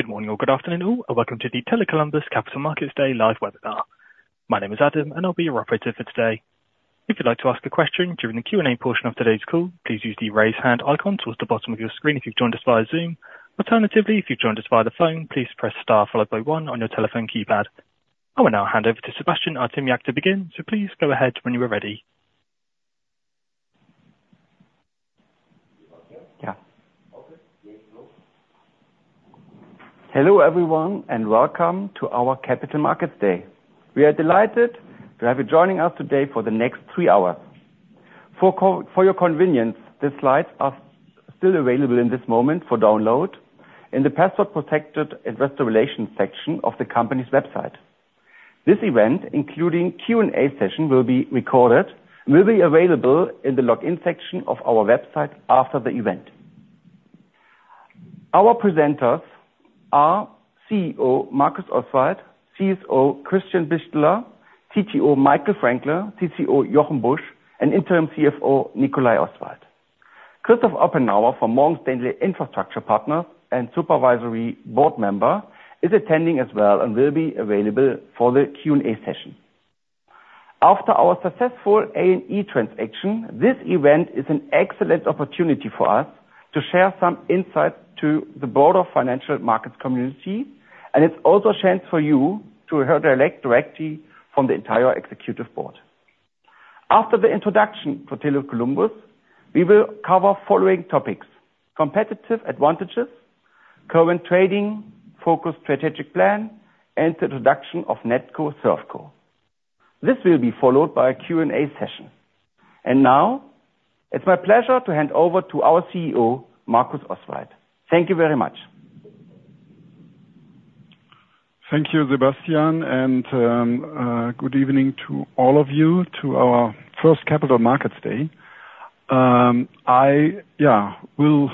Good morning or good afternoon, all, and welcome to the Tele Columbus Capital Markets Day live webinar. My name is Adam, and I'll be your operator for today. If you'd like to ask a question during the Q&A portion of today's call, please use the raise hand icon towards the bottom of your screen if you've joined us via Zoom. Alternatively, if you've joined us via the phone, please press star followed by one on your telephone keypad. I will now hand over to Sebastian Artymiak to begin, so please go ahead when you are ready. Yeah. Hello, everyone, and welcome to our Capital Markets Day. We are delighted to have you joining us today for the next three hours. For your convenience, the slides are still available in this moment for download in the password-protected investor relations section of the company's website. This event, including Q&A session, will be recorded and will be available in the login section of our website after the event. Our presenters are CEO Markus Oswald; CSO Christian Biechteler; CTO Michael Fränkle; CCO Jochen Busch; and Interim CFO Nicolai Oswald. Christoph Oppenauer from Morgan Stanley Infrastructure Partners and supervisory board member is attending as well and will be available for the Q&A session. After our successful A&E transaction, this event is an excellent opportunity for us to share some insights to the broader financial markets community, and it's also a chance for you to hear directly from the entire executive board. After the introduction for Tele Columbus, we will cover following topics: competitive advantages, current trading, focused strategic plan, and the introduction of NetCo/ServCo. This will be followed by a Q&A session. And now, it's my pleasure to hand over to our CEO, Markus Oswald. Thank you very much. Thank you, Sebastian, and good evening to all of you, to our first Capital Markets Day. Yeah, I will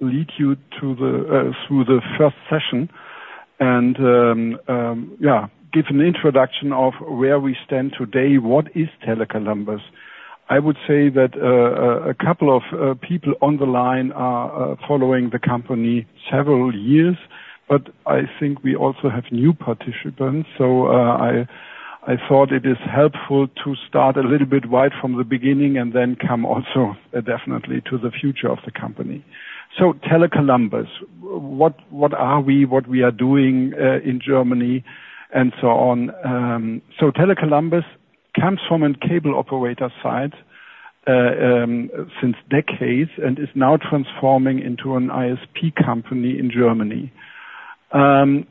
lead you through the first session and yeah give an introduction of where we stand today. What is Tele Columbus? I would say that a couple of people on the line are following the company several years, but I think we also have new participants, so I thought it is helpful to start a little bit right from the beginning and then come also definitely to the future of the company. So Tele Columbus, what are we? What we are doing in Germany, and so on. So Tele Columbus comes from a cable operator side since decades and is now transforming into an ISP company in Germany.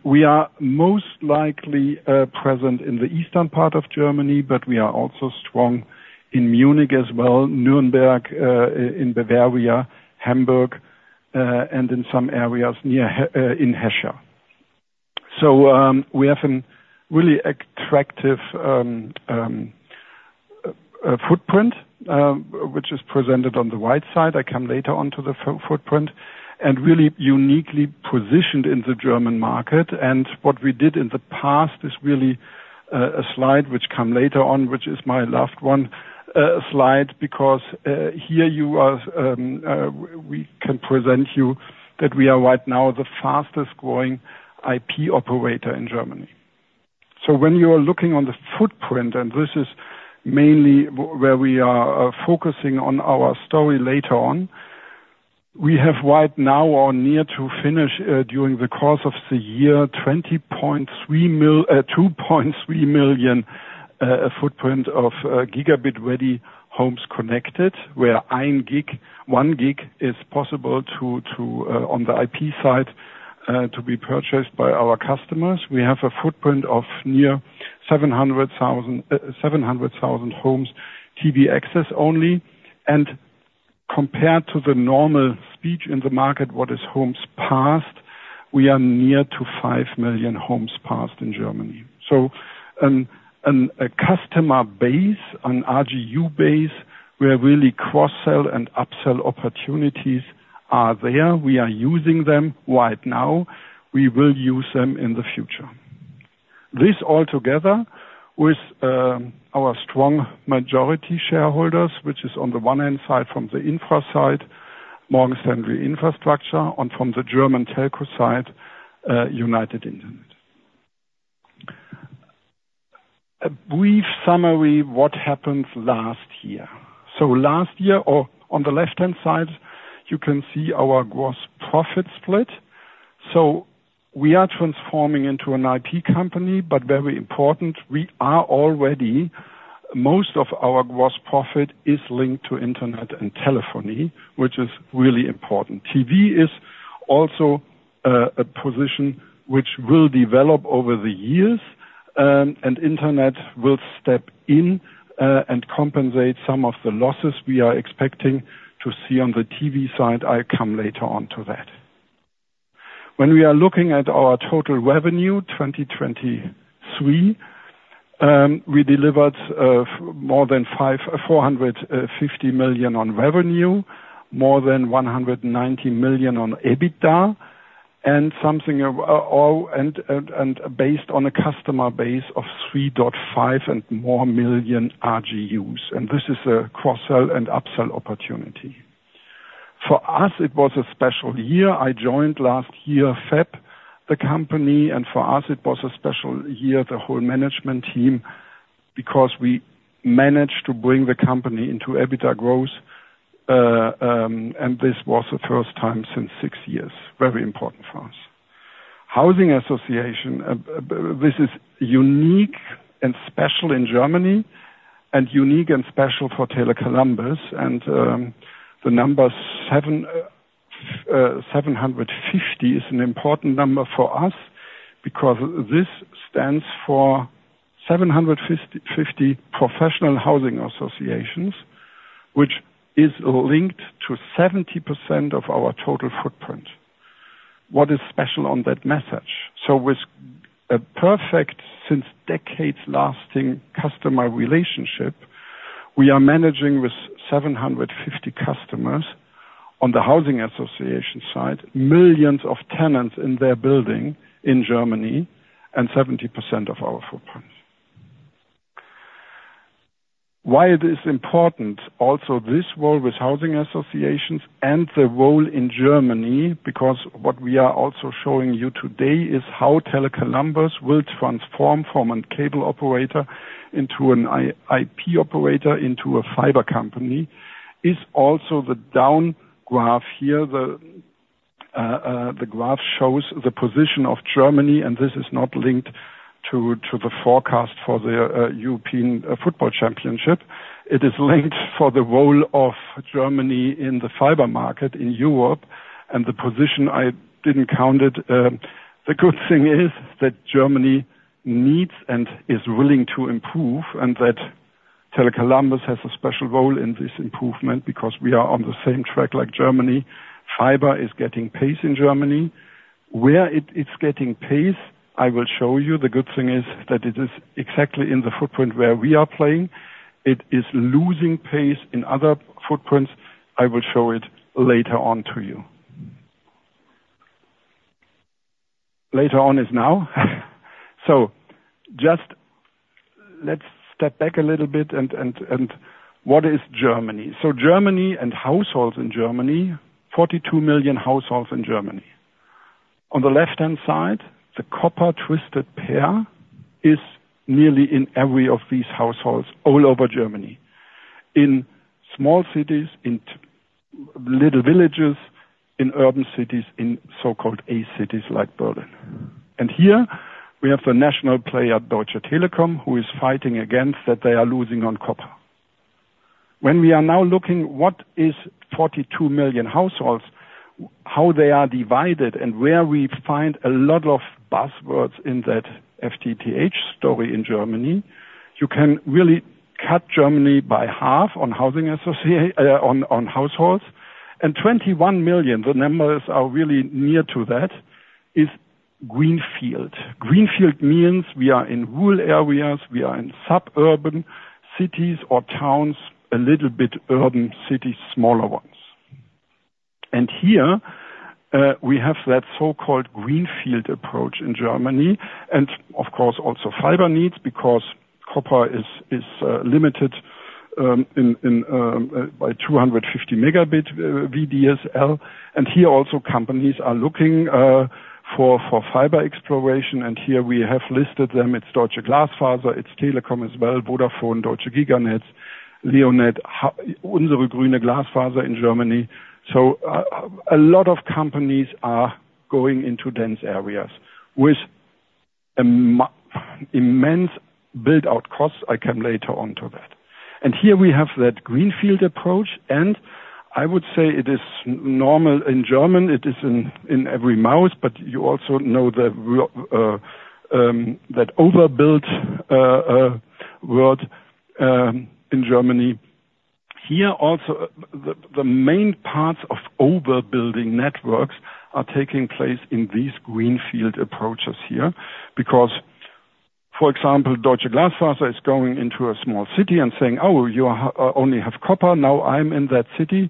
We are most likely present in the eastern part of Germany, but we are also strong in Munich as well, Nuremberg, in Bavaria, Hamburg, and in some areas in Hesse. So, we have a really attractive footprint, which is presented on the right side. I come later on to the footprint, and really uniquely positioned in the German market. And what we did in the past is really a slide which come later on, which is my last one, slide. Because, here you are, we can present you that we are right now the fastest growing IP operator in Germany. So when you are looking on the footprint, and this is mainly where we are focusing on our story later on, we have right now or near to finish during the course of the year 2.3 million footprint of gigabit-ready homes connected, where ein Gig, one Gig is possible to on the IP side to be purchased by our customers. We have a footprint of near 700,000, 700,000 homes, TV access only. And compared to the normal speech in the market, what is homes passed, we are near to 5 million homes passed in Germany. So, a customer base, an RGU base, where really cross-sell and upsell opportunities are there. We are using them right now. We will use them in the future. This all together with our strong majority shareholders, which is on the one hand side from the infra side, Morgan Stanley Infrastructure, and from the German telco side, United Internet. A brief summary what happened last year. So last year, or on the left-hand side, you can see our gross profit split. So we are transforming into an IT company, but very important, we are already... Most of our gross profit is linked to internet and telephony, which is really important. TV is also a position which will develop over the years, and internet will step in and compensate some of the losses we are expecting to see on the TV side. I come later on to that. When we are looking at our total revenue, 2023, we delivered more than four hundred fifty million on revenue, more than one hundred and ninety million on EBITDA. And something of all and based on a customer base of 3.5 and more million RGUs, and this is a cross-sell and upsell opportunity. For us, it was a special year. I joined last year, February, the company, and for us it was a special year, the whole management team, because we managed to bring the company into EBITDA growth. And this was the first time since 6 years. Very important for us. Housing association, this is unique and special in Germany, and unique and special for Tele Columbus. The number 7, 750 is an important number for us, because this stands for 750 professional housing associations, which is linked to 70% of our total footprint. What is special on that message? So with a perfect, since decades, lasting customer relationship, we are managing with 750 customers on the housing association side, millions of tenants in their building in Germany, and 70% of our footprint. Why it is important also this role with housing associations and the role in Germany, because what we are also showing you today is how Tele Columbus will transform from a cable operator into an IP operator, into a fiber company, is also the down graph here. The graph shows the position of Germany, and this is not linked to the forecast for the European football championship. It is linked for the role of Germany in the fiber market in Europe and the position I didn't count it. The good thing is that Germany needs and is willing to improve, and that Tele Columbus has a special role in this improvement because we are on the same track like Germany. Fiber is getting pace in Germany. Where it's getting pace, I will show you. The good thing is that it is exactly in the footprint where we are playing. It is losing pace in other footprints. I will show it later on to you. Later on is now. So just let's step back a little bit and what is Germany? So Germany and households in Germany: 42 million households in Germany. On the left-hand side, the copper twisted pair is nearly in every of these households all over Germany. In small cities, in little villages, in urban cities, in so-called A cities like Berlin. And here we have the national player, Deutsche Telekom, who is fighting against that they are losing on copper. When we are now looking, what is 42 million households, how they are divided and where we find a lot of brownfields in that FTTH story in Germany, you can really cut Germany by half on housing association, on households, and 21 million, the numbers are really near to that, is greenfield. Greenfield means we are in rural areas, we are in suburban cities or towns, a little bit urban cities, smaller ones. And here, we have that so-called greenfield approach in Germany and, of course, also fiber needs because copper is limited by 250 megabit VDSL. And here also, companies are looking for fiber exploration, and here we have listed them. It's Deutsche Glasfaser, it's Telekom as well, Vodafone, Deutsche Giganetz, Leonet, Unsere Grüne Glasfaser in Germany. So, a lot of companies are going into dense areas with immense build-out costs. I come later on to that. And here we have that greenfield approach, and I would say it is normal in Germany, it is in every mouth, but you also know that we are that overbuilt world in Germany. Here, also, the main parts of overbuilding networks are taking place in these greenfield approaches here, because, for example, Deutsche Glasfaser is going into a small city and saying, "Oh, you only have copper. Now, I'm in that city."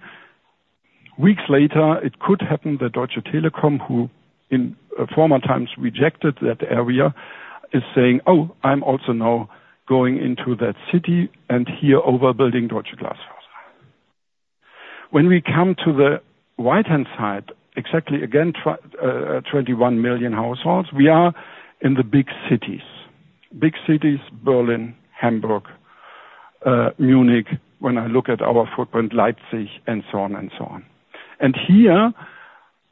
Weeks later, it could happen that Deutsche Telekom, who in former times rejected that area, is saying, "Oh, I'm also now going into that city," and here, overbuilding Deutsche Glasfaser. When we come to the right-hand side, exactly again, 21 million households. We are in the big cities. Big cities, Berlin, Hamburg, Munich. When I look at our footprint, Leipzig, and so on and so on. And here,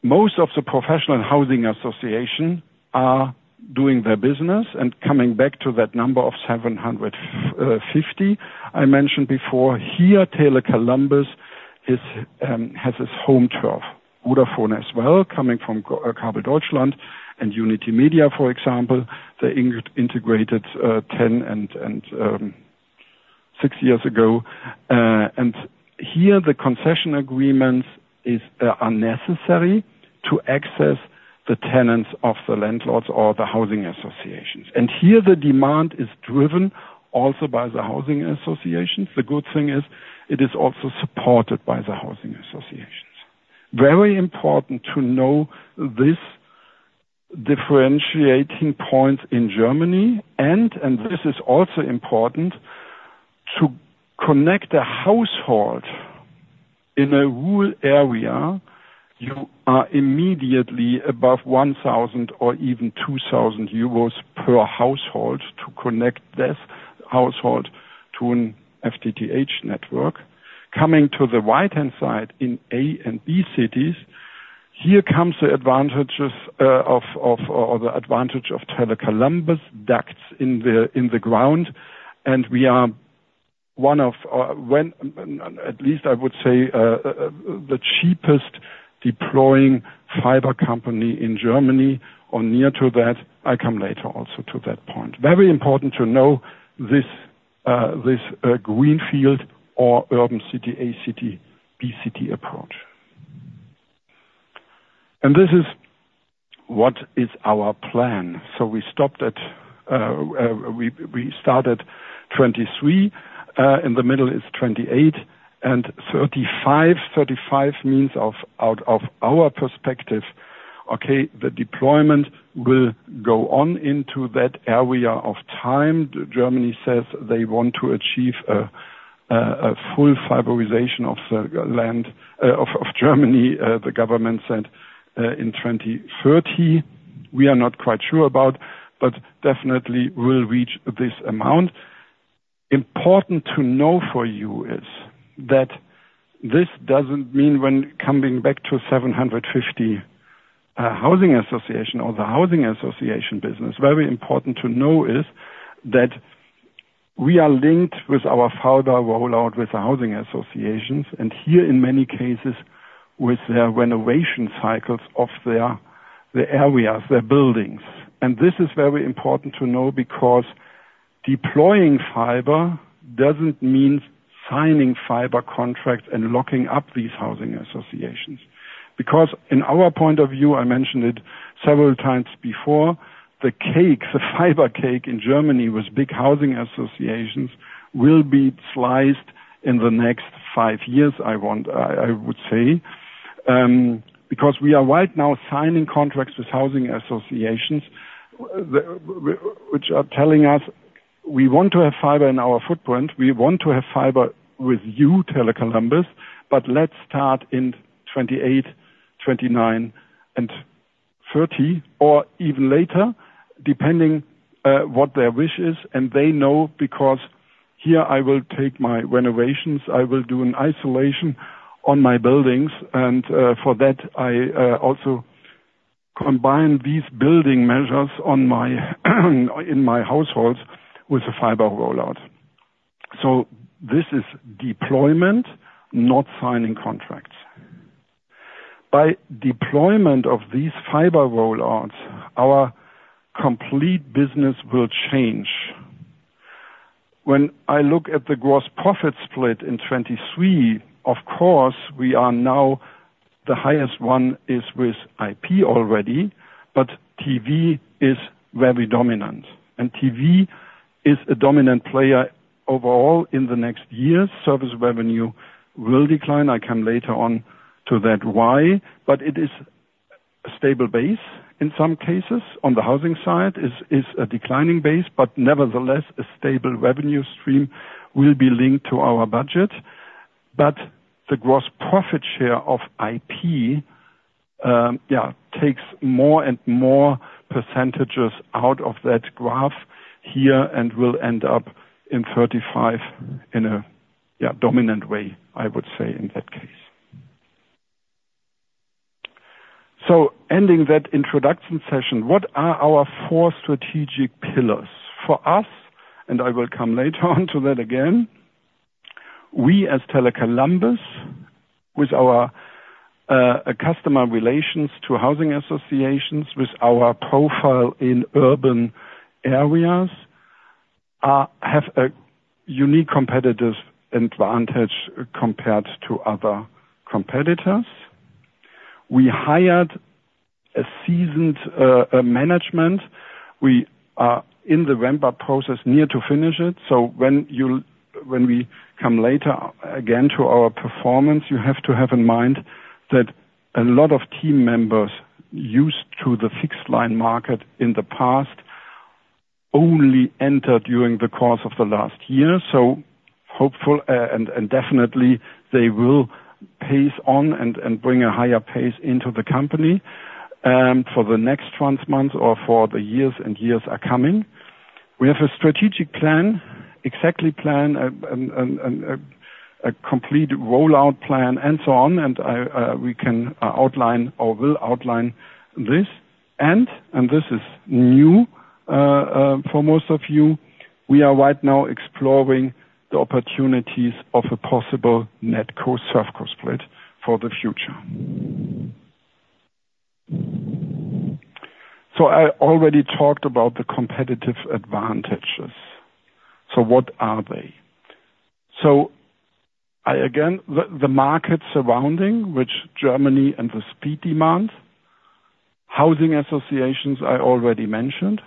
most of the professional housing association are doing their business. And coming back to that number of 750 I mentioned before, here, Tele Columbus has its home turf. Vodafone as well, coming from Kabel Deutschland and Unitymedia, for example, they integrated ten and six years ago. And here the concession agreements are necessary to access the tenants of the landlords or the housing associations. And here, the demand is driven also by the housing associations. The good thing is, it is also supported by the housing associations. Very important to know this differentiating points in Germany, and this is also important, to connect a household in a rural area, you are immediately above 1,000 or even 2,000 euros per household to connect this household to an FTTH network. Coming to the right-hand side in A and B cities, here comes the advantages of or the advantage of Tele Columbus ducts in the ground, and we are one of at least I would say the cheapest deploying fiber company in Germany or near to that. I come later also to that point. Very important to know this greenfield or urban city, A city, B city approach. This is what is our plan. So we started 2023, in the middle is 2028 and 2035. 2035 means from our perspective, okay, the deployment will go on into that area of time. Germany says they want to achieve a full fiberization of the land of Germany, the government said in 2030. We are not quite sure about, but definitely will reach this amount. Important to know for you is that this doesn't mean when coming back to 750, housing association or the housing association business. Very important to know is that we are linked with our fiber rollout, with the housing associations, and here, in many cases, with their renovation cycles of their, the areas, their buildings. And this is very important to know because deploying fiber doesn't mean signing fiber contracts and locking up these housing associations. Because in our point of view, I mentioned it several times before, the cake, the fiber cake in Germany with big housing associations will be sliced in the next 5 years, I would say. Because we are right now signing contracts with housing associations, which are telling us: "We want to have fiber in our footprint. We want to have fiber with you, Tele Columbus, but let's start in 2028, 2029 and 2030," or even later, depending what their wish is. And they know, because here I will take my renovations, I will do an isolation on my buildings, and for that I also combine these building measures on my, in my households with a fiber rollout. So this is deployment, not signing contracts. By deployment of these fiber rollouts, our complete business will change. When I look at the gross profit split in 2023, of course, we are now the highest one is with IP already, but TV is very dominant. And TV is a dominant player overall in the next years. Service revenue will decline. I come later on to that why, but it is a stable base in some cases. On the housing side, is a declining base, but nevertheless, a stable revenue stream will be linked to our budget. But the gross profit share of IP takes more and more percentages out of that graph here and will end up in 35% in a dominant way, I would say, in that case. So ending that introduction session, what are our four strategic pillars? For us, and I will come later on to that again, we, as Tele Columbus, with our customer relations to housing associations, with our profile in urban areas, have a unique competitive advantage compared to other competitors. We hired a seasoned management. We are in the ramp-up process, near to finish it. So when we come later again to our performance, you have to have in mind that a lot of team members used to the fixed line market in the past, only entered during the course of the last year. So hopeful and definitely they will pace on and bring a higher pace into the company, for the next 12 months or for the years and years are coming. We have a strategic plan, exact plan, a complete rollout plan and so on, and we can outline or will outline this. And this is new, for most of you, we are right now exploring the opportunities of a possible NetCo, ServCo split for the future. So I already talked about the competitive advantages. So what are they? So, again, the market surrounding Germany and the speed demand, housing associations I already mentioned.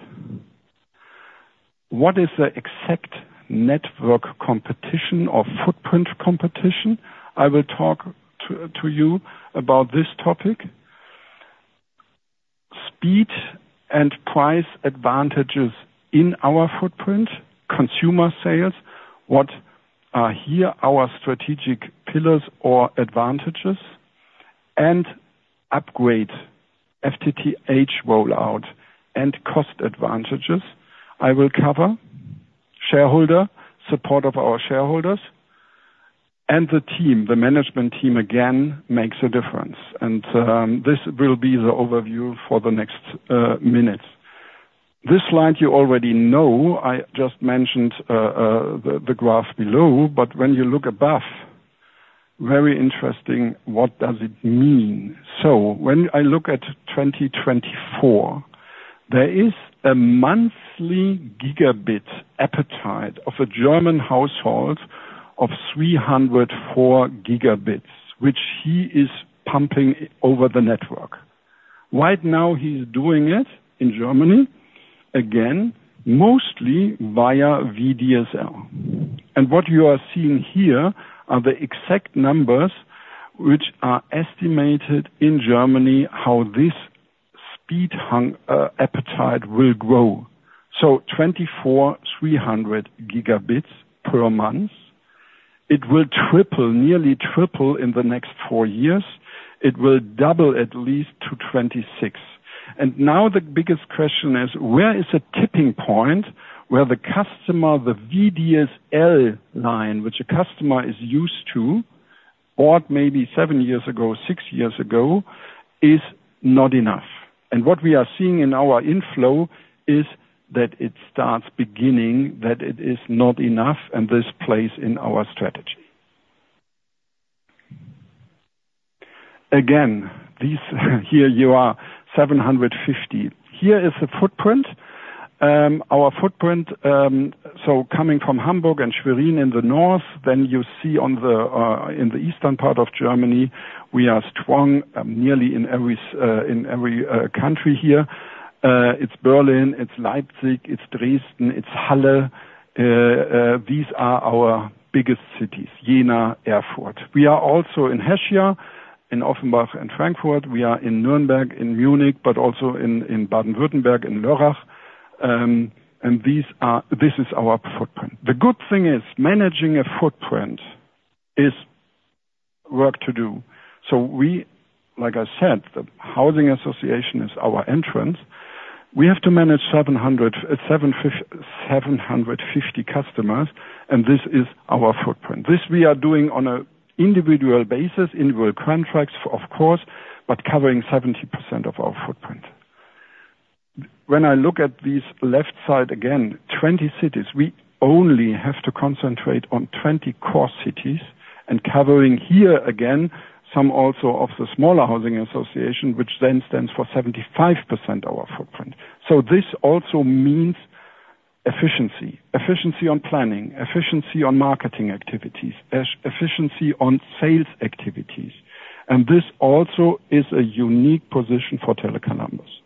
What is the exact network competition or footprint competition? I will talk to you about this topic. Speed and price advantages in our footprint, consumer sales, what are here our strategic pillars or advantages? And upgrade FTTH rollout and cost advantages. I will cover shareholder support of our shareholders, and the team. The management team, again, makes a difference. And this will be the overview for the next minutes. This slide you already know. I just mentioned the graph below, but when you look above, very interesting, what does it mean? So when I look at 2024, there is a monthly gigabit appetite of a German household of 304 gigabits, which he is pumping over the network. Right now, he's doing it in Germany, again, mostly via VDSL. And what you are seeing here are the exact numbers, which are estimated in Germany, how this speed hunger appetite will grow. So 2024, 300 gigabits per month. It will triple, nearly triple in the next four years. It will double at least to 2026. And now the biggest question is: Where is the tipping point where the customer, the VDSL line, which a customer is used to, bought maybe seven years ago, six years ago, is not enough? And what we are seeing in our inflow is that it starts beginning, that it is not enough, and this plays in our strategy. Again, these, here you are 750. Here is the footprint. Our footprint, so coming from Hamburg and Schwerin in the north, then you see on the, in the eastern part of Germany, we are strong, nearly in every country here. It's Berlin, it's Leipzig, it's Dresden, it's Halle. These are our biggest cities. Jena, Erfurt. We are also in Hesse, in Offenbach and Frankfurt. We are in Nuremberg, in Munich, but also in Baden-Württemberg, in Lörrach. And these are, this is our footprint. The good thing is, managing a footprint is work to do. So we, like I said, the housing association is our entrance. We have to manage 750 customers, and this is our footprint. This we are doing on a individual basis, individual contracts, of course, but covering 70% of our footprint. When I look at this left side, again, 20 cities, we only have to concentrate on 20 core cities and covering here, again, some also of the smaller housing association, which then stands for 75% of our footprint. So this also means efficiency. Efficiency on planning, efficiency on marketing activities, efficiency on sales activities, and this also is a unique position for Tele Columbus.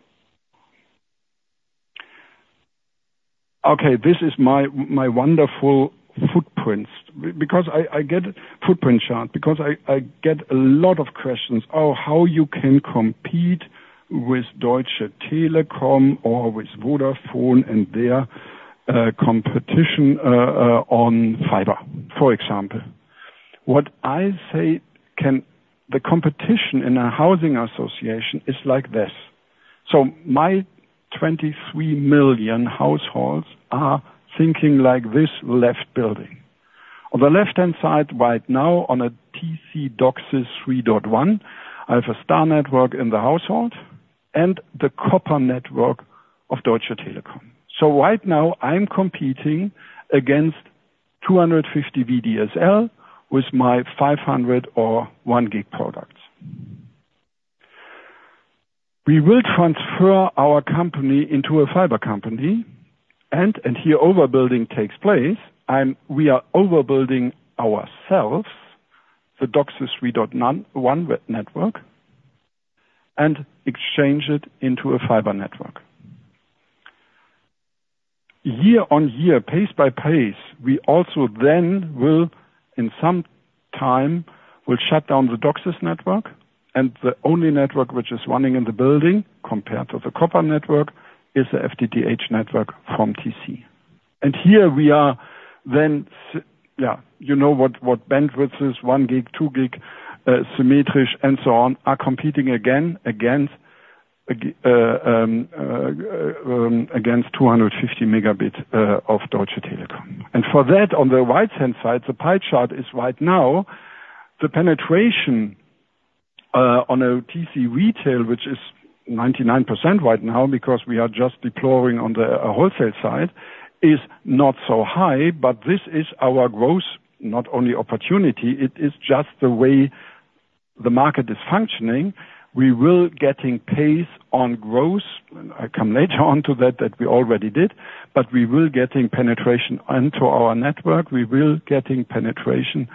Okay, this is my wonderful footprints. Because I get footprint chart, because I get a lot of questions. Oh, how you can compete with Deutsche Telekom or with Vodafone and their competition on fiber, for example. What I say, The competition in a housing association is like this: So my 23 million households are thinking like this left building. On the left-hand side, right now, on a TC DOCSIS 3.1, I have a star network in the household and the copper network of Deutsche Telekom. So right now, I'm competing against 250 VDSL with my 500 or 1 gig products. We will transfer our company into a fiber company, and, and here overbuilding takes place, and we are overbuilding ourselves, the DOCSIS 3.1 network, and exchange it into a fiber network. Year on year, pace by pace, we also then will, in some time, will shut down the DOCSIS network, and the only network which is running in the building, compared to the copper network, is the FTTH network from TC. Here we are then, yeah, you know what, what bandwidth is 1 gig, 2 gig, symmetric, and so on, are competing again, against 250 megabits of Deutsche Telekom. And for that, on the right-hand side, the pie chart is right now the penetration on a TC retail, which is 99% right now, because we are just deploying on the wholesale side, is not so high, but this is our growth, not only opportunity, it is just the way the market is functioning. We will getting pace on growth, and I come later on to that, that we already did, but we will getting penetration onto our network. We will getting penetration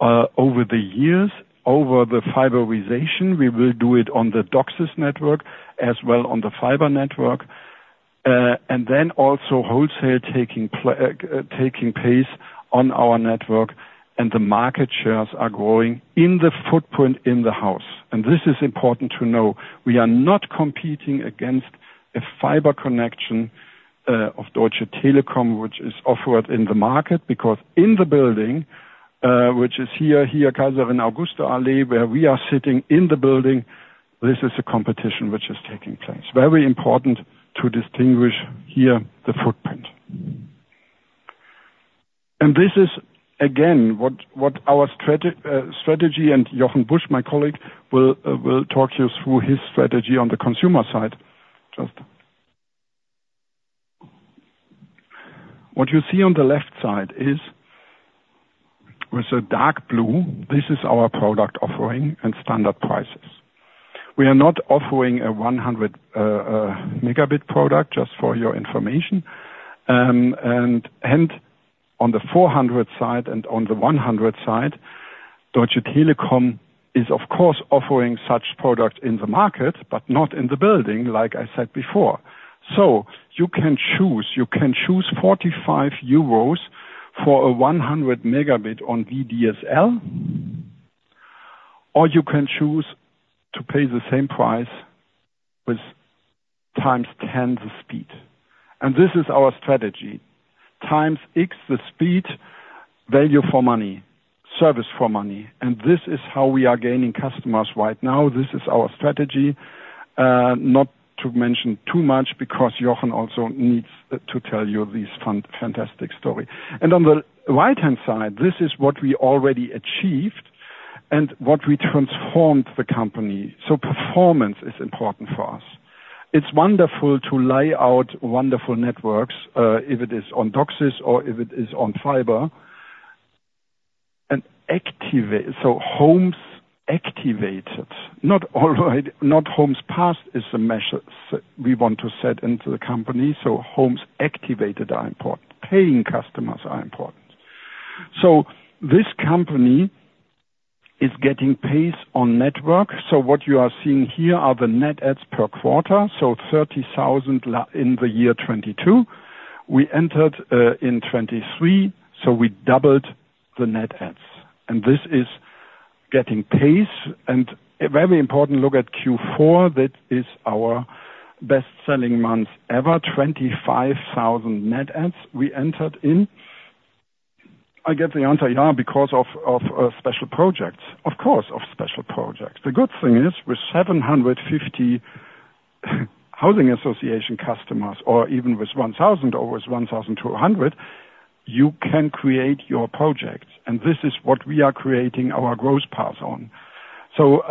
over the years, over the fiberization, we will do it on the DOCSIS network, as well on the fiber network. And then also wholesale taking place on our network, and the market shares are growing in the footprint in the house. And this is important to know. We are not competing against a fiber connection of Deutsche Telekom, which is offered in the market. Because in the building, which is here, Kaiserin-Augusta-Allee, where we are sitting in the building, this is a competition which is taking place. Very important to distinguish here, the footprint. And this is again, our strategy, and Jochen Busch, my colleague, will talk you through his strategy on the consumer side. Just, what you see on the left side is, with the dark blue, this is our product offering and standard prices. We are not offering a 100 megabit product, just for your information. And on the 400 side, and on the 100 side, Deutsche Telekom is of course offering such product in the market, but not in the building, like I said before. So you can choose, you can choose 45 euros for a 100 Mbps on VDSL. Or you can choose to pay the same price with 10 times the speed. And this is our strategy: times X the speed, value for money, service for money. And this is how we are gaining customers right now. This is our strategy. Not to mention too much, because Jochen also needs to tell you this fantastic story. And on the right-hand side, this is what we already achieved and what we transformed the company. So performance is important for us. It's wonderful to lay out wonderful networks, if it is on DOCSIS or if it is on fiber. And activate. So homes activated, not all right, not homes passed, is the measures we want to set into the company. So homes activated are important. Paying customers are important. So this company is getting pace on network. So what you are seeing here are the net adds per quarter, so 30,000 in the year 2022. We entered in 2023, so we doubled the net adds, and this is getting pace. And a very important look at Q4, that is our best-selling month ever. 25,000 net adds we entered in. I get the answer, yeah, because of special projects. Of course, of special projects. The good thing is, with 750 housing association customers, or even with 1,000, or with 1,200, you can create your projects. This is what we are creating our growth path on. So,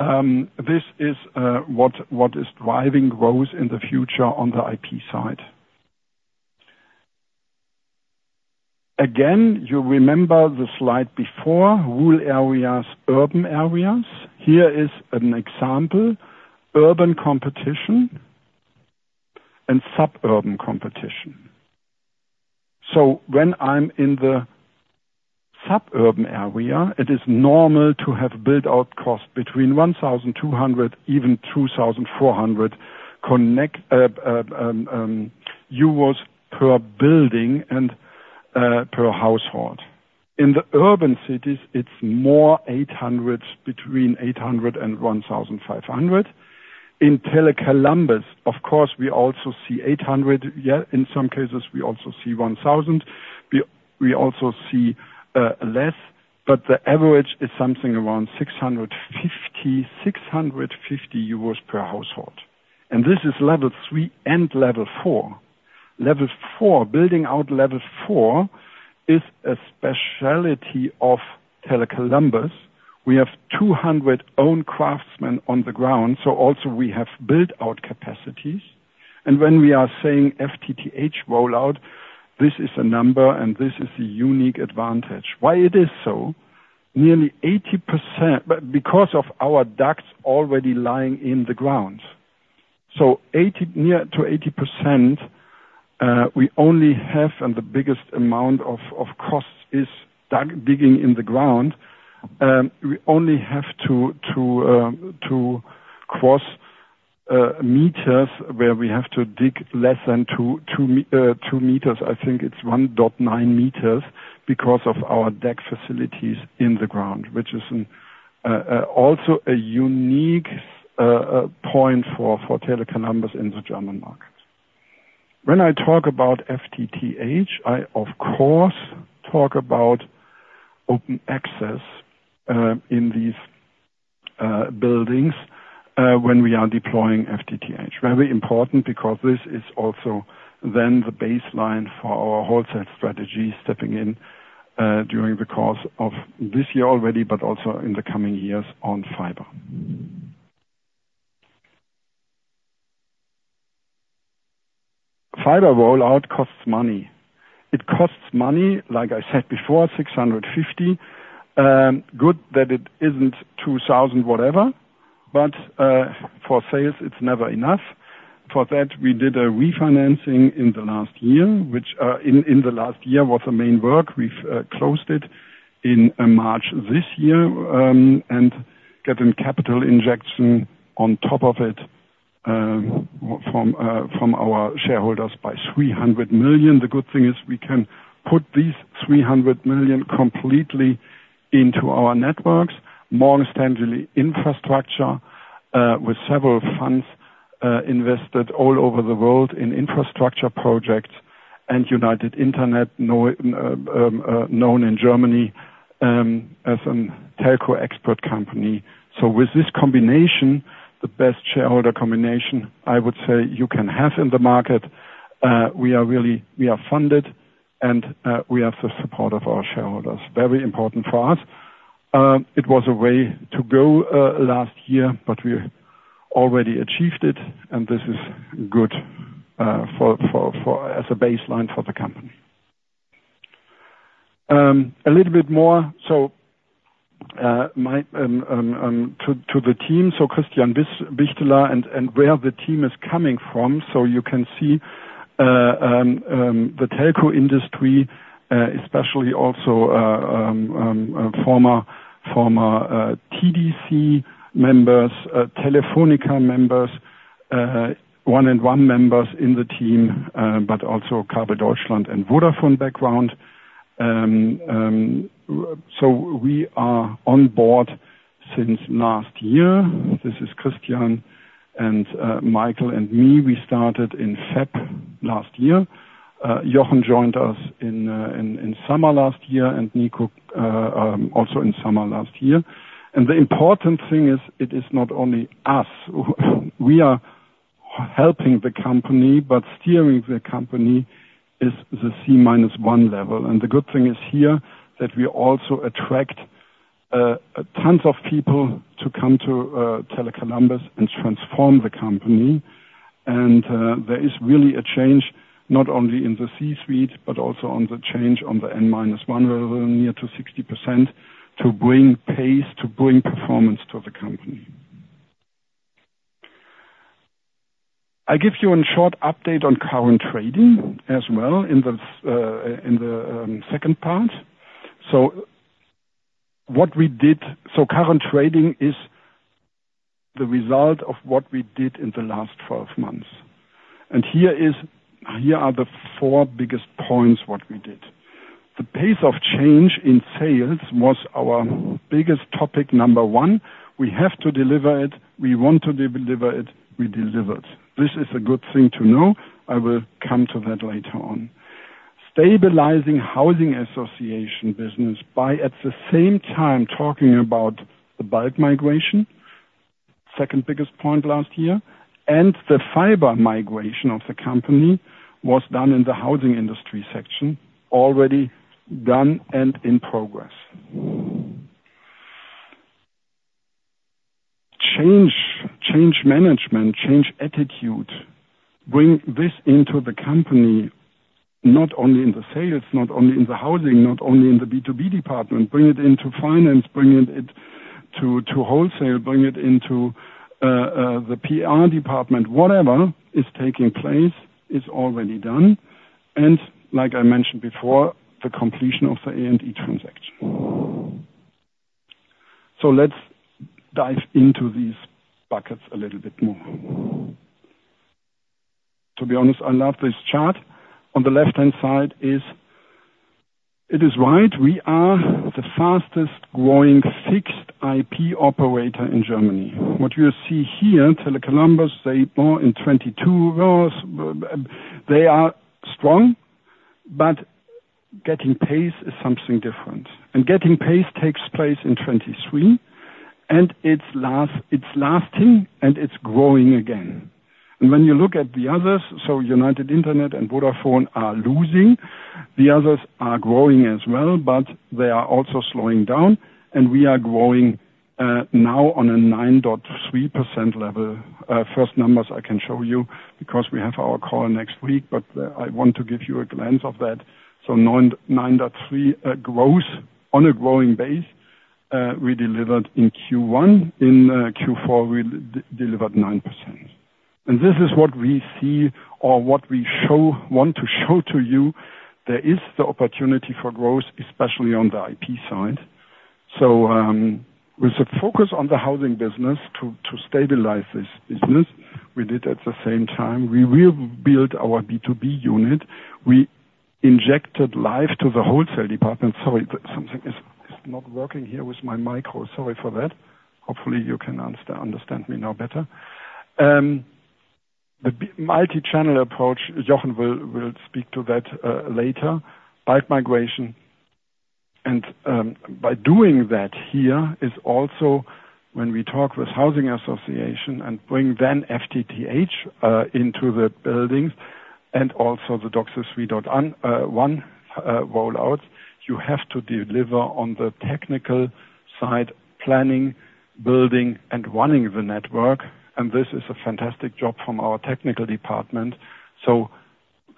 this is, what, what is driving growth in the future on the IP side. Again, you remember the slide before, rural areas, urban areas. Here is an example, urban competition and suburban competition. So when I'm in the suburban area, it is normal to have build-out costs between 1,200, even 2,400 connect, euros per building and, per household. In the urban cities, it's more 800, between 800 and 1,500. In Tele Columbus, of course, we also see 800, yeah, in some cases we also see 1,000. We also see less, but the average is something around 650, 650 euros per household. And this is level three and level four. Level four, building out level four is a specialty of Tele Columbus. We have 200 own craftsmen on the ground, so also we have build-out capacities. And when we are saying FTTH rollout, this is a number, and this is a unique advantage. Why it is so? Nearly 80%... because of our ducts already lying in the ground. So 80, near to 80%, we only have, and the biggest amount of costs is digging in the ground. We only have to cross meters, where we have to dig less than 2, 2 meters. I think it's 1.9 meters because of our deck facilities in the ground, which is also a unique point for Tele Columbus in the German market. When I talk about FTTH, I, of course, talk about open access in these buildings when we are deploying FTTH. Very important, because this is also then the baseline for our wholesale strategy, stepping in during the course of this year already, but also in the coming years on fiber. Fiber rollout costs money. It costs money, like I said before, 650. Good that it isn't 2,000 whatever, but for sales, it's never enough. For that, we did a refinancing in the last year, which in the last year was the main work. We've closed it in March this year, and get a capital injection on top of it, from our shareholders by 300 million. The good thing is we can put these 300 million completely into our networks, more extensively infrastructure, with several funds invested all over the world in infrastructure projects and United Internet, known in Germany as a telco expert company. So with this combination, the best shareholder combination, I would say, you can have in the market, we are really, we are funded, and we have the support of our shareholders. Very important for us. It was a way to go last year, but we already achieved it, and this is good for as a baseline for the company. A little bit more, so me to the team, so Christian Biechteler, and where the team is coming from. So you can see, the telco industry, especially also, former TDC members, Telefónica members, 1&1 members in the team, but also Kabel Deutschland and Vodafone background. So we are on board since last year. This is Christian and, Michael and me. We started in February last year. Jochen joined us in summer last year, and Niko also in summer last year. And the important thing is, it is not only us. We are helping the company, but steering the company is the C minus one level. And the good thing is here, that we also attract tons of people to come to Tele Columbus and transform the company. And there is really a change, not only in the C-suite, but also on the change on the N minus one level, near to 60%, to bring pace, to bring performance to the company. I give you a short update on current trading as well in the second part. So current trading is the result of what we did in the last 12 months. And here are the 4 biggest points, what we did. The pace of change in sales was our biggest topic, number 1. We have to deliver it. We want to deliver it. We delivered. This is a good thing to know. I will come to that later on. Stabilizing housing association business by, at the same time, talking about the bulk migration, second biggest point last year, and the fiber migration of the company was done in the housing industry section, already done and in progress. Change, change management, change attitude, bring this into the company, not only in the sales, not only in the housing, not only in the B2B department, bring it into finance, bring it to wholesale, bring it into the PR department. Whatever is taking place is already done, and like I mentioned before, the completion of the A&E transaction. So let's dive into these buckets a little bit more. To be honest, I love this chart. On the left-hand side, it is right, we are the fastest growing fixed IP operator in Germany. What you see here, Tele Columbus, they bought in 2022. Well, they are strong, but getting pace is something different. And getting pace takes place in 2023, and it's lasting and it's growing again. And when you look at the others, so United Internet and Vodafone are losing. The others are growing as well, but they are also slowing down, and we are growing now on a 9.3% level. First numbers I can show you because we have our call next week, but I want to give you a glance of that. So 9.3% growth on a growing base, we delivered in Q1. In Q4, we delivered 9%. And this is what we see or what we show, want to show to you. There is the opportunity for growth, especially on the IP side. So, with the focus on the housing business, to stabilize this business, we did at the same time, we rebuilt our B2B unit. We injected life to the wholesale department. Sorry, but something is not working here with my micro. Sorry for that. Hopefully, you can understand me now better. The multi-channel approach, Jochen will speak to that later. Bulk migration, and by doing that here, is also when we talk with housing association and bring then FTTH into the buildings and also the DOCSIS 3.1 rollout, you have to deliver on the technical side: planning, building, and running the network. And this is a fantastic job from our technical department. So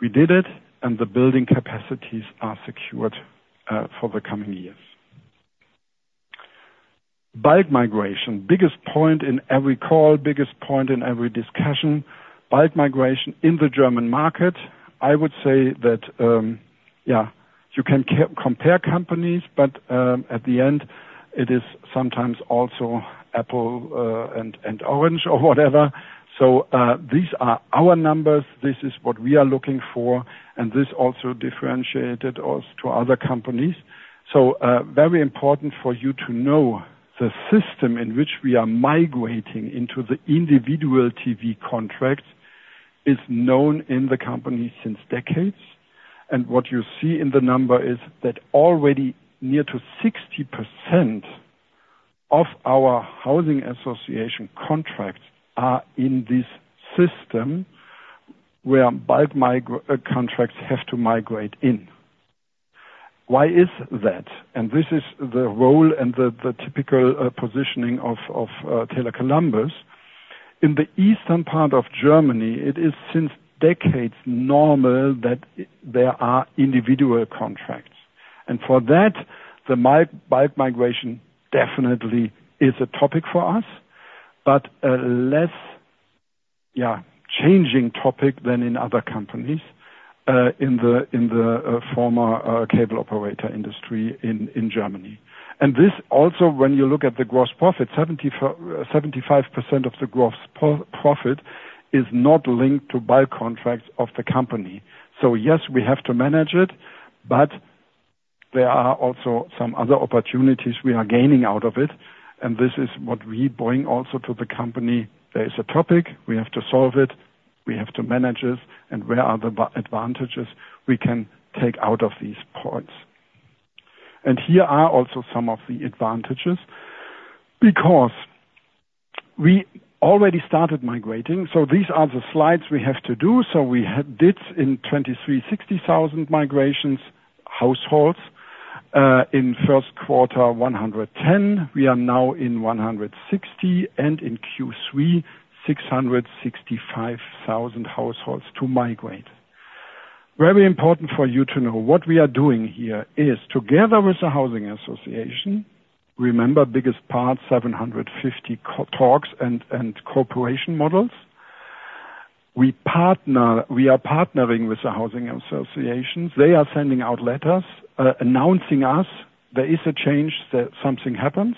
we did it, and the building capacities are secured for the coming years. Bulk migration. Biggest point in every call, biggest point in every discussion, bulk migration in the German market. I would say that, yeah, you can compare companies, but at the end, it is sometimes also apples and oranges or whatever. So these are our numbers. This is what we are looking for, and this also differentiated us to other companies. So very important for you to know, the system in which we are migrating into the individual TV contracts is known in the company since decades. And what you see in the number is that already near to 60% of our housing association contracts are in this system, where bulk migration contracts have to migrate in. Why is that? This is the role and the typical positioning of Tele Columbus. In the eastern part of Germany, it is since decades normal that there are individual contracts. For that, the bulk migration definitely is a topic for us, but a less, yeah, changing topic than in other companies in the former cable operator industry in Germany. This also, when you look at the gross profit, 75% of the gross profit is not linked to bulk contracts of the company. So yes, we have to manage it, but there are also some other opportunities we are gaining out of it, and this is what we bring also to the company. There is a topic, we have to solve it, we have to manage it, and where are the advantages we can take out of these points? Here are also some of the advantages, because we already started migrating. These are the slides we have to do. We had did in 2023, 60,000 migrations, households. In Q1, 110. We are now in 160, and in Q3, 665,000 households to migrate. Very important for you to know, what we are doing here is, together with the housing association, remember, biggest part, 750 co-op talks and cooperation models. We are partnering with the housing associations. They are sending out letters, announcing us. There is a change, that something happens,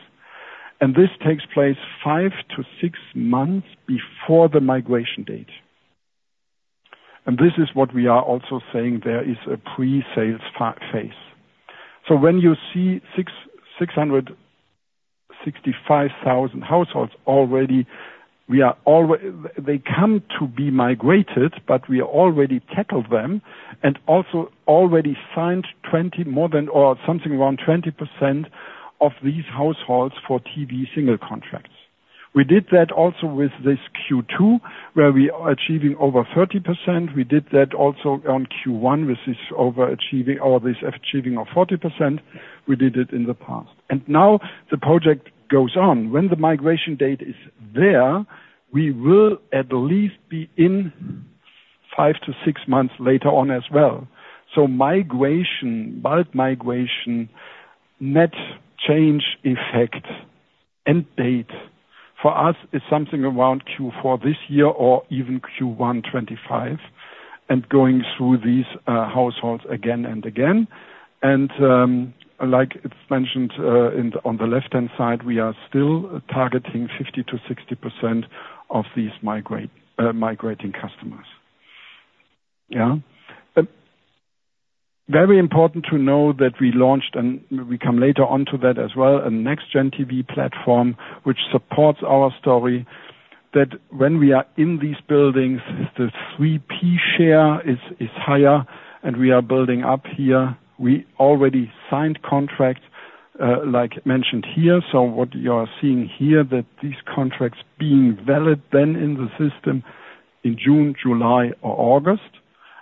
and this takes place 5-6 months before the migration date. And this is what we are also saying, there is a pre-sales phase. So when you see 665,000 households already, they come to be migrated, but we already tackled them, and also already signed twenty more than, or something around 20% of these households for TV single contracts. We did that also with this Q2, where we are achieving over 30%. We did that also on Q1, which is overachieving or this achieving of 40%. We did it in the past. And now the project goes on. When the migration date is there, we will at least be in 5-6 months later on as well. So migration, bulk migration, net change, effect, and date, for us, is something around Q4 this year or even Q1 2025, and going through these households again and again. Like it's mentioned on the left-hand side, we are still targeting 50%-60% of these migrating customers. Yeah. Very important to know that we launched, and we come later on to that as well, a next-gen TV platform, which supports our story, that when we are in these buildings, the three-P share is higher, and we are building up here. We already signed contracts, like mentioned here. So what you are seeing here, that these contracts being valid then in the system in June, July or August,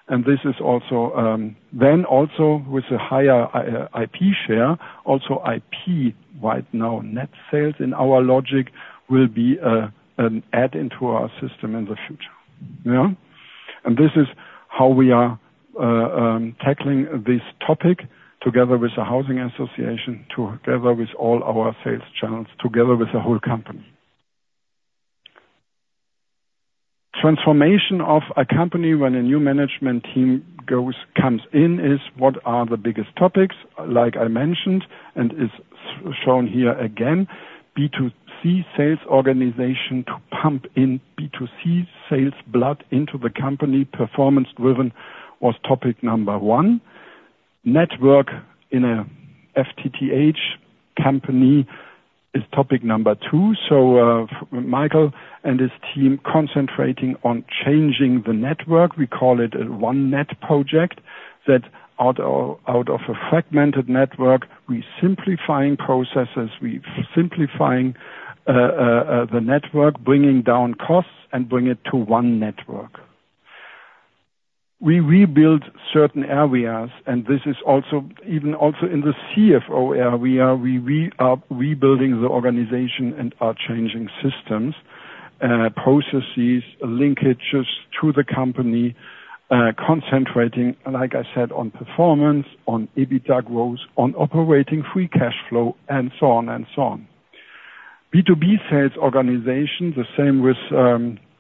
and this is also then also with a higher IP share, also IP. Right now, net sales in our logic will be an add into our system in the future. Yeah? And this is how we are tackling this topic together with the housing association, together with all our sales channels, together with the whole company. Transformation of a company when a new management team comes in is what are the biggest topics? Like I mentioned, and is shown here again, B2C sales organization to pump in B2C sales blood into the company, performance-driven, was topic number one. Network in a FTTH company is topic number two. So, Michael and his team concentrating on changing the network. We call it a One Net project, that out of a fragmented network, we simplifying processes, we simplifying, the network, bringing down costs and bring it to one network. We rebuild certain areas, and this is also, even also in the CFO area, we are rebuilding the organization and are changing systems, processes, linkages to the company, concentrating, like I said, on performance, on EBITDA growth, on operating free cash flow, and so on, and so on. B2B sales organization, the same with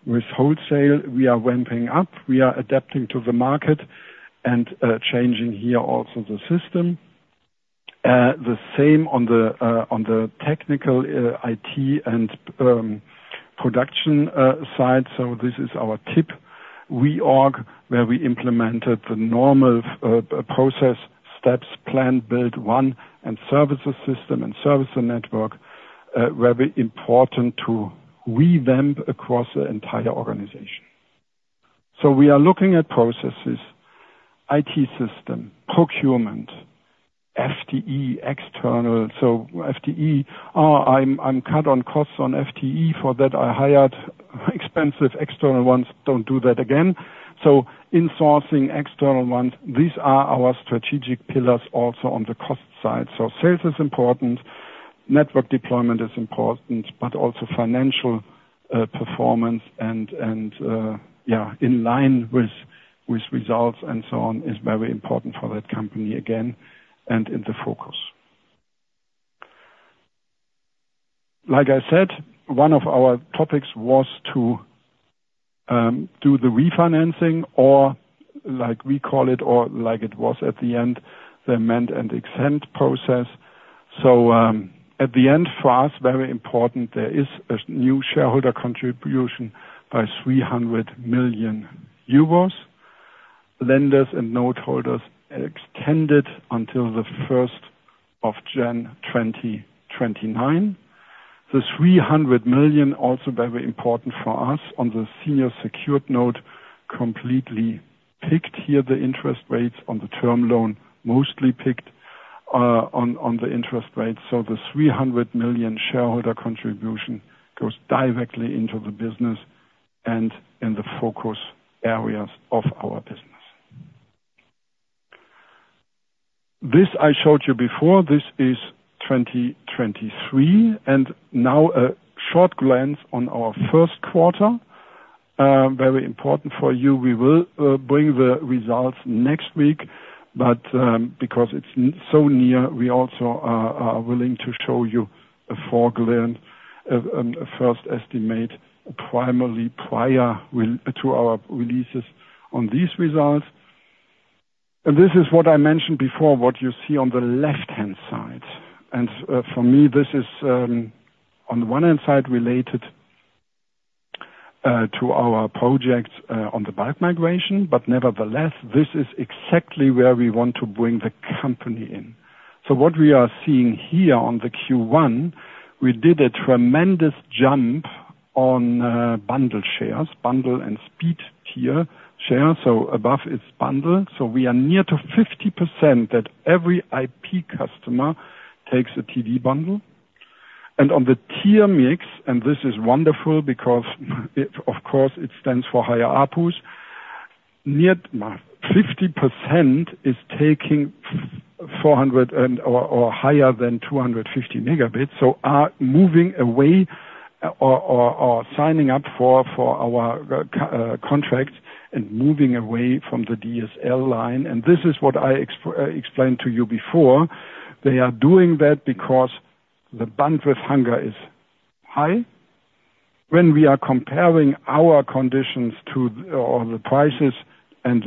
wholesale. We are ramping up. We are adapting to the market and changing here also the system. The same on the technical IT and production side. So this is our tip. Our org, where we implemented the normal process steps, plan, build, run service system and service network, very important to revamp across the entire organization. So we are looking at processes, IT system, procurement, FTE, external. So FTE, I'm cutting costs on FTE. For that, I hired expensive external ones. Don't do that again. So in-sourcing external ones, these are our strategic pillars also on the cost side. So sales is important, network deployment is important, but also financial performance and, yeah, in line with results and so on, is very important for that company again, and in the focus. Like I said, one of our topics was to do the refinancing, or like we call it, or like it was at the end, the amend and extend process. So, at the end, for us, very important, there is a new shareholder contribution by 300 million euros. Lenders and note holders extended until January 1, 2029. The three hundred million, also very important for us on the senior secured note, completely picked here, the interest rates on the term loan, mostly picked, on the interest rate. So the three hundred million shareholder contribution goes directly into the business and in the focus areas of our business. This I showed you before. This is 2023, and now a short glance on our Q1. Very important for you, we will bring the results next week, but, because it's so near, we also are willing to show you a first glance, a first estimate, primarily prior to our releases on these results. This is what I mentioned before, what you see on the left-hand side. For me, this is, on the one hand side, related to our project on the bulk migration. But nevertheless, this is exactly where we want to bring the company in. So what we are seeing here on the Q1, we did a tremendous jump on bundle shares, bundle and speed tier shares, so above its bundle. So we are near to 50% that every IP customer takes a TV bundle. And on the tier mix, and this is wonderful because, of course, it stands for higher ARPUs. Near 50% is taking 400 and/or, or higher than 250 megabits. So are moving away or, or, or signing up for, for our coax contract and moving away from the DSL line. This is what I explained to you before. They are doing that because the bandwidth hunger is high. When we are comparing our conditions to the prices and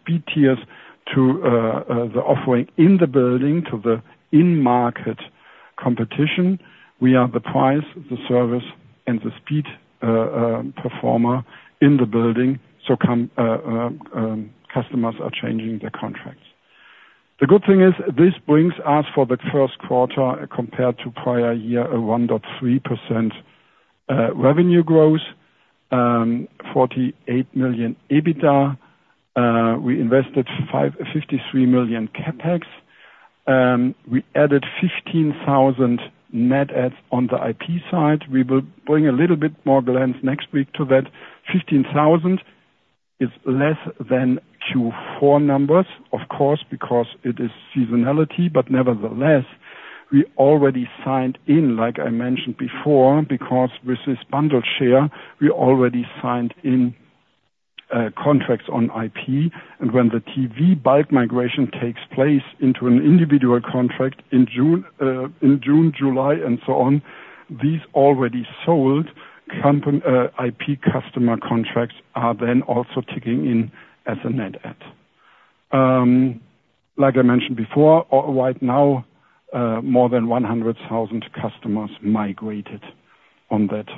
speed tiers to the offering in the building, to the in-market competition, we are the price, the service, and the speed performer in the building, so customers are changing their contracts. The good thing is, this brings us for the Q1, compared to prior year, a 1.3% revenue growth, 48 million EBITDA. We invested 53 million CapEx. We added 15,000 net adds on the IP side. We will bring a little bit more glance next week to that. 15,000 is less than Q4 numbers, of course, because it is seasonality, but nevertheless, we already signed in, like I mentioned before, because with this bundle share, we already signed in, contracts on IP. And when the TV bulk migration takes place into an individual contract in June, in June, July, and so on, these already sold IP customer contracts are then also ticking in as a net add. Like I mentioned before, right now, more than 100,000 customers migrated on that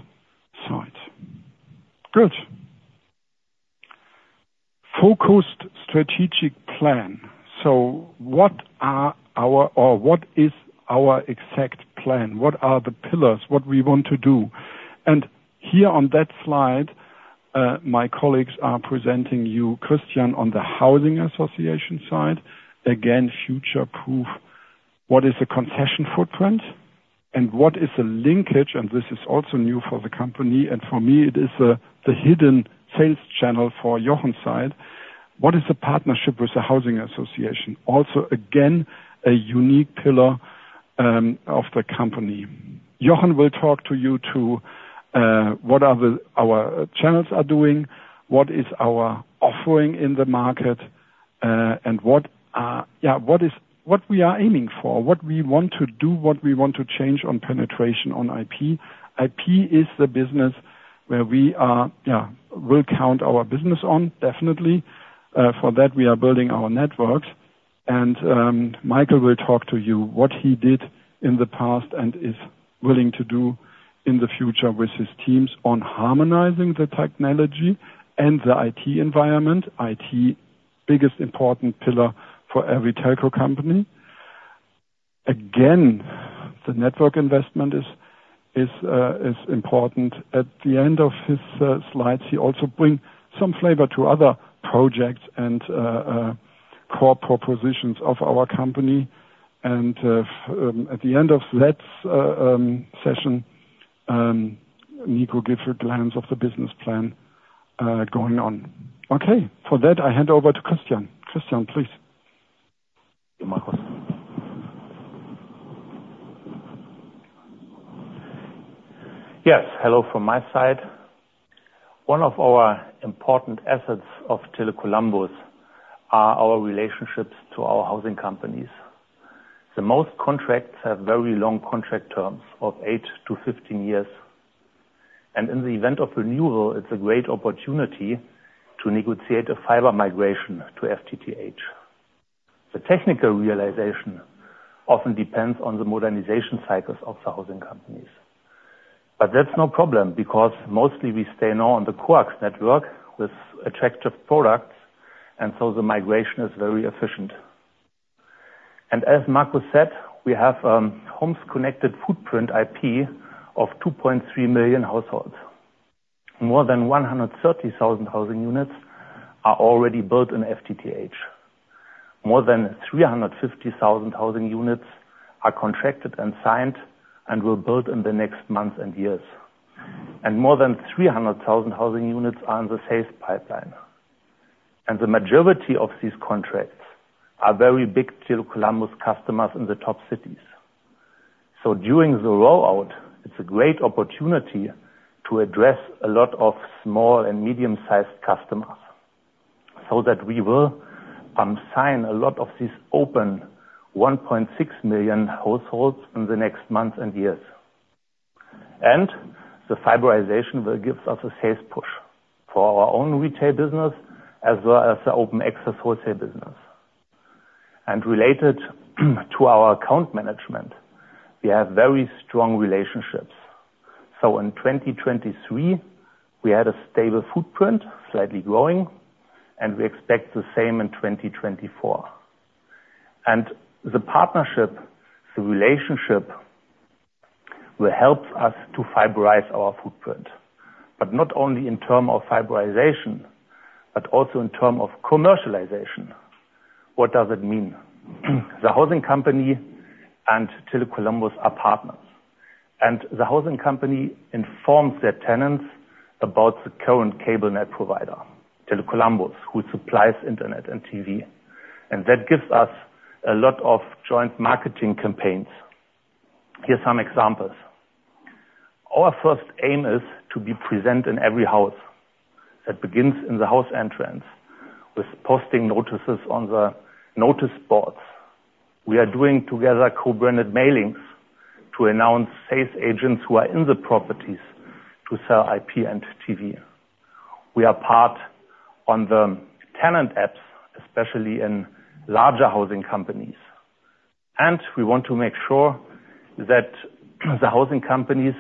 side. Good. Focused strategic plan. So what are our, or what is our exact plan? What are the pillars, what we want to do? And here on that slide, my colleagues are presenting you, Christian, on the housing association side. Again, future-proof. What is the concession footprint and what is the linkage? This is also new for the company and for me. It is the hidden sales channel for Jochen's side. What is the partnership with the housing association? Also, again, a unique pillar of the company. Jochen will talk to you too, what our channels are doing, what is our offering in the market, and what we are aiming for, what we want to do, what we want to change on penetration on IP. IP is the business where we are will count our business on, definitely. For that, we are building our networks. Michael will talk to you what he did in the past and is willing to do in the future with his teams on harmonizing the technology and the IT environment. IT, biggest important pillar for every telco company. Again, the network investment is important. At the end of his slides, he also bring some flavor to other projects and core propositions of our company. And at the end of that session, Nico give a glance of the business plan going on. Okay, for that, I hand over to Christian. Christian, please. Thank you, Markus. Yes, hello from my side. One of our important assets of Tele Columbus are our relationships to our housing companies. Most contracts have very long contract terms of 8-15 years, and in the event of renewal, it's a great opportunity to negotiate a fiber migration to FTTH. The technical realization often depends on the modernization cycles of the housing companies. But that's no problem, because mostly we stay now on the coax network with attractive products, and so the migration is very efficient. And as Markus said, we have homes connected footprint IP of 2.3 million households. More than 130,000 housing units are already built in FTTH. More than 350,000 housing units are contracted and signed and will build in the next months and years. More than 300,000 housing units are in the sales pipeline. The majority of these contracts are very big Tele Columbus customers in the top cities. During the rollout, it's a great opportunity to address a lot of small and medium-sized customers, so that we will sign a lot of these open 1.6 million households in the next months and years. The fiberization will give us a sales push for our own retail business as well as the open access wholesale business. Related to our account management, we have very strong relationships. In 2023, we had a stable footprint, slightly growing, and we expect the same in 2024. The partnership, the relationship, will help us to fiberize our footprint, but not only in terms of fiberization, but also in terms of commercialization. What does it mean? The housing company and Tele Columbus are partners, and the housing company informs their tenants about the current cable net provider, Tele Columbus, who supplies internet and TV. That gives us a lot of joint marketing campaigns. Here are some examples: Our first aim is to be present in every house. That begins in the house entrance, with posting notices on the notice boards. We are doing together co-branded mailings to announce sales agents who are in the properties to sell IP and TV. We are part on the tenant apps, especially in larger housing companies. We want to make sure that the housing companies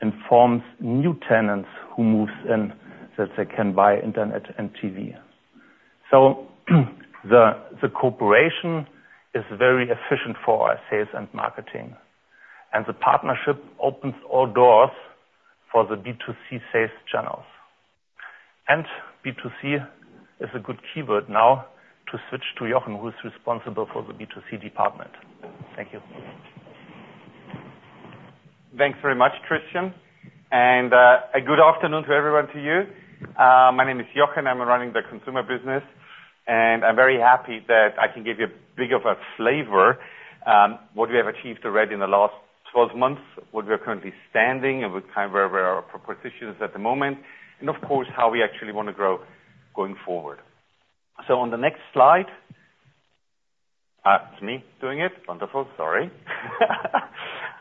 informs new tenants who moves in, that they can buy internet and TV. So the cooperation is very efficient for our sales and marketing, and the partnership opens all doors for the B2C sales channels. B2C is a good keyword now to switch to Jochen, who's responsible for the B2C department. Thank you. Thanks very much, Christian. And a good afternoon to everyone to you. My name is Jochen. I'm running the consumer business, and I'm very happy that I can give you a bit of a flavor what we have achieved already in the last 12 months, where we are currently standing and what kind of where our proposition is at the moment, and of course, how we actually want to grow going forward. So on the next slide. It's me doing it? Wonderful. Sorry.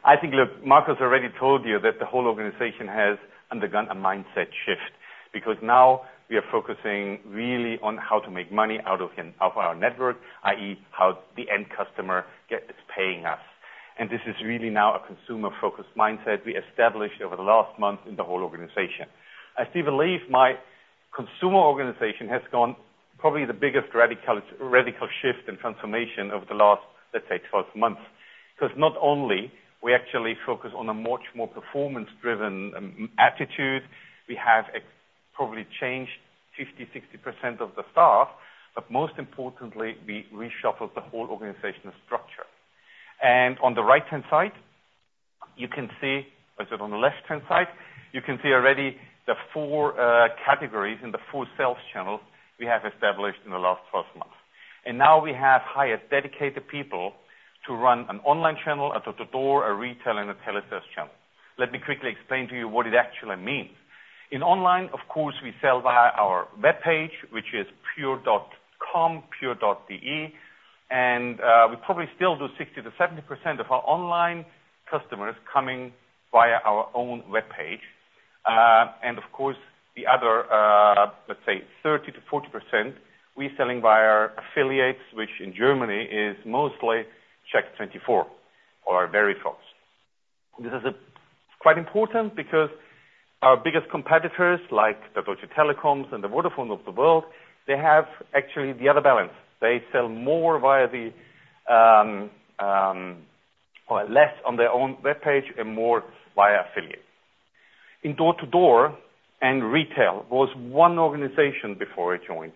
I think, look, Markus already told you that the whole organization has undergone a mindset shift, because now we are focusing really on how to make money out of of our network, i.e., how the end customer is paying us. And this is really now a consumer-focused mindset we established over the last month in the whole organization. I still believe my consumer organization has gone probably the biggest radical, radical shift in transformation over the last, let's say, 12 months. Because not only we actually focus on a much more performance-driven attitude, we have probably changed 50, 60% of the staff, but most importantly, we reshuffled the whole organizational structure. On the right-hand side. You can see, is it on the left-hand side? You can see already the four categories and the four sales channels we have established in the last 12 months. Now we have hired dedicated people to run an online channel, a door-to-door, a retail, and a telesales channel. Let me quickly explain to you what it actually means. In online, of course, we sell via our web page, which is pŸur.com, pŸur.de, and we probably still do 60%-70% of our online customers coming via our own web page. And of course, the other, let's say 30%-40%, we're selling via our affiliates, which in Germany is mostly Check24 or Verivox. This is quite important because our biggest competitors, like the Deutsche Telekom's and the Vodafone of the world, they have actually the other balance. They sell more via the or less on their own web page and more via affiliates. In door-to-door and retail, was one organization before I joined.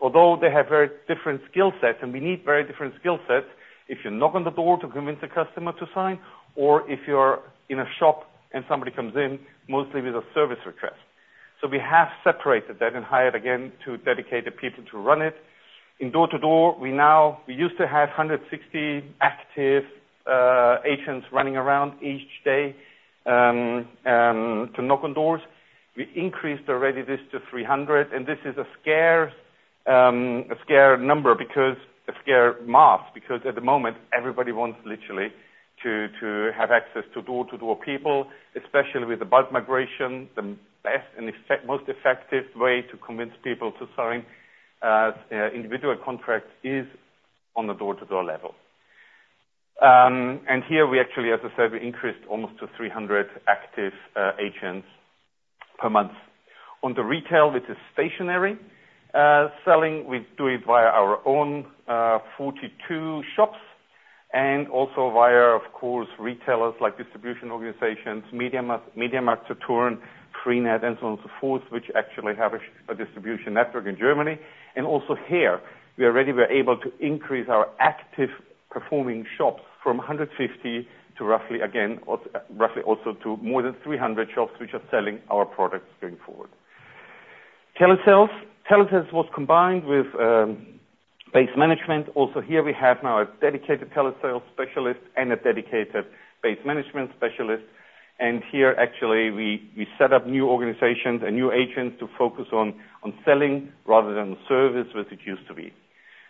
Although they have very different skill sets, and we need very different skill sets, if you knock on the door to convince a customer to sign, or if you're in a shop and somebody comes in, mostly with a service request. So we have separated that and hired, again, two dedicated people to run it. In door-to-door, we used to have 160 active agents running around each day to knock on doors. We increased already this to 300, and this is a scarce number because a scarce math, because at the moment, everybody wants literally to have access to door-to-door people, especially with the bulk migration, the most effective way to convince people to sign individual contracts is on a door-to-door level. And here we actually, as I said, we increased almost to 300 active agents per month. On the retail, which is stationary, selling, we do it via our own 42 shops, and also via, of course, retailers like distribution organizations, MediaMarktSaturn, Freenet, and so on, so forth, which actually have a distribution network in Germany. And also here, we already were able to increase our active performing shops from 150 to roughly, again, roughly also to more than 300 shops, which are selling our products going forward. Telesales. Telesales was combined with base management. Also, here we have now a dedicated telesales specialist and a dedicated base management specialist. And here, actually, we set up new organizations and new agents to focus on selling rather than service, as it used to be.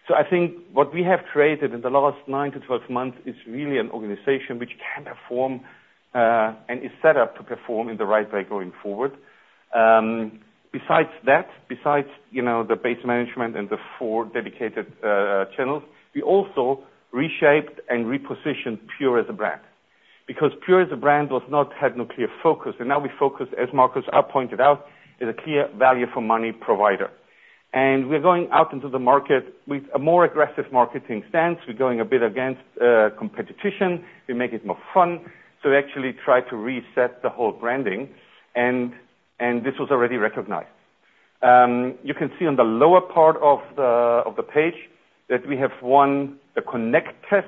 So I think what we have created in the last 9-12 months is really an organization which can perform, and is set up to perform in the right way going forward. Besides that, besides, you know, the base management and the four dedicated channels, we also reshaped and repositioned PŸUR as a brand. Because PŸUR as a brand was not, had no clear focus, and now we focus, as Markus pointed out, as a clear value for money provider. And we're going out into the market with a more aggressive marketing stance. We're going a bit against competition. We make it more fun. So we actually try to reset the whole branding, and, and this was already recognized. You can see on the lower part of the, of the page that we have won the Connect test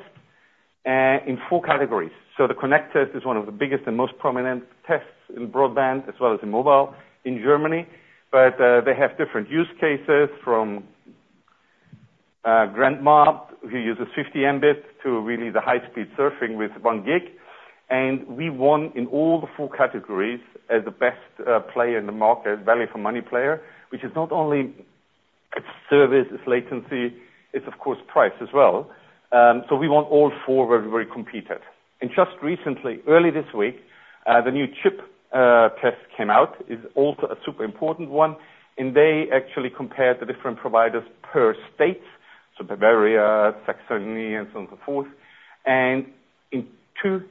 in 4 categories. So the Connect test is one of the biggest and most prominent tests in broadband as well as in mobile in Germany. But they have different use cases from Grandma, who uses 50 Mbits, to really the high-speed surfing with 1 gig. And we won in all four categories as the best player in the market, value for money player, which is not only its service, its latency, it's of course, price as well. So we want all four where we competed. And just recently, early this week, the new CHIP test came out, is also a super important one, and they actually compared the different providers per state, so Bavaria, Saxony, and so on and so forth. And in two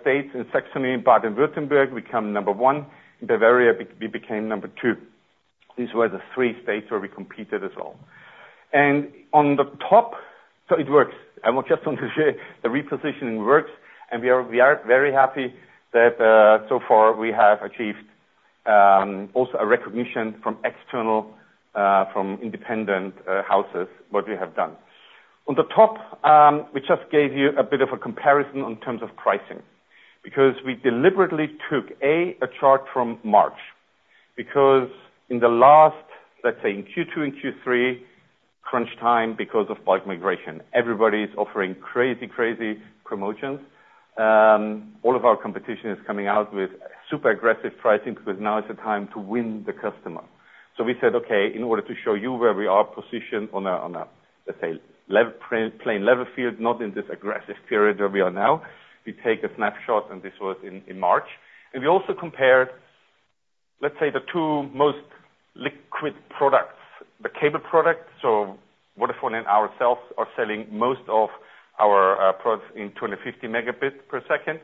states, in Saxony and Baden-Württemberg, we come number one. In Bavaria, we became number two. These were the three states where we competed as well. On the top, so it works. I just want to say the repositioning works, and we are, we are very happy that, so far we have achieved, also a recognition from external, from independent, houses, what we have done. On the top, we just gave you a bit of a comparison on terms of pricing, because we deliberately took a chart from March, because in the last, let's say, in Q2 and Q3, crunch time because of bulk migration, everybody's offering crazy, crazy promotions. All of our competition is coming out with super aggressive pricing because now is the time to win the customer. So we said, "Okay, in order to show you where we are positioned on a, on a, let's say, level playing field, not in this aggressive period where we are now, we take a snapshot," and this was in, in March. And we also compared, let's say, the two most liquid products, the cable products. So Vodafone and ourselves are selling most of our, products in 250 Mbps,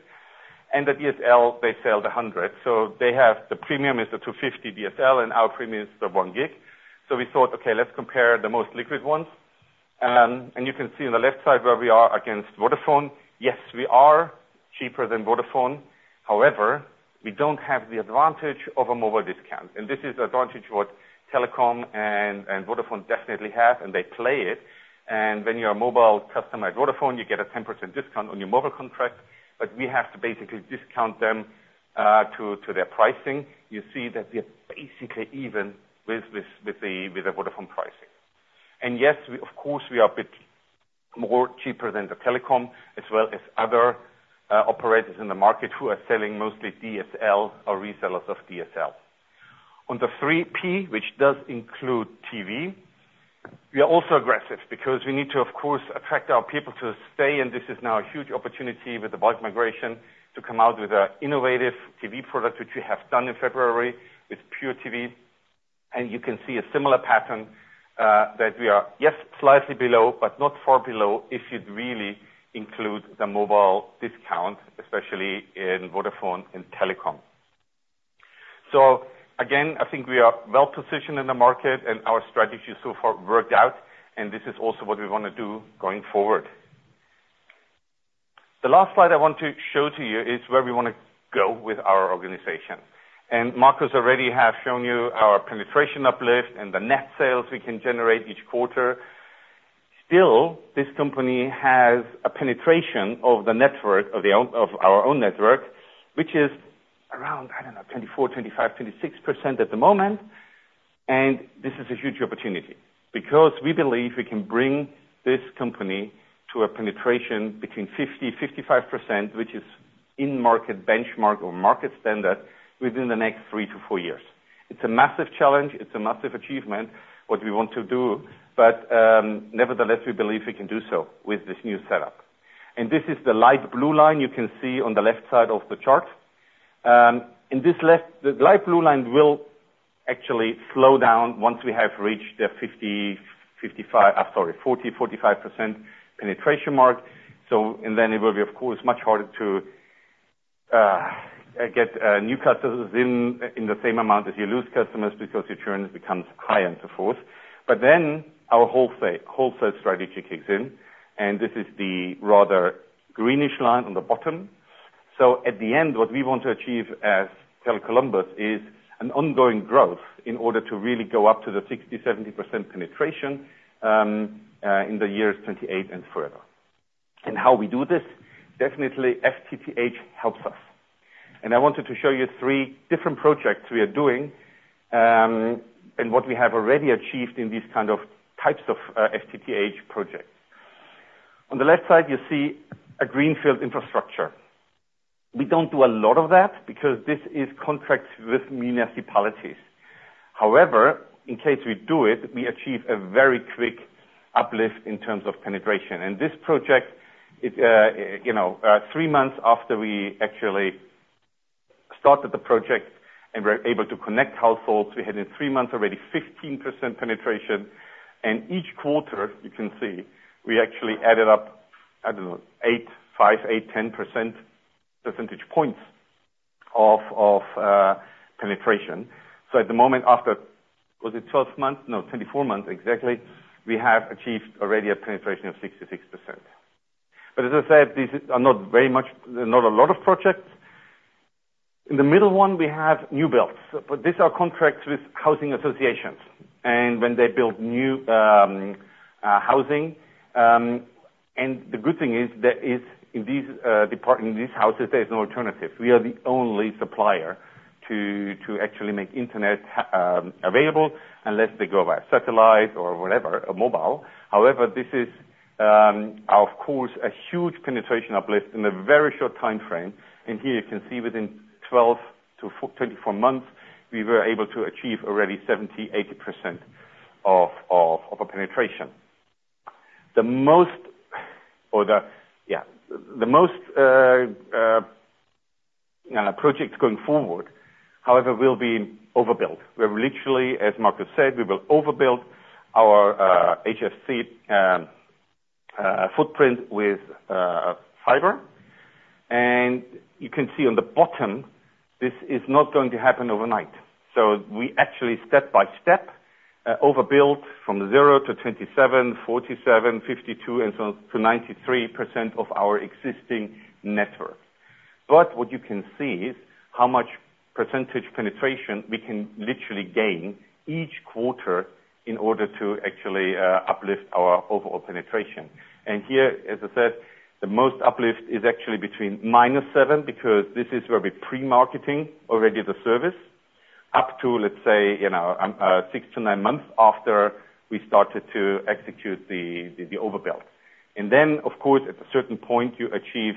and the DSL, they sell the 100. So they have the premium is the 250 DSL, and our premium is the 1 gig. So we thought, "Okay, let's compare the most liquid ones." And you can see on the left side where we are against Vodafone. Yes, we are cheaper than Vodafone.... However, we don't have the advantage of a mobile discount, and this is the advantage what Telecom and, and Vodafone definitely have, and they play it. And when you're a mobile customer at Vodafone, you get a 10% discount on your mobile contract, but we have to basically discount them, to, to their pricing. You see that we are basically even with, with, with the, with the Vodafone pricing. And yes, we of course, we are a bit more cheaper than the Telecom, as well as other, operators in the market who are selling mostly DSL or resellers of DSL. On the three P, which does include TV, we are also aggressive because we need to, of course, attract our people to stay, and this is now a huge opportunity with the bulk migration, to come out with an innovative TV product, which we have done in February, with PŸUR TV. And you can see a similar pattern that we are, yes, slightly below, but not far below if you'd really include the mobile discount, especially in Vodafone and Telecom. So again, I think we are well positioned in the market, and our strategy so far worked out, and this is also what we wanna do going forward. The last slide I want to show to you is where we wanna go with our organization. And Markus already have shown you our penetration uplift and the net sales we can generate each quarter. Still, this company has a penetration of the network, of our own network, which is around, I don't know, 24, 25, 26% at the moment. And this is a huge opportunity, because we believe we can bring this company to a penetration between 50, 55%, which is in market benchmark or market standard, within the next three to four years. It's a massive challenge. It's a massive achievement, what we want to do, but, nevertheless, we believe we can do so with this new setup. And this is the light blue line you can see on the left side of the chart. In this left, the light blue line will actually slow down once we have reached the 50, 55, 40, 45% penetration mark. So and then it will be, of course, much harder to get new customers in the same amount as you lose customers because the churn becomes high and so forth. But then our wholesale strategy kicks in, and this is the rather greenish line on the bottom. So at the end, what we want to achieve as Tele Columbus is an ongoing growth in order to really go up to the 60%-70% penetration in the years 2028 and further. And how we do this, definitely FTTH helps us. And I wanted to show you three different projects we are doing, and what we have already achieved in these kind of types of FTTH projects. On the left side, you see a greenfield infrastructure. We don't do a lot of that because this is contracts with municipalities. However, in case we do it, we achieve a very quick uplift in terms of penetration. And this project, three months after we actually started the project and were able to connect households, we had in 3 months already 15% penetration. And each quarter, you can see, we actually added up, I don't know, 8, 5, 8, 10 percent percentage points of penetration. So at the moment, after, was it 12 months? No, 24 months exactly, we have achieved already a penetration of 66%. But as I said, these are not very much, not a lot of projects. In the middle one, we have new builds, but these are contracts with housing associations, and when they build new housing. And the good thing is that is, in these houses, there is no alternative. We are the only supplier to actually make internet available unless they go via satellite or whatever, a mobile. However, this is of course a huge penetration uplift in a very short time frame. Here you can see within 12 to 24 months, we were able to achieve already 70, 80% of a penetration. The most projects going forward, however, will be overbuilt. We're literally, as Markus said, we will overbuild our HFC footprint with fiber. And you can see on the bottom, this is not going to happen overnight. We actually step by step overbuild from 0 to 27, 47, 52, and so to 93% of our existing network. But what you can see is how much percentage penetration we can literally gain each quarter in order to actually uplift our overall penetration. And here, as I said, the most uplift is actually between -7%, because this is where we're pre-marketing already the service, up to, let's say, you know, 6-9 months after we started to execute the overbuild. And then, of course, at a certain point, you achieve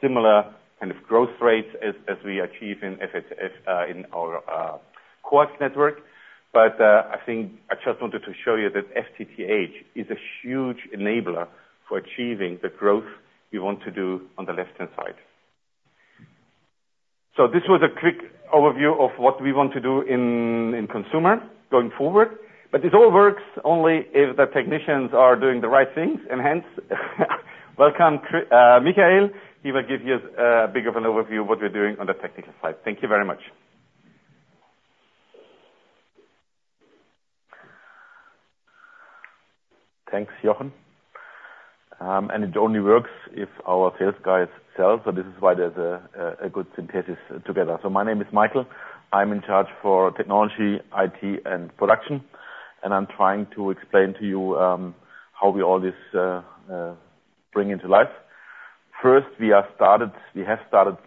similar kind of growth rates as we achieve in FTTH in our coax network. But I think I just wanted to show you that FTTH is a huge enabler for achieving the growth we want to do on the left-hand side. So this was a quick overview of what we want to do in consumer going forward, but this all works only if the technicians are doing the right things. And hence, welcome, Michael. He will give you a bit of an overview of what we're doing on the technical side. Thank you very much.... Thanks, Jochen. And it only works if our sales guys sell, so this is why there's a good synthesis together. So my name is Michael. I'm in charge for technology, IT, and production, and I'm trying to explain to you how we all this bring into life. First, we have started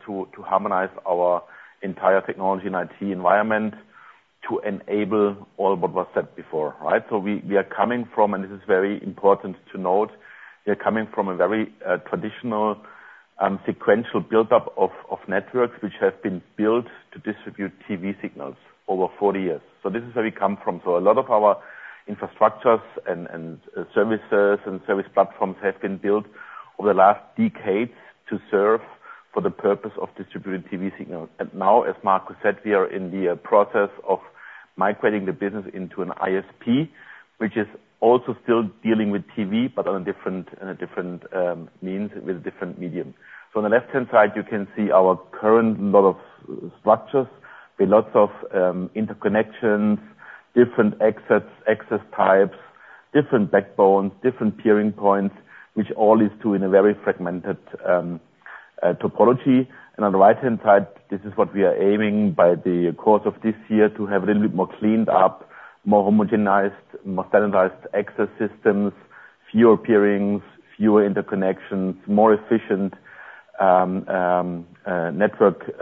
to harmonize our entire technology and IT environment to enable all what was said before, right? So we are coming from, and this is very important to note, we are coming from a very traditional sequential build-up of networks, which have been built to distribute TV signals over 40 years. So this is where we come from. So a lot of our infrastructures and services and service platforms have been built over the last decade to serve for the purpose of distributing TV signals. And now, as Markus said, we are in the process of migrating the business into an ISP, which is also still dealing with TV, but in a different means, with different medium. So on the left-hand side, you can see our current model of structures, with lots of interconnections, different access types, different backbones, different peering points, which all leads to in a very fragmented topology. And on the right-hand side, this is what we are aiming by the course of this year, to have a little bit more cleaned up, more homogenized, more standardized access systems, fewer peerings, fewer interconnections, more efficient network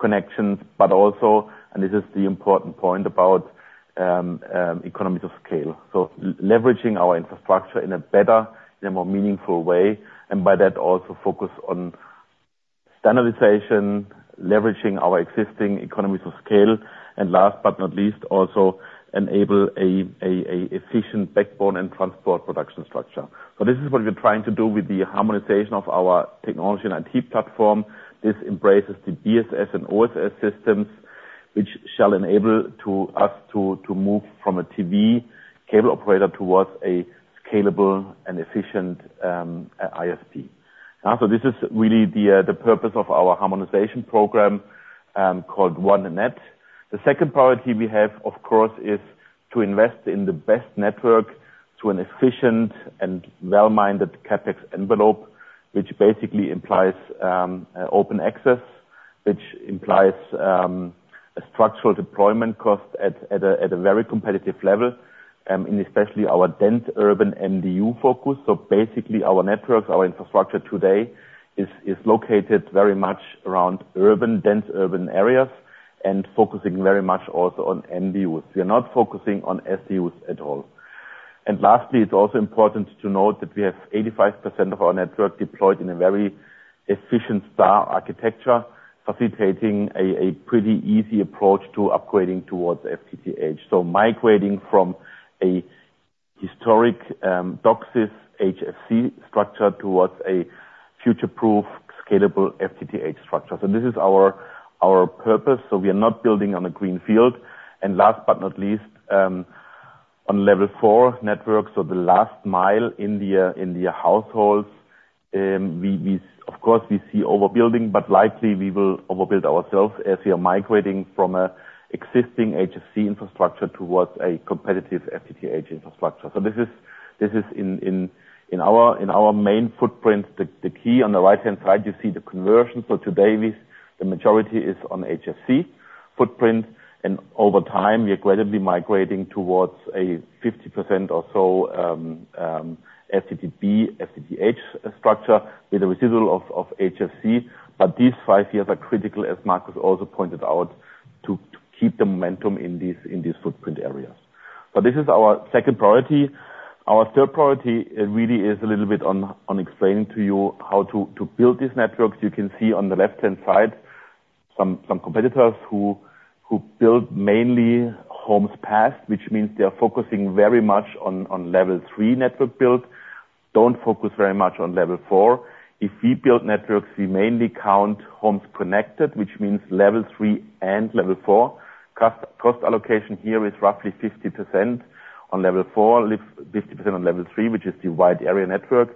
connections. But also, and this is the important point about economies of scale. So leveraging our infrastructure in a better and a more meaningful way, and by that, also focus on standardization, leveraging our existing economies of scale, and last but not least, also enable an efficient backbone and transport production structure. So this is what we're trying to do with the harmonization of our technology and IT platform. This embraces the BSS and OSS systems, which shall enable us to move from a TV cable operator towards a scalable and efficient ISP. So this is really the purpose of our harmonization program, called One Net. The second priority we have, of course, is to invest in the best network to an efficient and well-minded CapEx envelope, which basically implies open access. Which implies a structural deployment cost at a very competitive level, in especially our dense urban MDU focus. So basically, our networks, our infrastructure today is located very much around urban, dense urban areas and focusing very much also on MDUs. We are not focusing on SDUs at all. And lastly, it's also important to note that we have 85% of our network deployed in a very efficient star architecture, facilitating a pretty easy approach to upgrading towards FTTH. So migrating from a historic DOCSIS HFC structure towards a future-proof, scalable FTTH structure. So this is our purpose, so we are not building on a green field. Last but not least, on level four networks, so the last mile in the households, we of course see overbuilding, but likely we will overbuild ourselves as we are migrating from an existing HFC infrastructure towards a competitive FTTH infrastructure. So this is in our main footprint, the key on the right-hand side, you see the conversion. So today, we the majority is on HFC footprint, and over time, we are gradually migrating towards a 50% or so FTTB, FTTH structure with a residual of HFC. But these five years are critical, as Markus also pointed out, to keep the momentum in these footprint areas. So this is our second priority. Our third priority really is a little bit on explaining to you how to build these networks. You can see on the left-hand side some competitors who build mainly Homes Passed, which means they are focusing very much on level three network build, don't focus very much on level four. If we build networks, we mainly count Homes Connected, which means level three and level four. Cost allocation here is roughly 50% on level four, 50% on level three, which is the wide area network.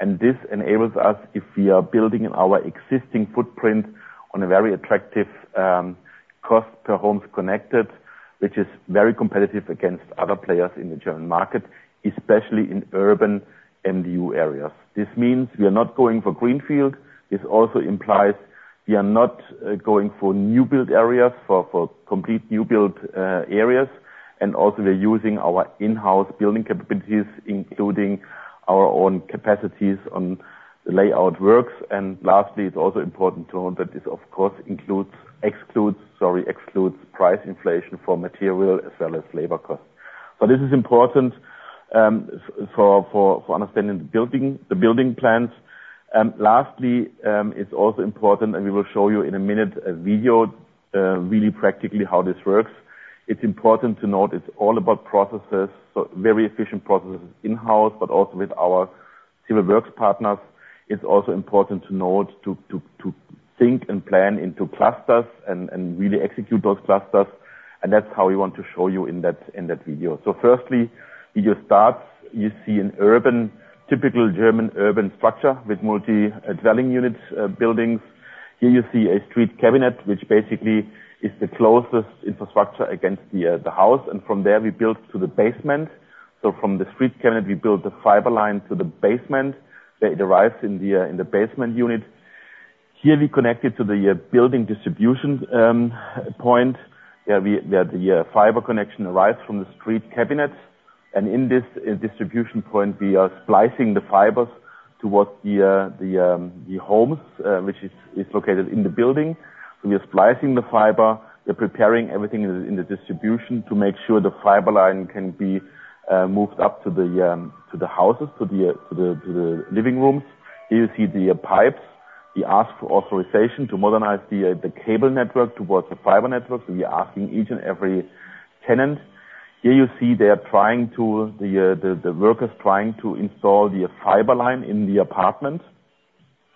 And this enables us, if we are building our existing footprint on a very attractive cost per Homes Connected, which is very competitive against other players in the German market, especially in urban MDU areas. This means we are not going for greenfield. This also implies we are not going for new build areas, for complete new build areas. And also, we are using our in-house building capabilities, including our own capacities on the layout works. And lastly, it's also important to note that this, of course, includes—excludes, sorry, excludes price inflation for material as well as labor costs. So this is important for understanding the building plans. Lastly, it's also important, and we will show you in a minute, a video really practically how this works. It's important to note it's all about processes, so very efficient processes in-house, but also with our civil works partners. It's also important to note to think and plan into clusters and really execute those clusters, and that's how we want to show you in that video. So firstly, video starts. You see an urban, typical German urban structure with multi-dwelling units, buildings. Here you see a street cabinet, which basically is the closest infrastructure against the house, and from there, we build to the basement. So from the street cabinet, we build the fiber line to the basement, where it arrives in the basement unit. Here, we connect it to the building distributions point, where the fiber connection arrives from the street cabinet. And in this distribution point, we are splicing the fibers towards the homes, which is located in the building. So we are splicing the fiber. We're preparing everything in, in the distribution to make sure the fiber line can be moved up to the houses, to the living rooms. Here, you see the pipes. We ask for authorization to modernize the cable network towards the fiber network, so we are asking each and every tenant. Here you see the workers trying to install the fiber line in the apartment.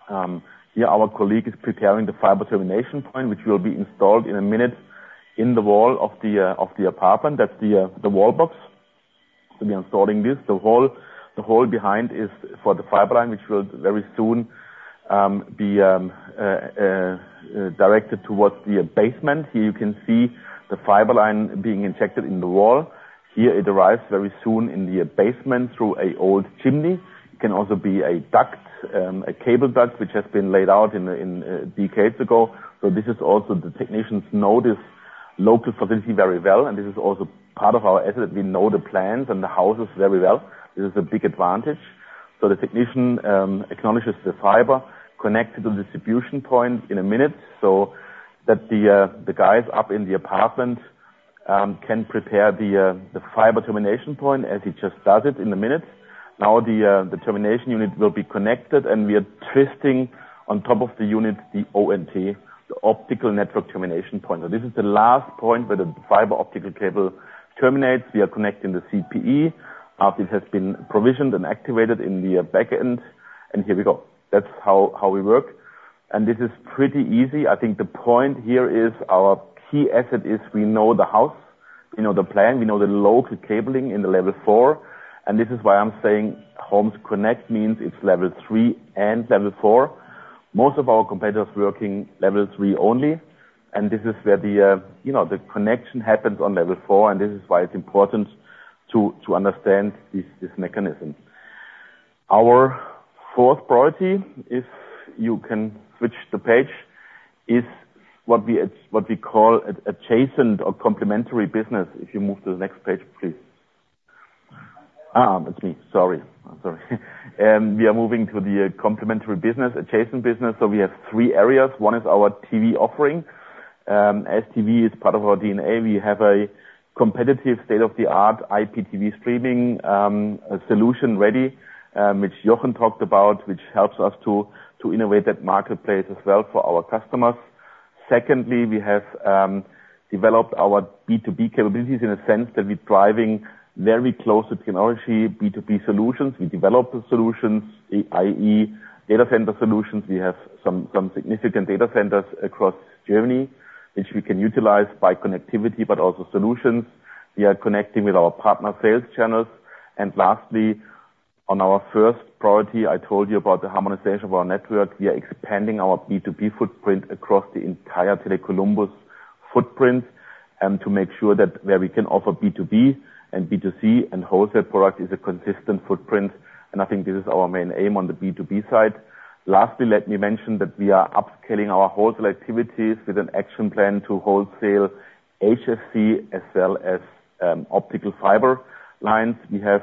Here, our colleague is preparing the fiber termination point, which will be installed in a minute in the wall of the apartment. That's the wall box. So we are installing this. The hole behind is for the fiber line, which will very soon be directed towards the basement. Here you can see the fiber line being injected in the wall. Here, it arrives very soon in the basement through an old chimney. It can also be a duct, a cable duct, which has been laid out in decades ago. So this is also the technicians know this local facility very well, and this is also part of our asset. We know the plans and the houses very well. This is a big advantage. So the technician acknowledges the fiber, connected to the distribution point in a minute, so that the guys up in the apartment can prepare the fiber termination point, as he just does it in a minute. Now, the termination unit will be connected, and we are twisting on top of the unit, the ONT, the optical network terminal. So this is the last point where the fiber optical cable terminates. We are connecting the CPE, after it has been provisioned and activated in the back end. And here we go. That's how we work, and this is pretty easy. I think the point here is our key asset is we know the house, we know the plan, we know the local cabling in the level four, and this is why I'm saying Homes Connected means it's level three and level four. Most of our competitors working level three only, and this is where the, you know, the connection happens on level four, and this is why it's important to understand this mechanism. Our fourth priority, if you can switch the page, is what we, what we call adjacent or complementary business. If you move to the next page, please. Ah, that's me. Sorry. I'm sorry. We are moving to the complementary business, adjacent business. So we have three areas. One is our TV offering. As TV is part of our DNA, we have a competitive state-of-the-art IPTV streaming solution ready, which Jochen talked about, which helps us to innovate that marketplace as well for our customers. Secondly, we have developed our B2B capabilities in a sense that we're driving very close technology B2B solutions. We developed the solutions, i.e., data center solutions. We have some significant data centers across Germany, which we can utilize by connectivity, but also solutions. We are connecting with our partner sales channels. And lastly, on our first priority, I told you about the harmonization of our network. We are expanding our B2B footprint across the entire Tele Columbus footprint, and to make sure that where we can offer B2B and B2C and wholesale product is a consistent footprint, and I think this is our main aim on the B2B side. Lastly, let me mention that we are upscaling our wholesale activities with an action plan to wholesale HFC, as well as optical fiber lines. We have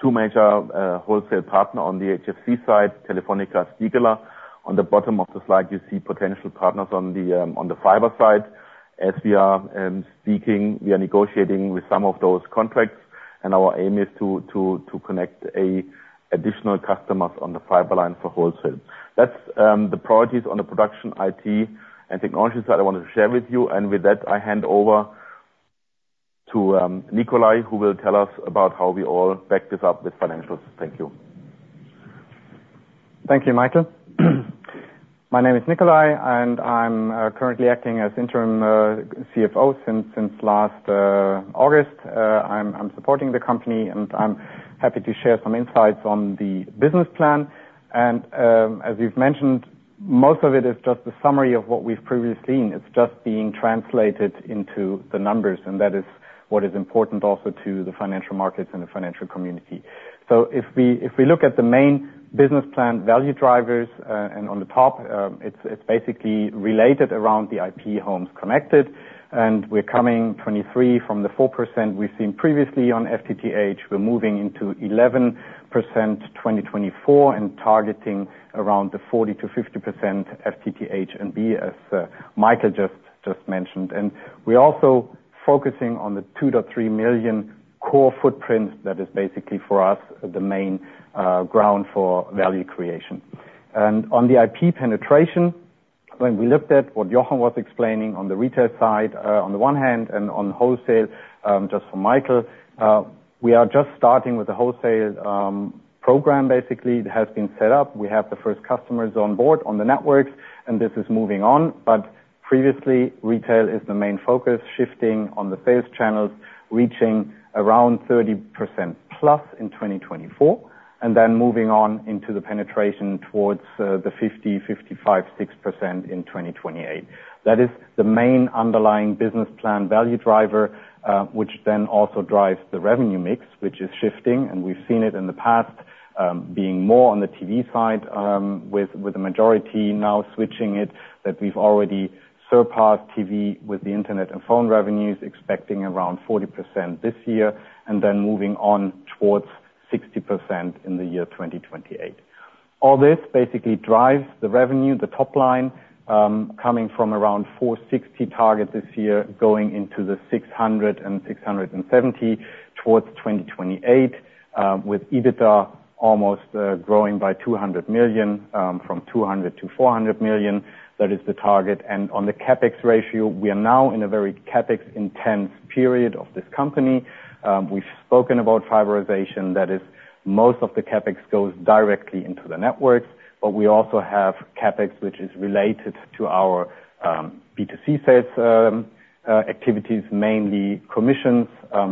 two major wholesale partner on the HFC side, Telefónica, Stiegeler. On the bottom of the slide, you see potential partners on the fiber side. As we are speaking, we are negotiating with some of those contracts, and our aim is to connect an additional customers on the fiber line for wholesale. That's the priorities on the production IT and technology side I wanted to share with you. With that, I hand over to Nicolai, who will tell us about how we all back this up with financials. Thank you. Thank you, Michael. My name is Nicolai, and I'm currently acting as interim CFO since last August. I'm supporting the company, and I'm happy to share some insights on the business plan. As you've mentioned, most of it is just a summary of what we've previously seen. It's just being translated into the numbers, and that is what is important also to the financial markets and the financial community. So if we look at the main business plan value drivers, and on the top, it's basically related around the IP homes connected. And we're coming 2023 from the 4% we've seen previously on FTTH. We're moving into 11%, 2024, and targeting around the 40%-50% FTTH and B, as Michael just mentioned. We're also focusing on the 2-3 million core footprint, that is basically for us, the main ground for value creation. On the IP penetration, when we looked at what Jochen was explaining on the retail side, on the one hand, and on wholesale, just for Michael, we are just starting with the wholesale program. Basically, it has been set up. We have the first customers on board on the network, and this is moving on. Previously, retail is the main focus, shifting on the sales channels, reaching around 30%+ in 2024, and then moving on into the penetration towards the 50-56% in 2028. That is the main underlying business plan value driver, which then also drives the revenue mix, which is shifting, and we've seen it in the past, being more on the TV side, with, with the majority now switching it, that we've already surpassed TV with the internet and phone revenues, expecting around 40% this year, and then moving on towards 60% in the year 2028. All this basically drives the revenue, the top line, coming from around 460 million target this year, going into the 600 million and 670 million towards 2028, with EBITDA almost growing by 200 million, from 200 million to 400 million. That is the target. And on the CapEx ratio, we are now in a very CapEx-intense period of this company. We've spoken about fiberization, that is, most of the CapEx goes directly into the networks, but we also have CapEx, which is related to our B2C sales activities, mainly commissions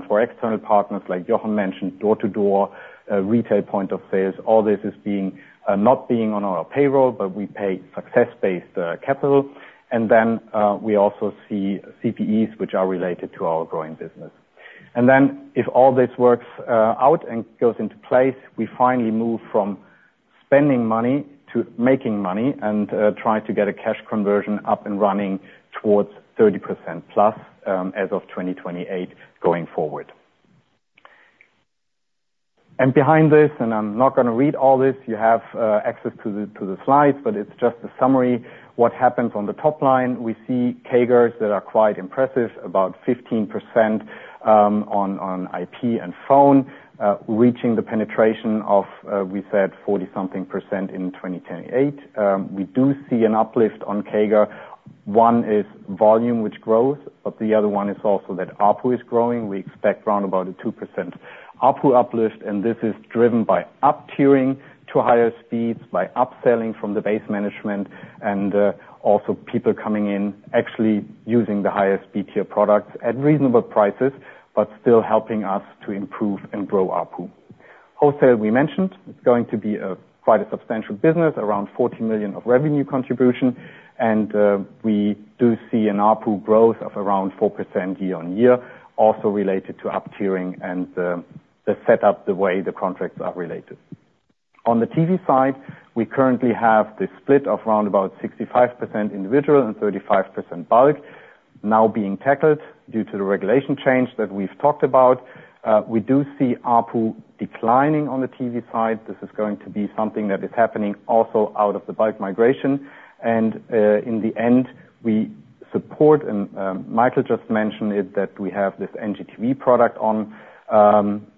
for external partners, like Jochen mentioned, door-to-door retail point of sales. All this is being, not being on our payroll, but we pay success-based capital. And then we also see CPEs, which are related to our growing business. And then if all this works out and goes into place, we finally move from spending money to making money and try to get a cash conversion up and running towards 30%+ as of 2028 going forward. And behind this, and I'm not gonna read all this, you have access to the slides, but it's just a summary. What happens on the top line, we see CAGRs that are quite impressive, about 15%, on IP and phone, reaching the penetration of, we said 40-something% in 2028. We do see an uplift on CAGR. One is volume, which grows, but the other one is also that ARPU is growing. We expect around about a 2% ARPU uplift, and this is driven by up-tiering to higher speeds, by upselling from the base management, and also people coming in, actually using the highest speed tier products at reasonable prices, but still helping us to improve and grow ARPU. Wholesale, we mentioned, it's going to be quite a substantial business, around 40 million of revenue contribution, and, we do see an ARPU growth of around 4% year-on-year, also related to up-tiering and, the set up, the way the contracts are related. On the TV side, we currently have the split of round about 65% individual and 35% bulk now being tackled due to the regulation change that we've talked about. We do see ARPU declining on the TV side. This is going to be something that is happening also out of the bulk migration. And, in the end, we support, and, Michael just mentioned it, that we have this NGTV product on,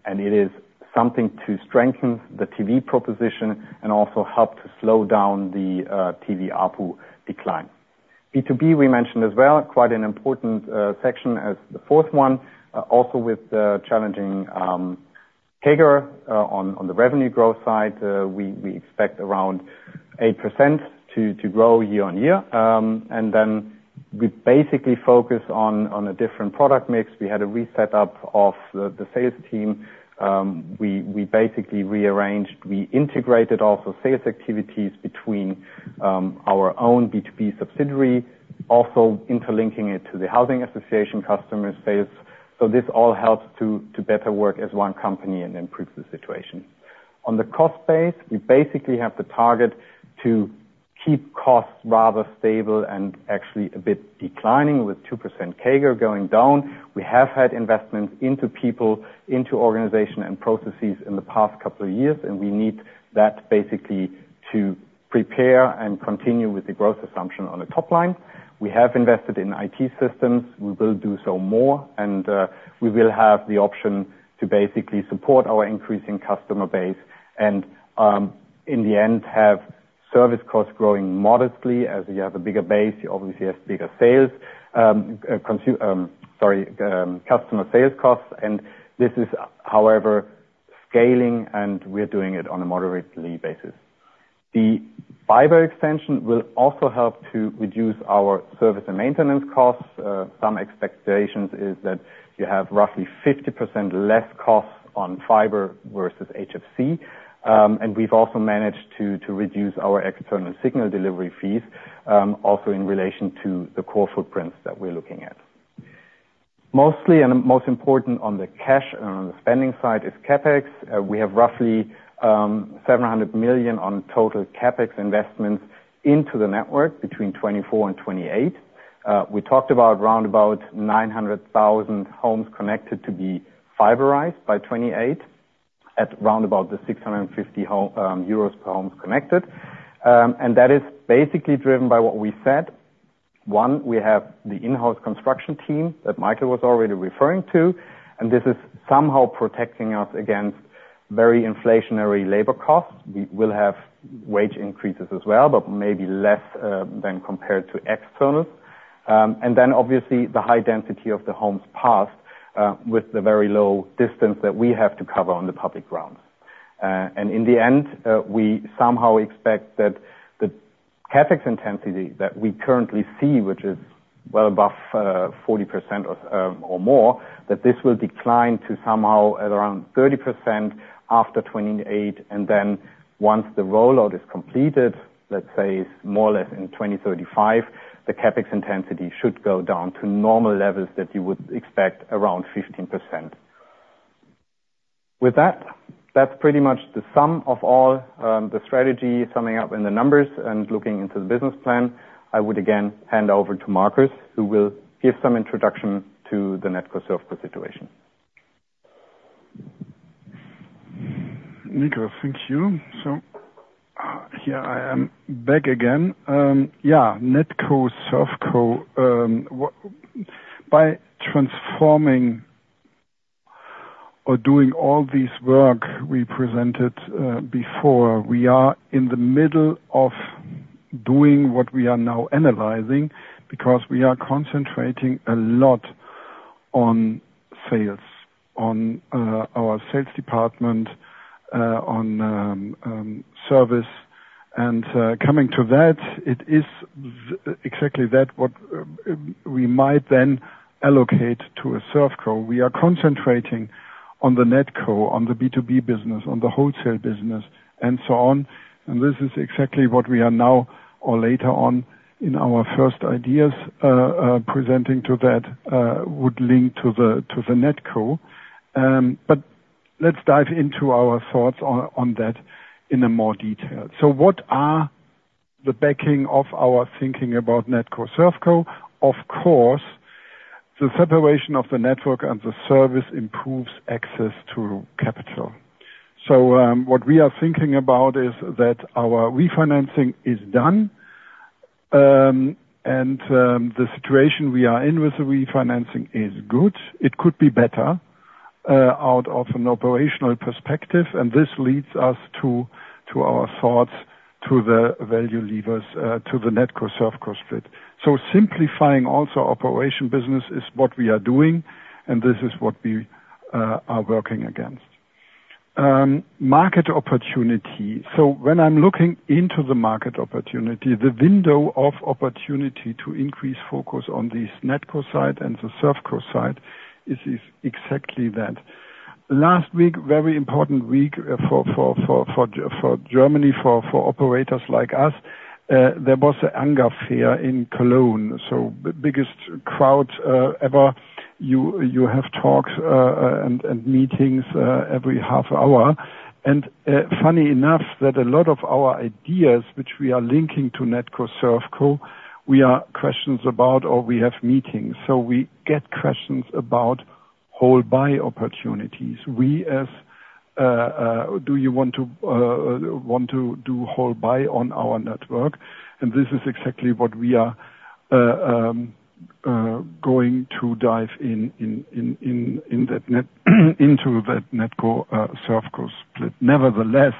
and it is something to strengthen the TV proposition and also help to slow down the, TV ARPU decline. B2B, we mentioned as well, quite an important section as the fourth one, also with the challenging CAGR on the revenue growth side. We expect around 8% to grow year-on-year. And then we basically focus on a different product mix. We had a re-setup of the sales team. We basically rearranged, we integrated also sales activities between our own B2B subsidiary, also interlinking it to the housing association customer sales. So this all helps to better work as one company and improves the situation. On the cost base, we basically have the target to keep costs rather stable and actually a bit declining, with 2% CAGR going down. We have had investments into people, into organization and processes in the past couple of years, and we need that basically to prepare and continue with the growth assumption on the top line. We have invested in IT systems. We will do so more, and we will have the option to basically support our increasing customer base and, in the end, have service costs growing modestly. As you have a bigger base, you obviously have bigger sales, customer sales costs, and this is, however, scaling, and we're doing it on a moderately basis. The fiber extension will also help to reduce our service and maintenance costs. Some expectations is that you have roughly 50% less costs on fiber versus HFC. And we've also managed to reduce our external signal delivery fees, also in relation to the core footprints that we're looking at. Mostly, and most important on the cash and on the spending side is CapEx. We have roughly 700 million on total CapEx investments into the network between 2024 and 2028. We talked about round about 900,000 homes connected to be fiberized by 2028, at round about the 650 euros per homes connected. And that is basically driven by what we said. One, we have the in-house construction team that Michael was already referring to, and this is somehow protecting us against very inflationary labor costs. We will have wage increases as well, but maybe less than compared to external. and then obviously, the high density of the homes passed, with the very low distance that we have to cover on the public ground. In the end, we somehow expect that the CapEx intensity that we currently see, which is well above 40% or more, that this will decline to somehow at around 30% after 2028. Then once the rollout is completed, let's say more or less in 2035, the CapEx intensity should go down to normal levels that you would expect around 15%. With that, that's pretty much the sum of all, the strategy, summing up in the numbers and looking into the business plan. I would again hand over to Markus, who will give some introduction to the NetCo/ServCo situation. Nico, thank you. So, here I am back again. NetCo, ServCo. By transforming or doing all this work we presented before, we are in the middle of doing what we are now analyzing. Because we are concentrating a lot on sales, on our sales department, on service. Coming to that, it is exactly that, what we might then allocate to a ServCo. We are concentrating on the NetCo, on the B2B business, on the wholesale business, and so on. And this is exactly what we are now or later on in our first ideas presenting to that would link to the NetCo. But let's dive into our thoughts on that in a more detail. So what are the backing of our thinking about NetCo/ServCo? Of course, the separation of the network and the service improves access to capital. So, what we are thinking about is that our refinancing is done. The situation we are in with the refinancing is good. It could be better out of an operational perspective, and this leads us to our thoughts to the value levers to the NetCo/ServCo split. So simplifying also operation business is what we are doing, and this is what we are working against. Market opportunity. So when I'm looking into the market opportunity, the window of opportunity to increase focus on this NetCo side and the ServCo side is exactly that. Last week, very important week for Germany, for operators like us. There was an ANGA COM in Cologne, so the biggest crowd ever. You have talks and meetings every half hour. Funny enough, that a lot of our ideas which we are linking to NetCo/ServCo, we get questions about or we have meetings. So we get questions about wholesale opportunities. We, do you want to do wholesale on our network? And this is exactly what we are going to dive into that NetCo ServCo split. Nevertheless,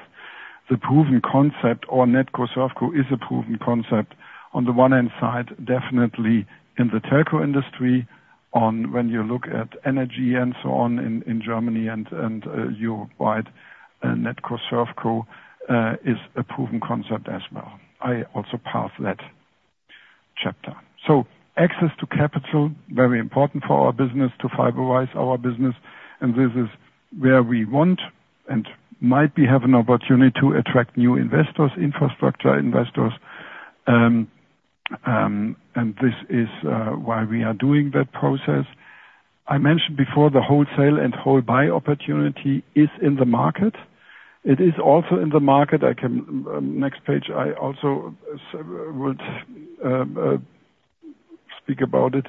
the proven concept or NetCo/ServCo is a proven concept. On the one hand side, definitely in the telco industry, or when you look at energy and so on in Germany and Europe-wide, and NetCo/ServCo is a proven concept as well. I also pass that chapter. So access to capital, very important for our business, to fiberize our business, and this is where we want and might be having an opportunity to attract new investors, infrastructure investors. And this is why we are doing that process. I mentioned before, the wholesale and buyout opportunity is in the market. It is also in the market. I can, next page, I also would speak about it.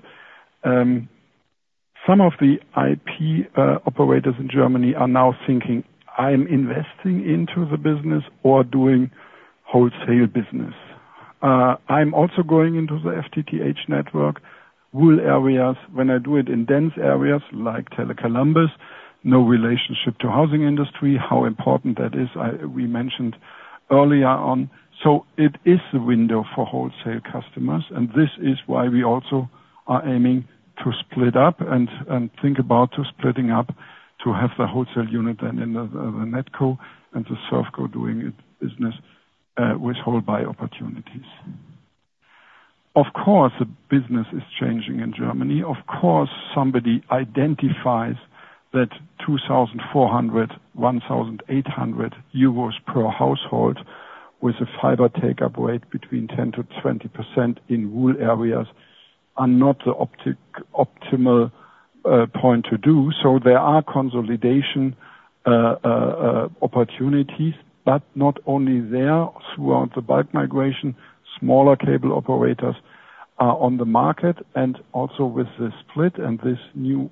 Some of the IP operators in Germany are now thinking, "I'm investing into the business or doing wholesale business. I'm also going into the FTTH network, rural areas. When I do it in dense areas like Tele Columbus, no relationship to housing industry." How important that is, we mentioned earlier on. So it is a window for wholesale customers, and this is why we also are aiming to split up and think about splitting up to have the wholesale unit and then the NetCo and the ServCo doing its business with wholesale opportunities. Of course, the business is changing in Germany. Of course, somebody identifies that 2,400-1,800 euros per household, with a fiber take-up rate between 10%-20% in rural areas, are not the optimal point to do. So there are consolidation opportunities, but not only there. Throughout the bulk migration, smaller cable operators are on the market, and also with the split and this new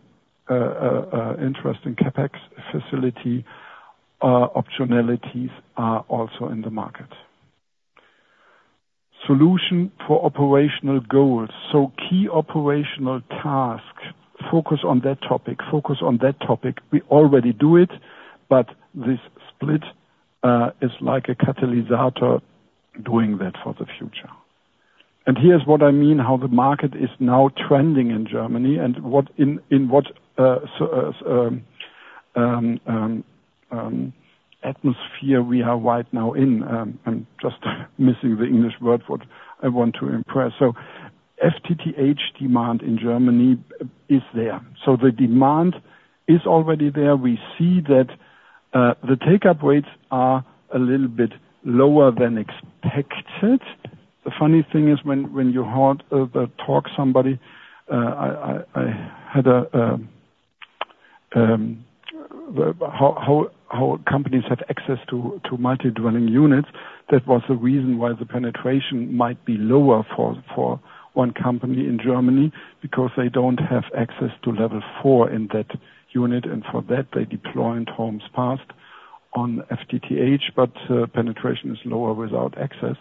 interest in CapEx facility, optionalities are also in the market. Solution for operational goals. So key operational task, focus on that topic, focus on that topic. We already do it, but this split is like a catalyst, doing that for the future. And here's what I mean, how the market is now trending in Germany, and what atmosphere we are right now in. I'm just missing the English word what I want to impress. So FTTH demand in Germany is there. So the demand is already there. We see that the take-up rates are a little bit lower than expected. The funny thing is when you heard talk somebody I had a how companies have access to multi-dwelling units, that was the reason why the penetration might be lower for one company in Germany, because they don't have access to level four in that unit, and for that, they deploy in homes passed on FTTH, but penetration is lower without access.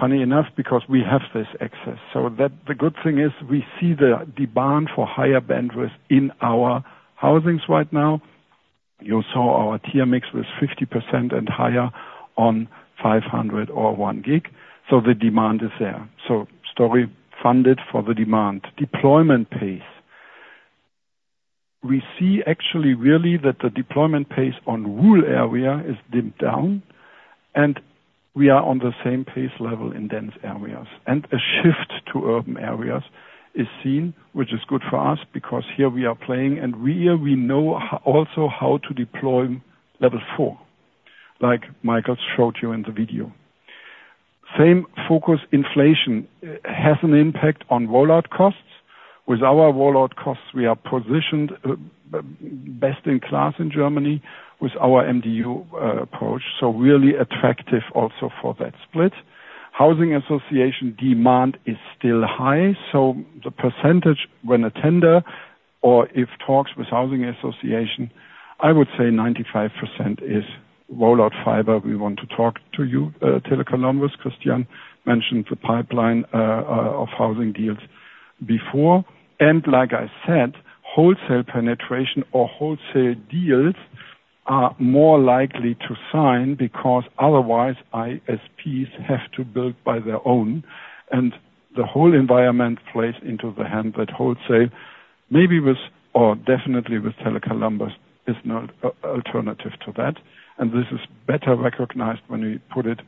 Funny enough, because we have this access. So that the good thing is we see the demand for higher bandwidth in our housings right now. You saw our tier mix was 50% and higher on 500 or 1 gig, so the demand is there. So story funded for the demand. Deployment pace. We see actually, really, that the deployment pace on rural area is dimmed down, and we are on the same pace level in dense areas. A shift to urban areas is seen, which is good for us, because here we are playing, and we know also how to deploy level four, like Michael showed you in the video. Same focus: inflation has an impact on rollout costs. With our rollout costs, we are positioned best in class in Germany with our MDU approach, so really attractive also for that split. Housing association demand is still high, so the percentage when a tender or if talks with housing association, I would say 95% is: rollout fiber, we want to talk to you, Tele Columbus. Christian mentioned the pipeline of housing deals before. And like I said, wholesale penetration or wholesale deals are more likely to sign, because otherwise, ISPs have to build by their own, and the whole environment plays into the hand that wholesale maybe with, or definitely with Tele Columbus, is not alternative to that. And this is better recognized when we put it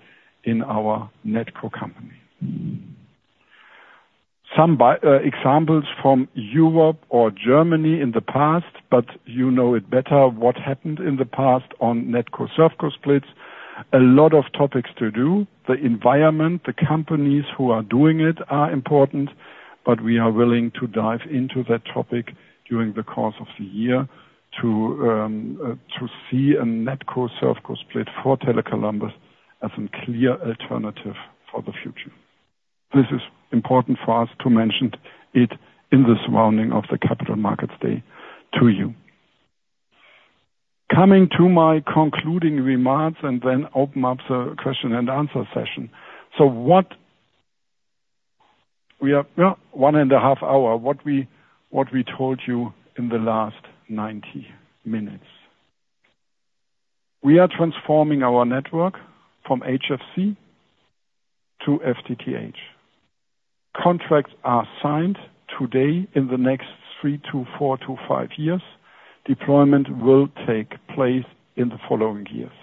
in our NetCo company. Some by examples from Europe or Germany in the past, but you know it better what happened in the past on NetCo, ServCo splits. A lot of topics to do. The environment, the companies who are doing it are important, but we are willing to dive into that topic during the course of the year to see a NetCo, ServCo split for Tele Columbus as a clear alternative for the future. This is important for us to mention it in the surrounding of the Capital Markets Day to you. Coming to my concluding remarks, and then open up the question and answer session. So what... We are, well, 1.5 hour, what we, what we told you in the last 90 minutes. We are transforming our network from HFC to FTTH. Contracts are signed today in the next 3 to 4 to 5 years. Deployment will take place in the following years.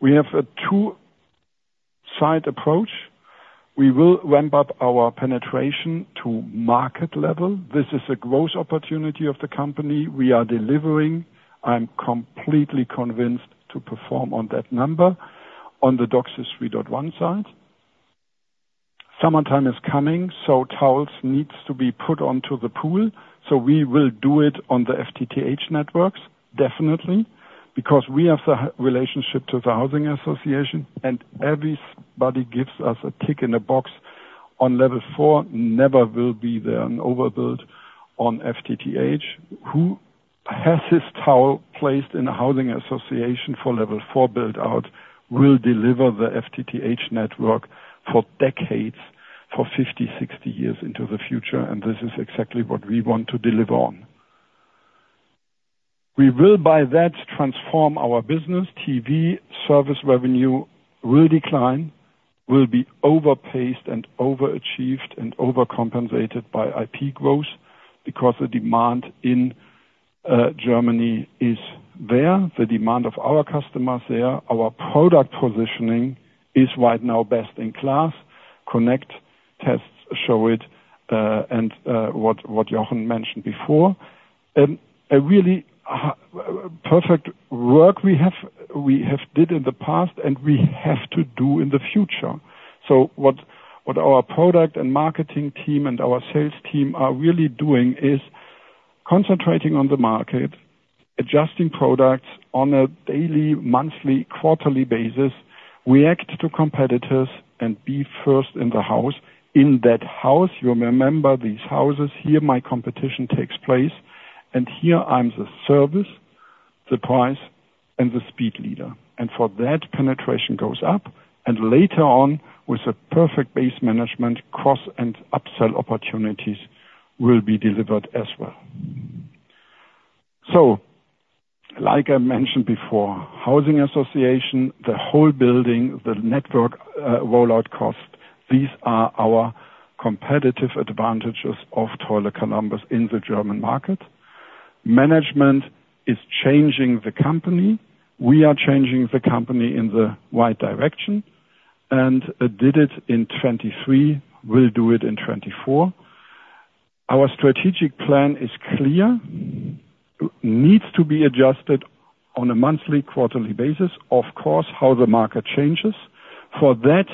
We have a two-sided approach. We will ramp up our penetration to market level. This is a growth opportunity of the company. We are delivering. I'm completely convinced to perform on that number. On the DOCSIS 3.1 side, summertime is coming, so towels needs to be put onto the pool, so we will do it on the FTTH networks, definitely, because we have the relationship to the housing association, and everybody gives us a tick in the box. On level four, never will be there an overbuild on FTTH. Who has his towel placed in a housing association for level four build-out, will deliver the FTTH network for decades, for 50, 60 years into the future, and this is exactly what we want to deliver on. We will, by that, transform our business. TV service revenue will decline, will be overpaced and overachieved and overcompensated by IP growth, because the demand in Germany is there, the demand of our customers there. Our product positioning is right now best in class. Connect tests show it, and, what, what Jochen mentioned before. A really, perfect work we have, we have did in the past, and we have to do in the future. So what, what our product and marketing team and our sales team are really doing is concentrating on the market, adjusting products on a daily, monthly, quarterly basis, react to competitors, and be first in the house. In that house, you may remember these houses, here, my competition takes place, and here I'm the service, the price, and the speed leader. And for that, penetration goes up, and later on, with a perfect base management, cross and upsell opportunities will be delivered as well.... So like I mentioned before, housing association, the whole building, the network, rollout cost, these are our competitive advantages of Tele Columbus in the German market. Management is changing the company. We are changing the company in the right direction, and did it in 2023, we'll do it in 2024. Our strategic plan is clear, needs to be adjusted on a monthly, quarterly basis, of course, how the market changes. For that,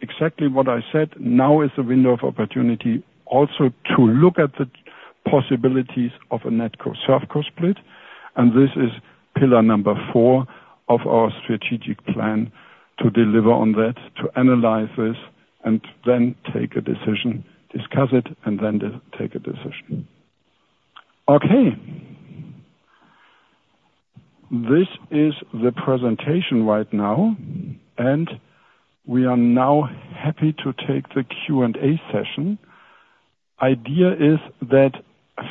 exactly what I said, now is a window of opportunity also to look at the possibilities of a NetCo, ServCo split, and this is pillar number four of our strategic plan: to deliver on that, to analyze this, and then take a decision, discuss it, and then take a decision. Okay. This is the presentation right now, and we are now happy to take the Q&A session. Idea is that,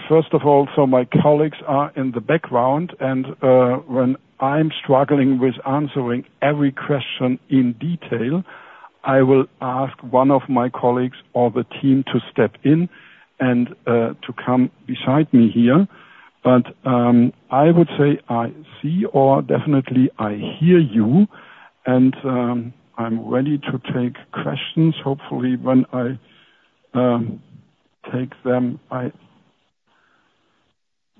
first of all, so my colleagues are in the background, and when I'm struggling with answering every question in detail, I will ask one of my colleagues or the team to step in and to come beside me here. But I would say I see or definitely I hear you, and I'm ready to take questions. Hopefully, when I take them,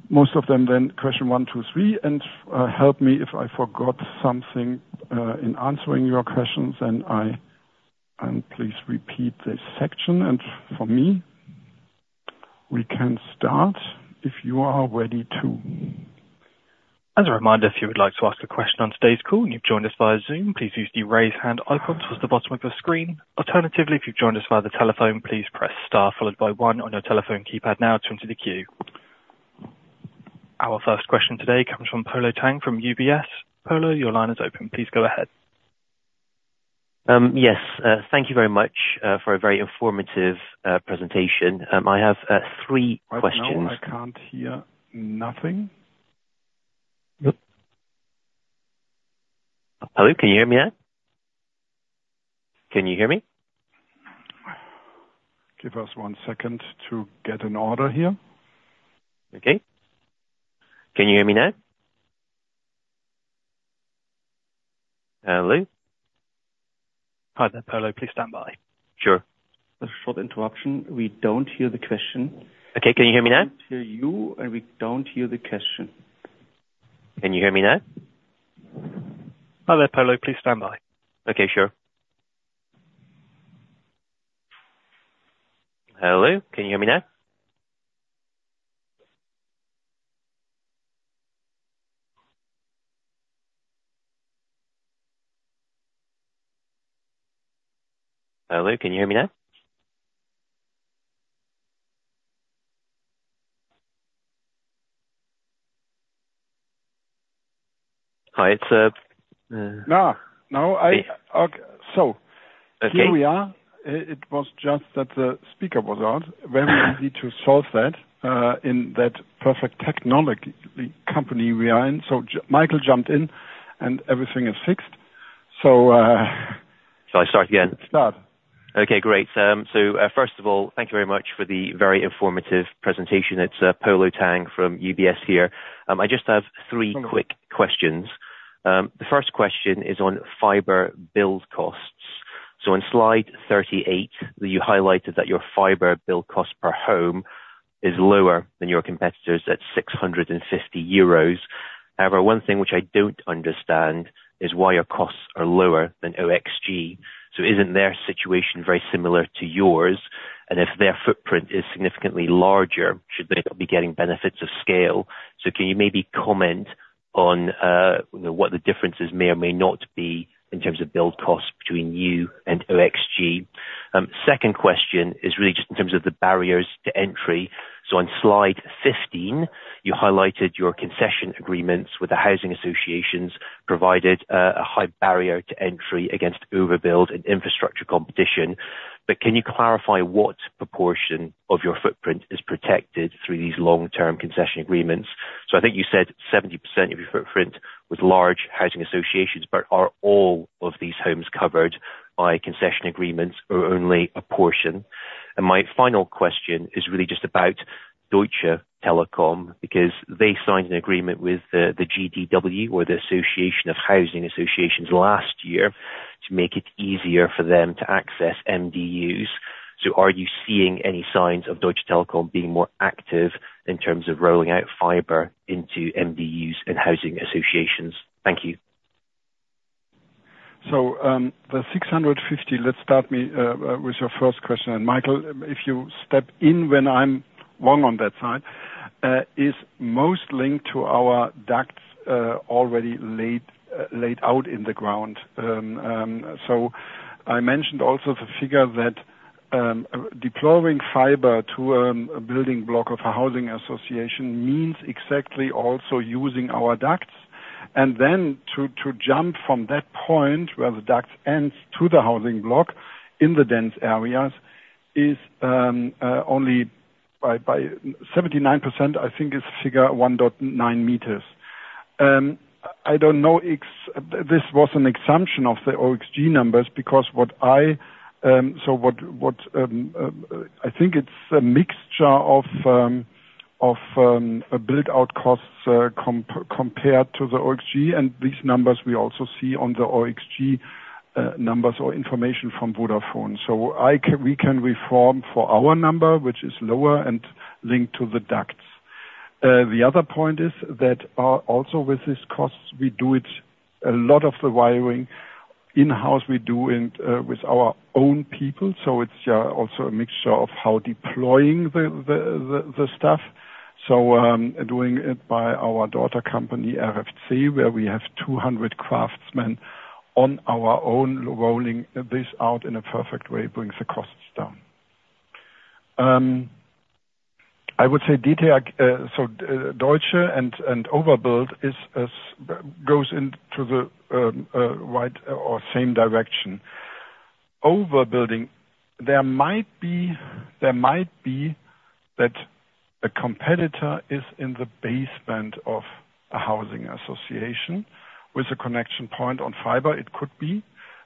most of them, then question one, two, three, and help me if I forgot something in answering your questions, and please repeat this section for me. We can start if you are ready to. As a reminder, if you would like to ask a question on today's call and you've joined us via Zoom, please use the Raise Hand icon towards the bottom of your screen. Alternatively, if you've joined us via the telephone, please press Star followed by one on your telephone keypad now to enter the queue. Our first question today comes from Polo Tang, from UBS. Polo, your line is open. Please go ahead. Yes, thank you very much for a very informative presentation. I have three questions. Right now, I can't hear nothing. Nope. Hello, can you hear me now? Can you hear me? Give us one second to get an order here. Okay. Can you hear me now? Hello? Hi there, Polo. Please stand by. Sure. A short interruption. We don't hear the question. Okay. Can you hear me now? We can hear you, and we don't hear the question. Can you hear me now? Hi there, Polo. Please stand by. Okay, sure. Hello, can you hear me now? Hello, can you hear me now? Hi, it's Nah. No, I... Okay. Okay, so- Okay. Here we are. It was just that the speaker was out. Very easy to solve that, in that perfect technology company we are in. So Michael jumped in, and everything is fixed. So... Shall I start again? Start. Okay, great. So, first of all, thank you very much for the very informative presentation. It's Polo Tang from UBS here. I just have three- Mm-hmm. Quick questions. The first question is on fiber build costs. So in slide 38, you highlighted that your fiber build cost per home is lower than your competitors at 650 euros. However, one thing which I don't understand is why your costs are lower than OXG. So isn't their situation very similar to yours? And if their footprint is significantly larger, should they not be getting benefits of scale? So can you maybe comment on, you know, what the differences may or may not be in terms of build costs between you and OXG? Second question is really just in terms of the barriers to entry. So on slide 15, you highlighted your concession agreements with the housing associations provided a high barrier to entry against overbuild and infrastructure competition. But can you clarify what proportion of your footprint is protected through these long-term concession agreements? So I think you said 70% of your footprint with large housing associations, but are all of these homes covered by concession agreements or only a portion? And my final question is really just about Deutsche Telekom, because they signed an agreement with the, the GDW or the Association of Housing Associations last year, to make it easier for them to access MDUs. So are you seeing any signs of Deutsche Telekom being more active in terms of rolling out fiber into MDUs and housing associations? Thank you. So, the 650, let's start me with your first question. And Michael, if you step in when I'm wrong on that side, is most linked to our ducts already laid out in the ground. So I mentioned also the figure that deploying fiber to a building block of a housing association means exactly also using our ducts. And then to jump from that point where the duct ends to the housing block in the dense areas is only by 79%, I think, is figure 1.9 meters. I don't know if this was an exemption of the OXG numbers, because I think it's a mixture of build-out costs compared to the OXG, and these numbers we also see on the OXG numbers or information from Vodafone. So we can reform for our number, which is lower and linked to the ducts. The other point is that also with these costs, we do a lot of the wiring in-house, we do it with our own people, so it's also a mixture of how deploying the stuff. So doing it by our daughter company, RFC, where we have 200 craftsmen on our own, rolling this out in a perfect way, brings the costs down. I would say DT, Deutsche and overbuild goes into the right or same direction. Overbuilding, there might be that a competitor is in the basement of a housing association with a connection point on fiber. It could be,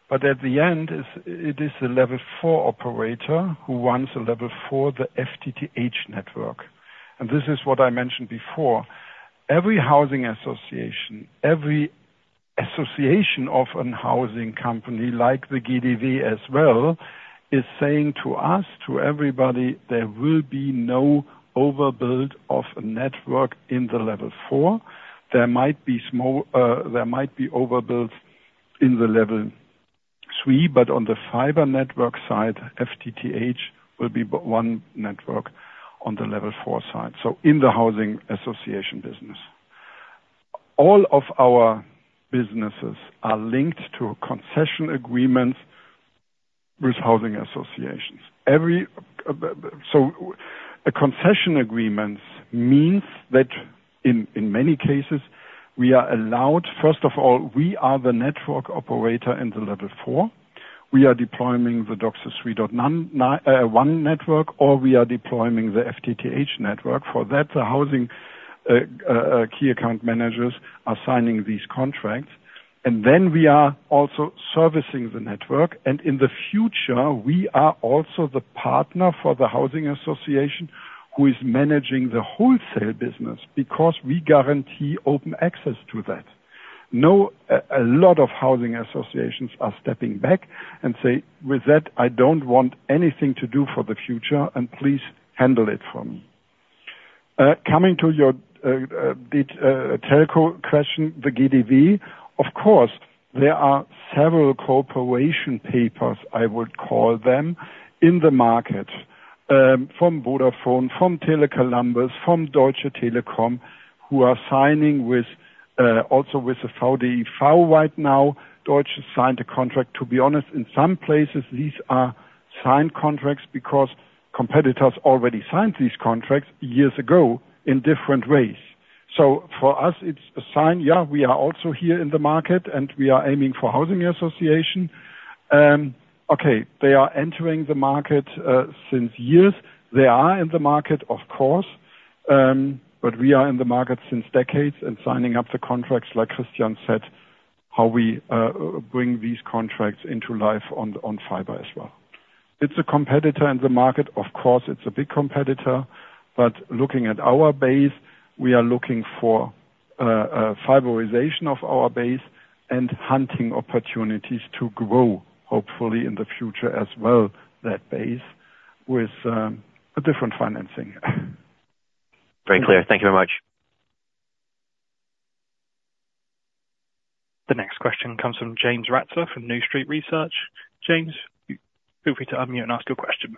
but at the end, it is a level four operator who runs a level four, the FTTH network. And this is what I mentioned before: Every housing association, every association of a housing company, like the GdW as well, is saying to us, to everybody, "There will be no overbuild of a network in the level four. There might be small, there might be overbuild in the level three, but on the fiber network side, FTTH will be one network on the level four side." So in the housing association business. All of our businesses are linked to a concession agreement with housing associations. So a concession agreement means that in many cases, we are allowed... First of all, we are the network operator in the level four. We are deploying the DOCSIS 3.1 network, or we are deploying the FTTH network. For that, the housing key account managers are signing these contracts, and then we are also servicing the network. In the future, we are also the partner for the housing association, who is managing the wholesale business, because we guarantee open access to that. No, a lot of housing associations are stepping back and say, "With that, I don't want anything to do for the future, and please handle it for me." Coming to your telco question, the GdW, of course, there are several cooperation papers, I would call them, in the market, from Vodafone, from Tele Columbus, from Deutsche Telekom, who are signing with, also with the GdW right now. Deutsche signed a contract. To be honest, in some places, these are signed contracts because competitors already signed these contracts years ago in different ways. So for us, it's a sign, yeah, we are also here in the market, and we are aiming for housing association. Okay, they are entering the market since years. They are in the market, of course, but we are in the market since decades and signing up the contracts, like Christian said, how we bring these contracts into life on, on fiber as well. It's a competitor in the market. Of course, it's a big competitor, but looking at our base, we are looking for fiberization of our base and hunting opportunities to grow, hopefully, in the future as well, that base with a different financing. Very clear. Thank you very much. The next question comes from James Ratzer, from New Street Research. James, feel free to unmute and ask your question.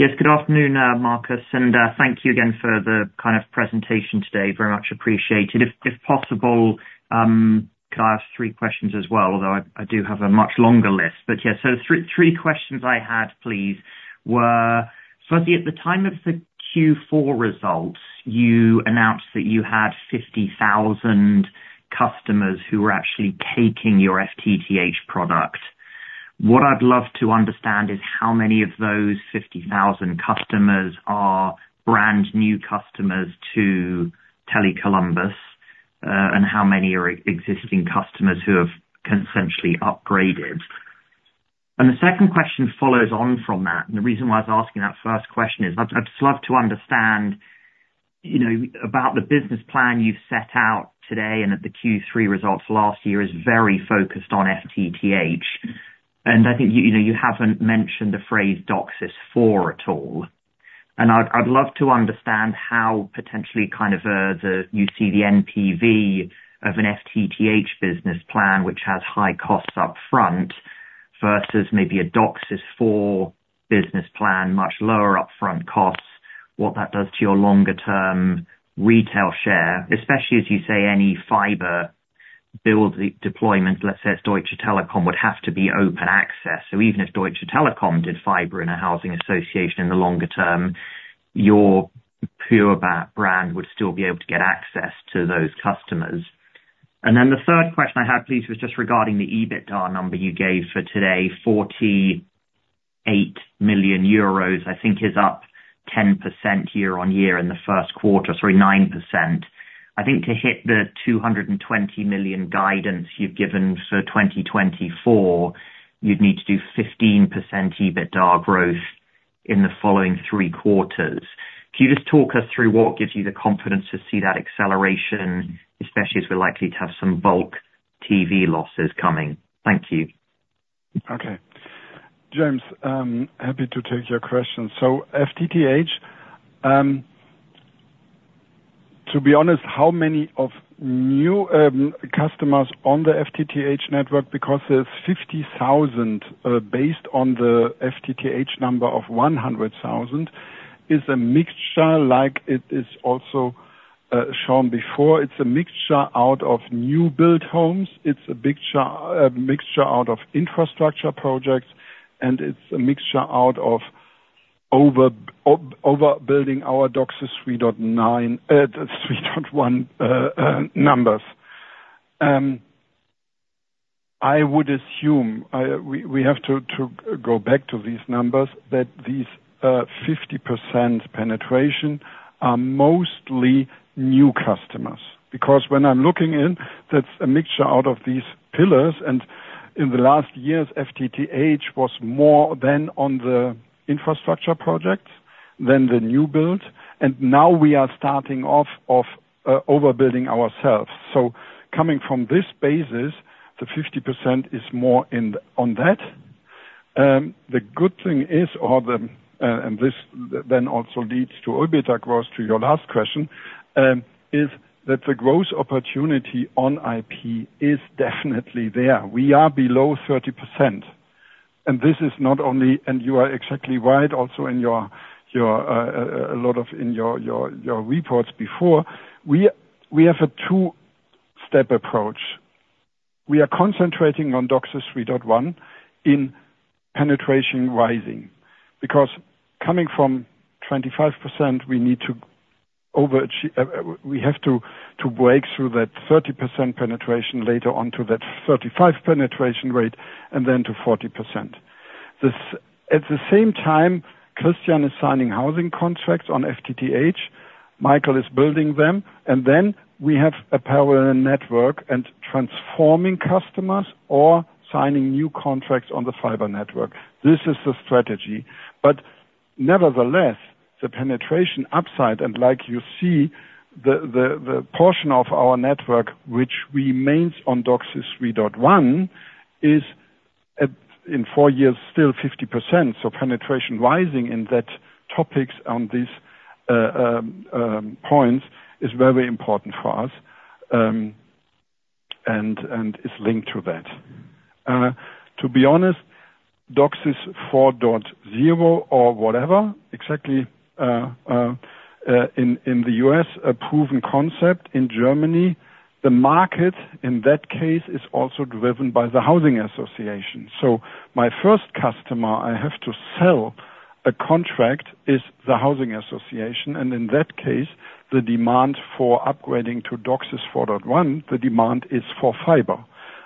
Yes, good afternoon, Markus, and thank you again for the kind of presentation today. Very much appreciated. If possible, can I ask three questions as well, although I do have a much longer list. But yeah, so three questions I had, please, were: So at the time of the Q4 results, you announced that you had 50,000 customers who were actually taking your FTTH product. What I'd love to understand is how many of those 50,000 customers are brand new customers to Tele Columbus, and how many are existing customers who have consensually upgraded? And the second question follows on from that. And the reason why I was asking that first question is I'd just love to understand, you know, about the business plan you've set out today and at the Q3 results last year, is very focused on FTTH. I think, you know, you haven't mentioned the phrase DOCSIS 4 at all. And I'd love to understand how potentially, kind of, you see the NPV of an FTTH business plan, which has high costs up front, versus maybe a DOCSIS 4 business plan, much lower upfront costs, what that does to your longer term retail share, especially as you say, any fiber build deployment, let's say, as Deutsche Telekom would have to be open access. So even if Deutsche Telekom did fiber in a housing association in the longer term, your PŸUR brand would still be able to get access to those customers. And then the third question I had, please, was just regarding the EBITDA number you gave for today, 48 million euros, I think, is up 10% quarter-over-quarter in the Q1, sorry, 9%. I think to hit the 220 million guidance you've given for 2024, you'd need to do 15% EBITDA growth in the following three quarters. Can you just talk us through what gives you the confidence to see that acceleration, especially as we're likely to have some bulk TV losses coming? Thank you. Okay. James, I'm happy to take your questions. So FTTH, to be honest, how many of new customers on the FTTH network? Because there's 50,000, based on the FTTH number of 100,000, is a mixture, like it is also shown before. It's a mixture out of new build homes. It's a mixture, mixture out of infrastructure projects, and it's a mixture out of overbuilding our DOCSIS 3.1 numbers. I would assume, I, we, we have to go back to these numbers, that these 50% penetration are mostly new customers. Because when I'm looking in, that's a mixture out of these pillars, and in the last years, FTTH was more than on the infrastructure project than the new build, and now we are starting off overbuilding ourselves. So coming from this basis, the 50% is more in on that. The good thing is, and this then also leads to EBITDA growth, to your last question, is that the growth opportunity on IP is definitely there. We are below 30%, and this is not only, and you are exactly right, also, in your reports before. We have a two-step approach. We are concentrating on DOCSIS 3.1 in penetration rising. Because coming from 25%, we need to, we have to, to break through that 30% penetration later on to that 35% penetration rate, and then to 40%. At the same time, Christian is signing housing contracts on FTTH. Michael is building them, and then we have a parallel network and transforming customers or signing new contracts on the fiber network. This is the strategy. But nevertheless, the penetration upside, and like you see, the portion of our network which remains on DOCSIS 3.1, is at, in 4 years, still 50%. So penetration rising in that topics on these points, is very important for us, and is linked to that. To be honest, DOCSIS 4.0 or whatever, exactly, in the US, a proven concept in Germany, the market in that case is also driven by the housing association. So my first customer, I have to sell a contract, is the housing association, and in that case, the demand for upgrading to DOCSIS 4., the demand is for fiber.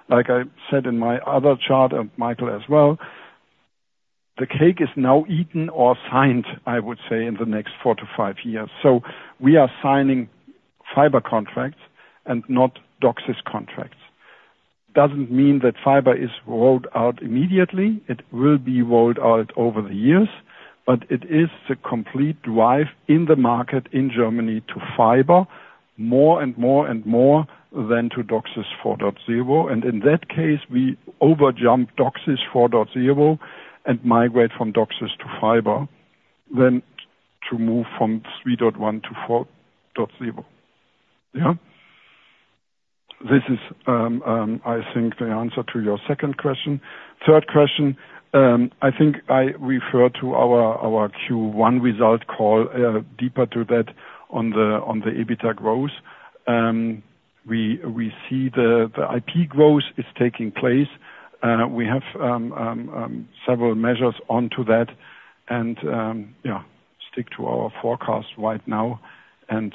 Like I said in my other chart, and Michael as well, the cake is now eaten or signed, I would say, in the next 4-5 years. So we are signing fiber contracts and not DOCSIS contracts. Doesn't mean that fiber is rolled out immediately. It will be rolled out over the years, but it is the complete drive in the market in Germany to fiber more, and more, and more, than to DOCSIS 4.0. And in that case, we over jump DOCSIS 4.0 and migrate from DOCSIS to fiber, then to move from 3.1 to 4.0. Yeah? This is, I think, the answer to your second question. Third question, I think I refer to our Q1 result call, deeper to that on the EBITDA growth. We see the IP growth is taking place. We have several measures onto that, and yeah, stick to our forecast right now. And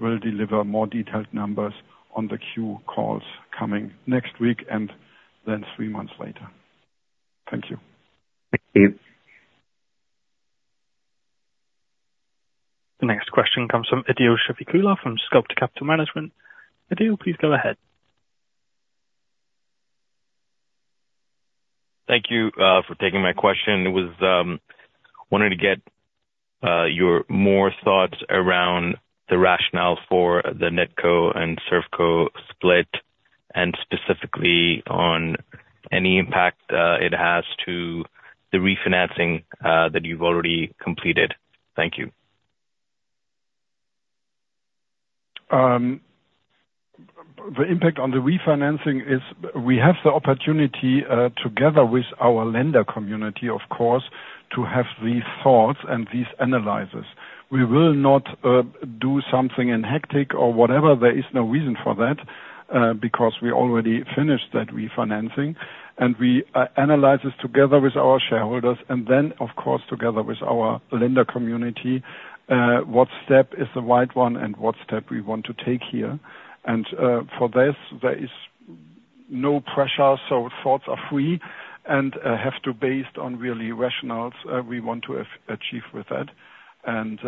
we'll deliver more detailed numbers on the Q calls coming next week, and then three months later. Thank you. Thank you. The next question comes from Adeel Shafiqullah, from Sculptor Capital Management. Adeel, please go ahead. Thank you for taking my question. It was wanted to get your more thoughts around the rationale for the NetCo and ServCo split, and specifically on any impact it has to the refinancing that you've already completed. Thank you. The impact on the refinancing is we have the opportunity, together with our lender community, of course, to have these thoughts and these analyses. We will not do something in hectic or whatever. There is no reason for that, because we already finished that refinancing, and we analyze this together with our shareholders, and then, of course, together with our lender community, what step is the right one and what step we want to take here. And, for this, there is no pressure, so thoughts are free, and, have to based on really rationales, we want to achieve with that. And,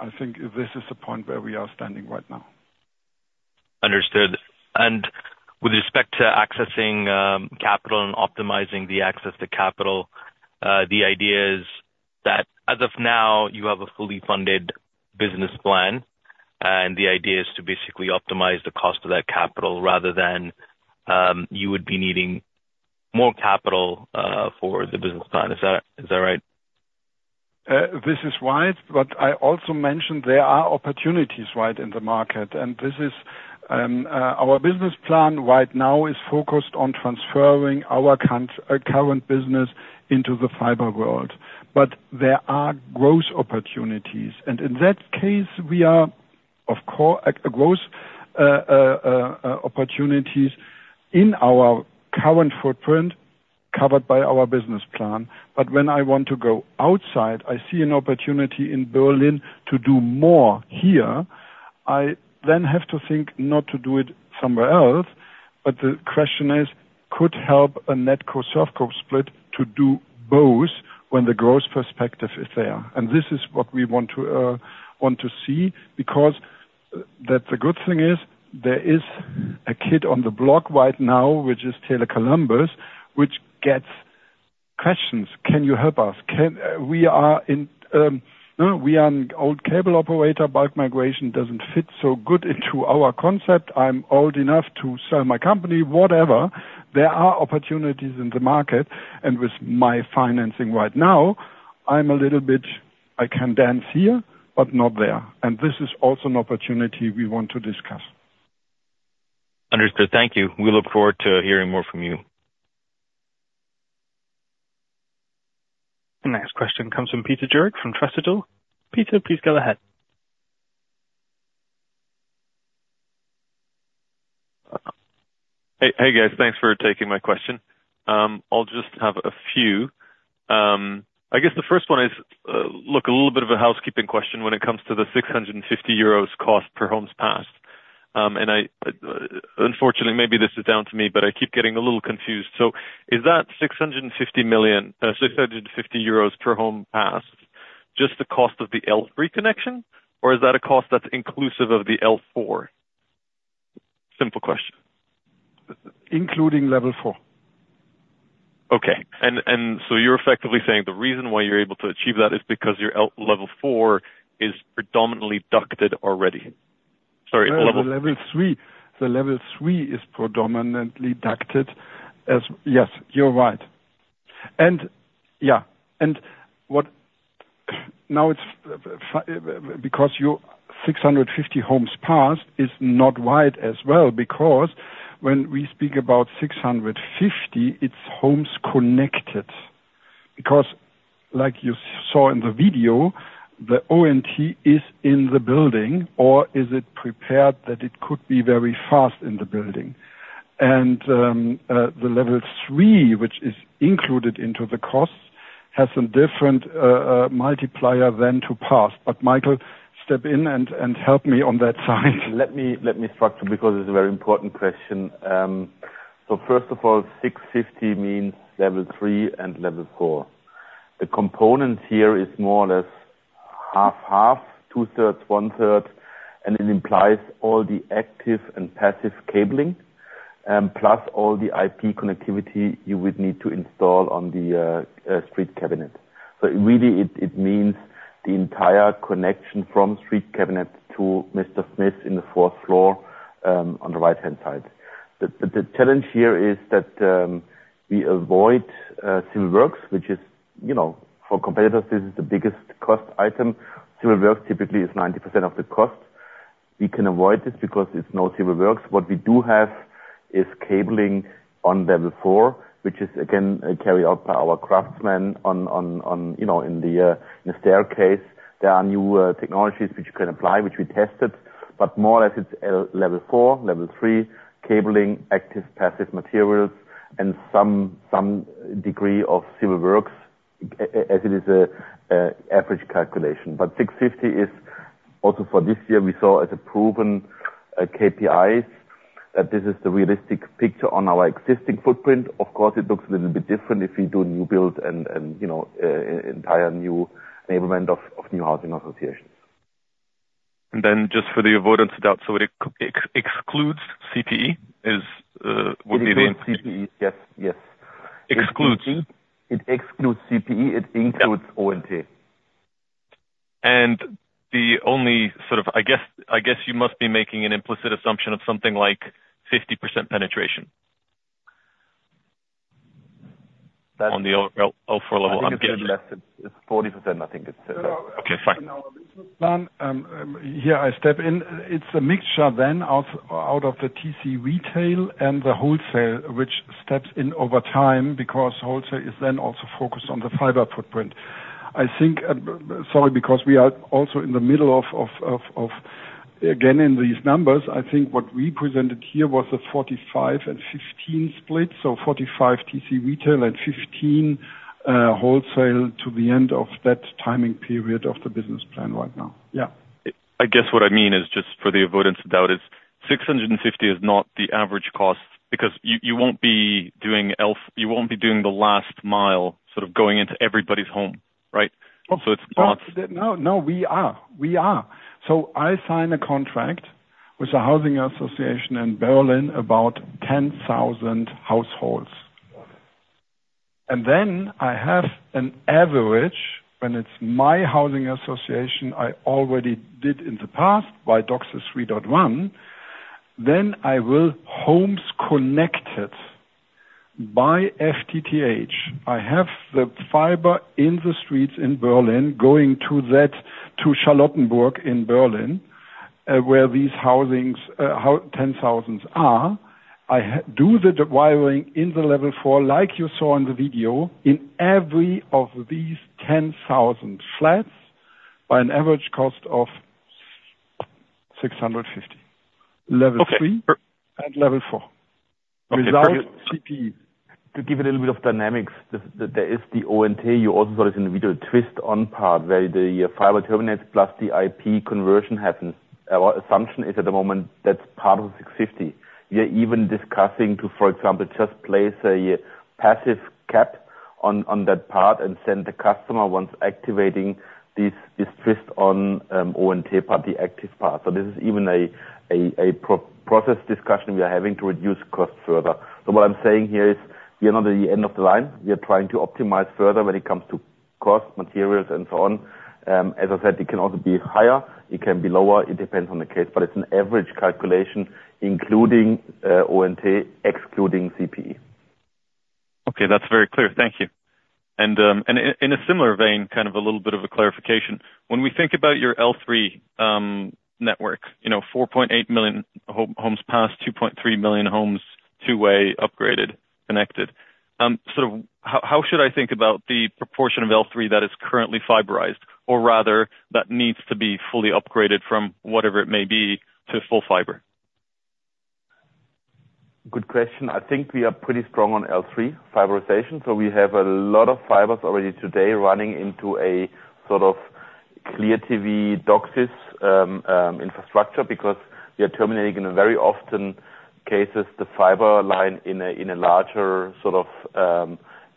I think this is the point where we are standing right now. Understood. And with respect to accessing capital and optimizing the access to capital, the idea is that as of now, you have a fully funded business plan, and the idea is to basically optimize the cost of that capital rather than you would be needing more capital for the business plan. Is that, is that right? This is right, but I also mentioned there are opportunities right in the market, and this is, our business plan right now is focused on transferring our current, current business into the fiber world. But there are growth opportunities, and in that case, we are, of course, a growth, opportunities in our current footprint, covered by our business plan. But when I want to go outside, I see an opportunity in Berlin to do more here. I then have to think not to do it somewhere else, but the question is: Could a NetCo-ServCo split help to do both when the growth perspective is there? And this is what we want to want to see, because the good thing is there is a kid on the block right now, which is Tele Columbus, which gets questions: "Can you help us? Can we are in we are an old cable operator. Bulk migration doesn't fit so good into our concept. I'm old enough to sell my company," whatever. There are opportunities in the market, and with my financing right now, I'm a little bit, I can dance here, but not there. And this is also an opportunity we want to discuss. Understood. Thank you. We look forward to hearing more from you. The next question comes from Peter Jurik from Tresidor. Peter, please go ahead. Hey, hey, guys. Thanks for taking my question. I'll just have a few. I guess the first one is, look, a little bit of a housekeeping question when it comes to the 650 euros cost per homes passed. I, unfortunately, maybe this is down to me, but I keep getting a little confused. So is that 650 million, 650 euros per home passed, just the cost of the L3 connection? Or is that a cost that's inclusive of the L4? Simple question. Including Level 4. Okay. And so you're effectively saying the reason why you're able to achieve that is because your Level 4 is predominantly ducted already. Sorry, level- The level three. The level three is predominantly ducted as... Yes, you're right. And yeah, and what-- Now, it's because your 650 homes passed is not wide as well, because when we speak about 650, it's homes connected. Because like you saw in the video, the ONT is in the building, or is it prepared that it could be very fast in the building. And the level three, which is included into the cost, has some different multiplier than to pass. But Michael, step in and help me on that side. Let me structure, because it's a very important question. So first of all, 650 means level three and level four. The components here is more or less 50/50, 2/3, 1/3, and it implies all the active and passive cabling, plus all the IP connectivity you would need to install on the street cabinet. So really, it means the entire connection from street cabinet to Mr. Smith in the fourth floor, on the right-hand side. But the challenge here is that we avoid civil works, which is, you know, for competitors, this is the biggest cost item. Civil works typically is 90% of the cost. We can avoid this because it's no civil works. What we do have is cabling on Level 4, which is again carried out by our craftsmen on, you know, in the staircase. There are new technologies which you can apply, which we tested, but more or less, it's Level 4, Level 3 cabling, active, passive materials, and some degree of civil works, as it is an average calculation. But 650 is also for this year, we saw as a proven KPI, that this is the realistic picture on our existing footprint. Of course, it looks a little bit different if we do new build and, you know, entire new enablement of new housing associations. And then just for the avoidance of doubt, so it excludes CPE, would be the- Exclude CPE, yes. Yes. Excludes. It excludes CPE, it includes ONT. The only sort of... I guess you must be making an implicit assumption of something like 50% penetration? On the Level 4 level. I think it's less. It's 40%, I think it's, Okay, fine. Here I step in. It's a mixture then, of, out of the TC retail and the wholesale, which steps in over time, because wholesale is then also focused on the fiber footprint. I think, sorry, because we are also in the middle of... Again, in these numbers, I think what we presented here was a 45 and 15 split, so 45 TC retail and 15, wholesale to the end of that timing period of the business plan right now. Yeah. I guess what I mean is, just for the avoidance of doubt, is 650 is not the average cost, because you won't be doing the last mile, sort of, going into everybody's home, right? So it's parts- No, no, we are. We are. So I sign a contract with the housing association in Berlin, about 10,000 households. And then I have an average, when it's my housing association, I already did in the past, by DOCSIS 3.1, then I will homes connected by FTTH. I have the fiber in the streets in Berlin, going to that, to Charlottenburg in Berlin, where these housings, 10,000 are. I do the wiring in the level four, like you saw in the video, in every of these 10,000 flats, by an average cost of 650. Okay. Level 3 and Level 4. Okay. Without CPE. To give a little bit of dynamics, there is the ONT, you also saw this in the video, twist-on part, where the fiber terminates, plus the IP conversion happens. Our assumption is, at the moment, that's part of 650. We are even discussing to, for example, just place a passive cap on that part, and send the customer once activating this twist-on ONT part, the active part. So this is even a process discussion we are having to reduce costs further. So what I'm saying here is, we are not at the end of the line. We are trying to optimize further when it comes to cost, materials, and so on. As I said, it can also be higher, it can be lower, it depends on the case, but it's an average calculation, including ONT, excluding CPE. Okay, that's very clear. Thank you. In a similar vein, kind of a little bit of a clarification. When we think about your L3 network, you know, 4.8 million homes passed, 2.3 million homes two-way upgraded, connected. So how should I think about the proportion of L3 that is currently fiberized? Or rather, that needs to be fully upgraded from whatever it may be, to full fiber? Good question. I think we are pretty strong on L3 fiberization. So we have a lot of fibers already today running into a sort of coax TV DOCSIS infrastructure, because we are terminating, in very often cases, the fiber line in a, in a larger sort of,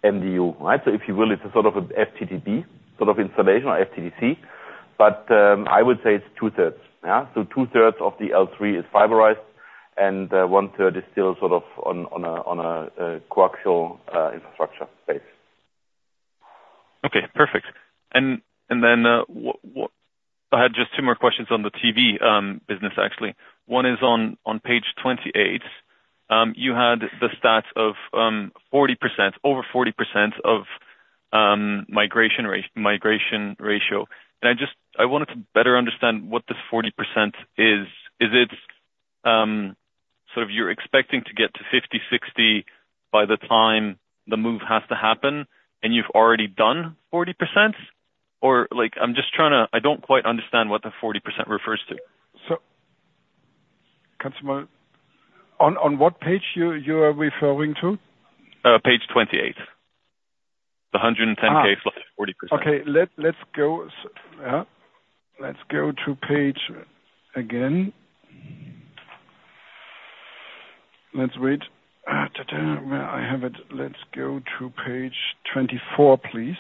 MDU, right? So if you will, it's a sort of a FTTB sort of installation, or FTTC, but, I would say it's 2/3. Yeah, so 2/3 of the L3 is fiberized, and, one-third is still sort of on, on a, on a, coaxial infrastructure base. Okay, perfect. And then, what... I had just two more questions on the TV business, actually. One is on page 28. You had the stats of 40%, over 40% of migration ratio. And I just wanted to better understand what this 40% is. Is it sort of you're expecting to get to 50, 60, by the time the move has to happen, and you've already done 40%? Or, like, I'm just trying to... I don't quite understand what the 40% refers to. So, customer, on what page you are referring to? Page 28. 110,000 +40%. Ah. Okay, let's go to page again. Let's wait. Ta-ta, where I have it. Let's go to page 24, please.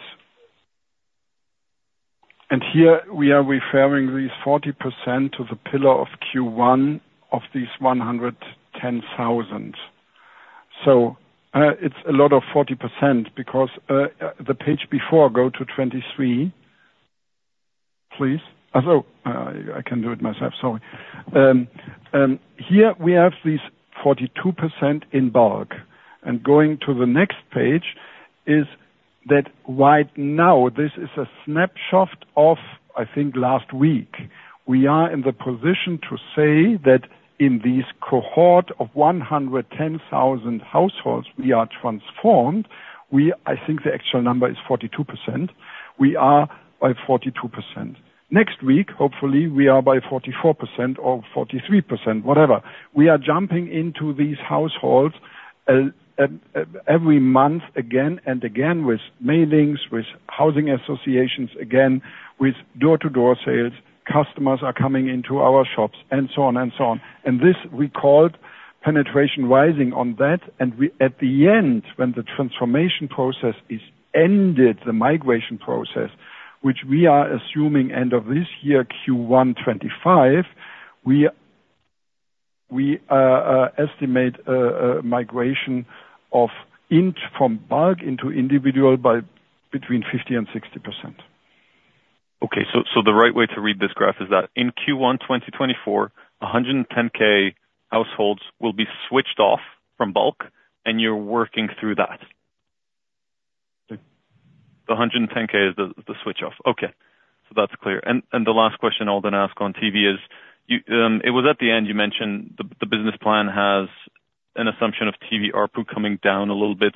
And here, we are referring these 40% to the pillar of Q1 of these 110,000. So, it's a lot of 40% because, the page before, go to 23, please. Oh, so I can do it myself, sorry. Here, we have these 42% in bulk. And going to the next page is that right now, this is a snapshot of, I think, last week. We are in the position to say that in this cohort of 110,000 households we are transformed, we-- I think the actual number is 42%. We are by 42%. Next week, hopefully, we are by 44% or 43%, whatever. We are jumping into these households, every month, again and again, with mailings, with housing associations, again, with door-to-door sales. Customers are coming into our shops, and so on, and so on. And this, we called penetration rising on that, and we—at the end, when the transformation process is ended, the migration process, which we are assuming end of this year, Q1 2025, we, we, estimate, migration of it from bulk into individual by between 50% and 60%. Okay. So, the right way to read this graph is that in Q1, 2024, 110K households will be switched off from bulk, and you're working through that? The 110K is the switch off. Okay. So that's clear. And, the last question I'll then ask on TV is, you, it was at the end, you mentioned the business plan has an assumption of TV ARPU coming down a little bit.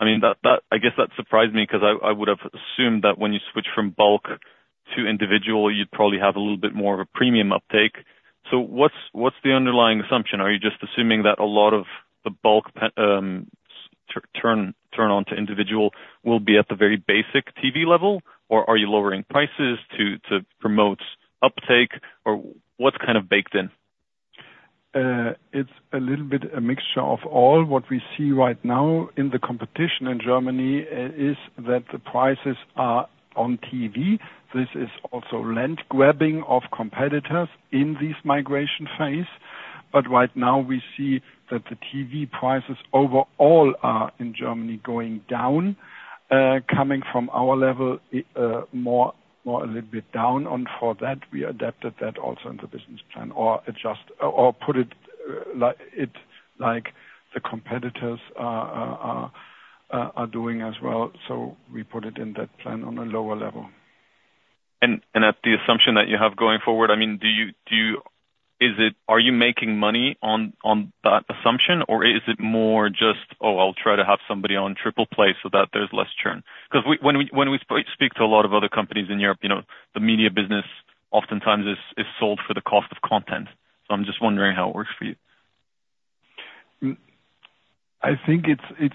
I mean, that, I guess that surprised me, 'cause I would have assumed that when you switch from bulk to individual, you'd probably have a little bit more of a premium uptake. So what's the underlying assumption? Are you just assuming that a lot of the bulk turn on to individual will be at the very basic TV level? Or are you lowering prices to promote uptake, or what's kind of baked in? It's a little bit a mixture of all. What we see right now in the competition in Germany is that the prices are on TV. This is also land grabbing of competitors in this migration phase. But right now, we see that the TV prices overall are, in Germany, going down, coming from our level, more a little bit down. And for that, we adapted that also in the business plan, or adjust, or put it like the competitors are doing as well. So we put it in that plan on a lower level. At the assumption that you have going forward, I mean, do you, is it, are you making money on that assumption? Or is it more just, "Oh, I'll try to have somebody on triple play so that there's less churn?" 'Cause when we speak to a lot of other companies in Europe, you know, the media business oftentimes is sold for the cost of content. So I'm just wondering how it works for you. I think it's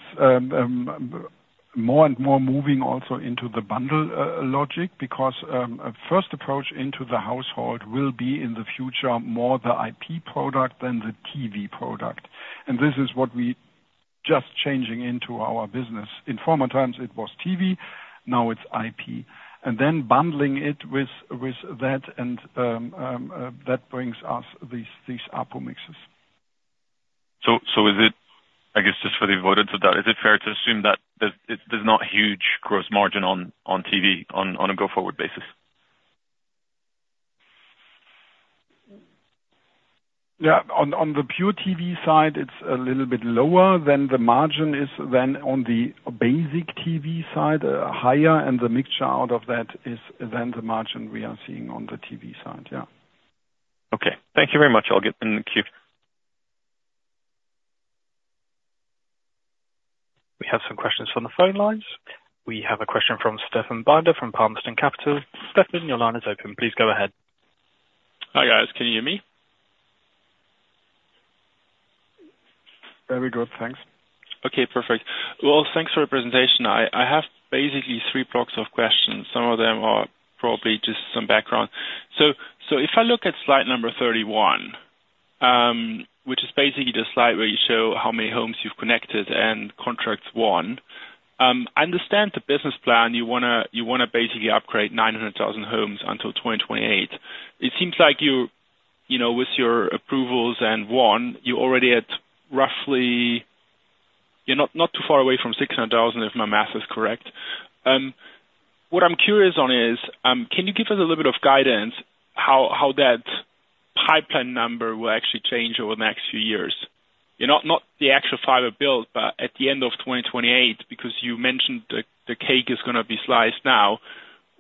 more and more moving also into the bundle logic. Because a first approach into the household will be, in the future, more the IP product than the TV product. And this is what we just changing into our business. In former times, it was TV, now it's IP. And then bundling it with that, and that brings us these ARPU mixes. So, is it, I guess, just for the avoidance of doubt, fair to assume that there's not huge gross margin on a go-forward basis? Yeah. On the PŸUR TV side, it's a little bit lower than the margin is than on the basic TV side, higher, and the mixture out of that is than the margin we are seeing on the TV side. Yeah. Okay. Thank you very much. I'll get in the queue. We have some questions from the phone lines. We have a question from Stefan Binder from Palmerston Capital. Stefan, your line is open. Please go ahead. Hi, guys. Can you hear me? Very good, thanks. Okay, perfect. Well, thanks for the presentation. I have basically three blocks of questions. Some of them are probably just some background. So if I look at slide number 31, which is basically the slide where you show how many homes you've connected and contracts won. I understand the business plan, you wanna basically upgrade 900,000 homes until 2028. It seems like you know, with your approvals and won, you're already at roughly... You're not too far away from 600,000, if my math is correct. What I'm curious on is, can you give us a little bit of guidance how that pipeline number will actually change over the next few years? You know, not the actual fiber built, but at the end of 2028, because you mentioned the cake is gonna be sliced now.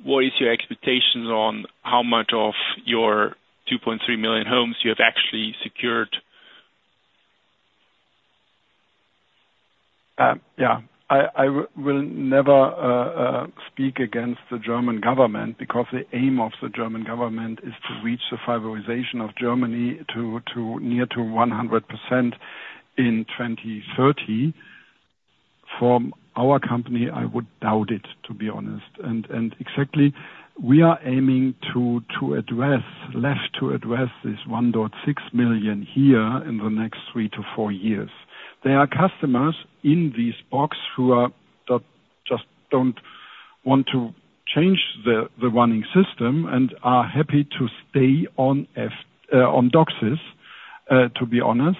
What is your expectations on how much of your 2.3 million homes you have actually secured? Yeah. I will never speak against the German government, because the aim of the German government is to reach the fiberization of Germany to near 100% in 2030. From our company, I would doubt it, to be honest. Exactly, we are aiming to address left to address this 1.6 million here in the next 3-4 years. There are customers in this box who just don't want to change the running system and are happy to stay on DOCSIS, to be honest.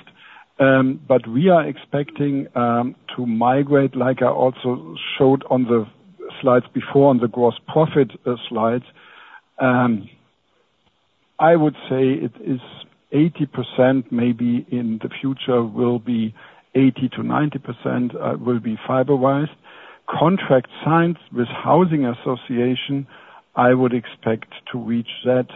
But we are expecting to migrate, like I also showed on the slides before, on the gross profit slides. I would say it is 80%, maybe in the future will be 80%-90%, will be fiber-wise. Contract signed with housing association, I would expect to reach that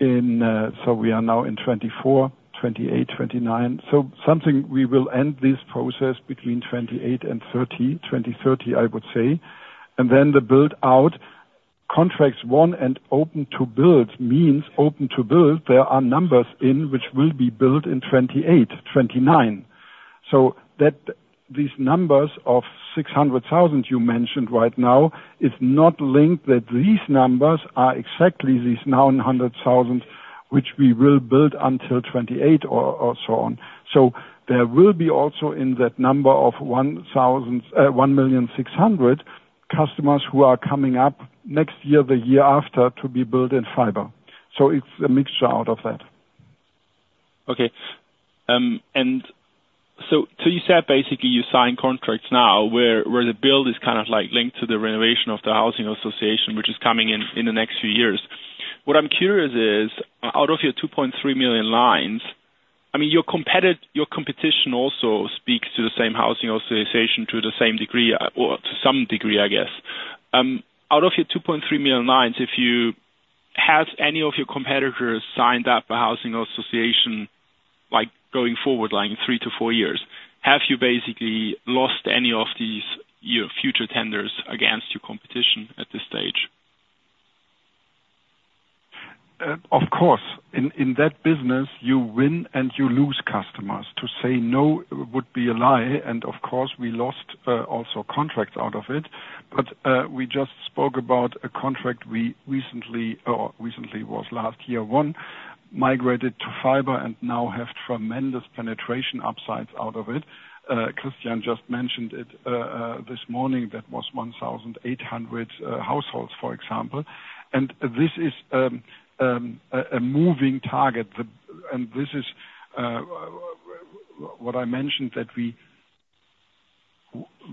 in. So we are now in 2024, 2028, 2029. So something we will end this process between 2028 and 2030, 2030, I would say. And then the build-out contracts won and open to build, means open to build, there are numbers in which will be built in 2028, 2029. So that, these numbers of 600,000 you mentioned right now, is not linked that these numbers are exactly these 900,000, which we will build until 2028 or, or so on. So there will be also in that number of 1,600,000 customers who are coming up next year, the year after, to be built in fiber. So it's a mixture out of that. Okay. So you said basically you sign contracts now, where the build is kind of like linked to the renovation of the housing association, which is coming in the next few years. What I'm curious is, out of your 2.3 million lines, I mean, your competition also speaks to the same housing association to the same degree, or to some degree, I guess. Out of your 2.3 million lines, has any of your competitors signed up a housing association, like, going forward, like in 3-4 years? Have you basically lost any of these, your future tenders against your competition at this stage? Of course, in that business, you win and you lose customers. To say no would be a lie, and of course, we lost also contracts out of it. But we just spoke about a contract we recently was last year, one migrated to fiber and now have tremendous penetration upsides out of it. Christian just mentioned it this morning. That was 1,800 households, for example. And this is a moving target. And this is what I mentioned, that we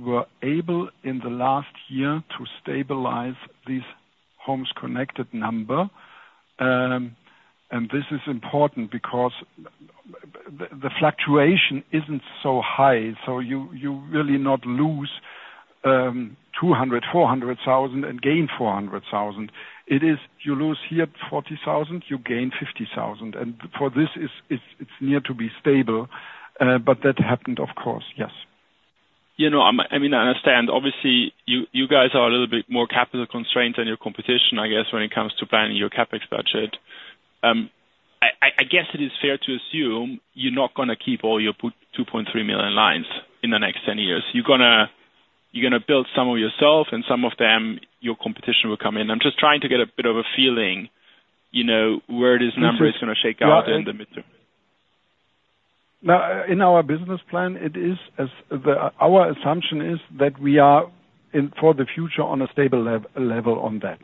were able in the last year to stabilize these Homes Connected number. And this is important because the fluctuation isn't so high, so you really not lose 200-400,000 and gain 400,000. It is, you lose here 40,000, you gain 50,000, and for this, it's near to be stable. But that happened, of course, yes. You know, I mean, I understand. Obviously, you guys are a little bit more capital constrained than your competition, I guess, when it comes to planning your CapEx budget. I guess it is fair to assume you're not gonna keep all your 2.3 million lines in the next 10 years. You're gonna build some of yourself and some of them, your competition will come in. I'm just trying to get a bit of a feeling, you know, where this number is gonna shake out in the midterm. Now, in our business plan, our assumption is that we are in, for the future, on a stable level on that.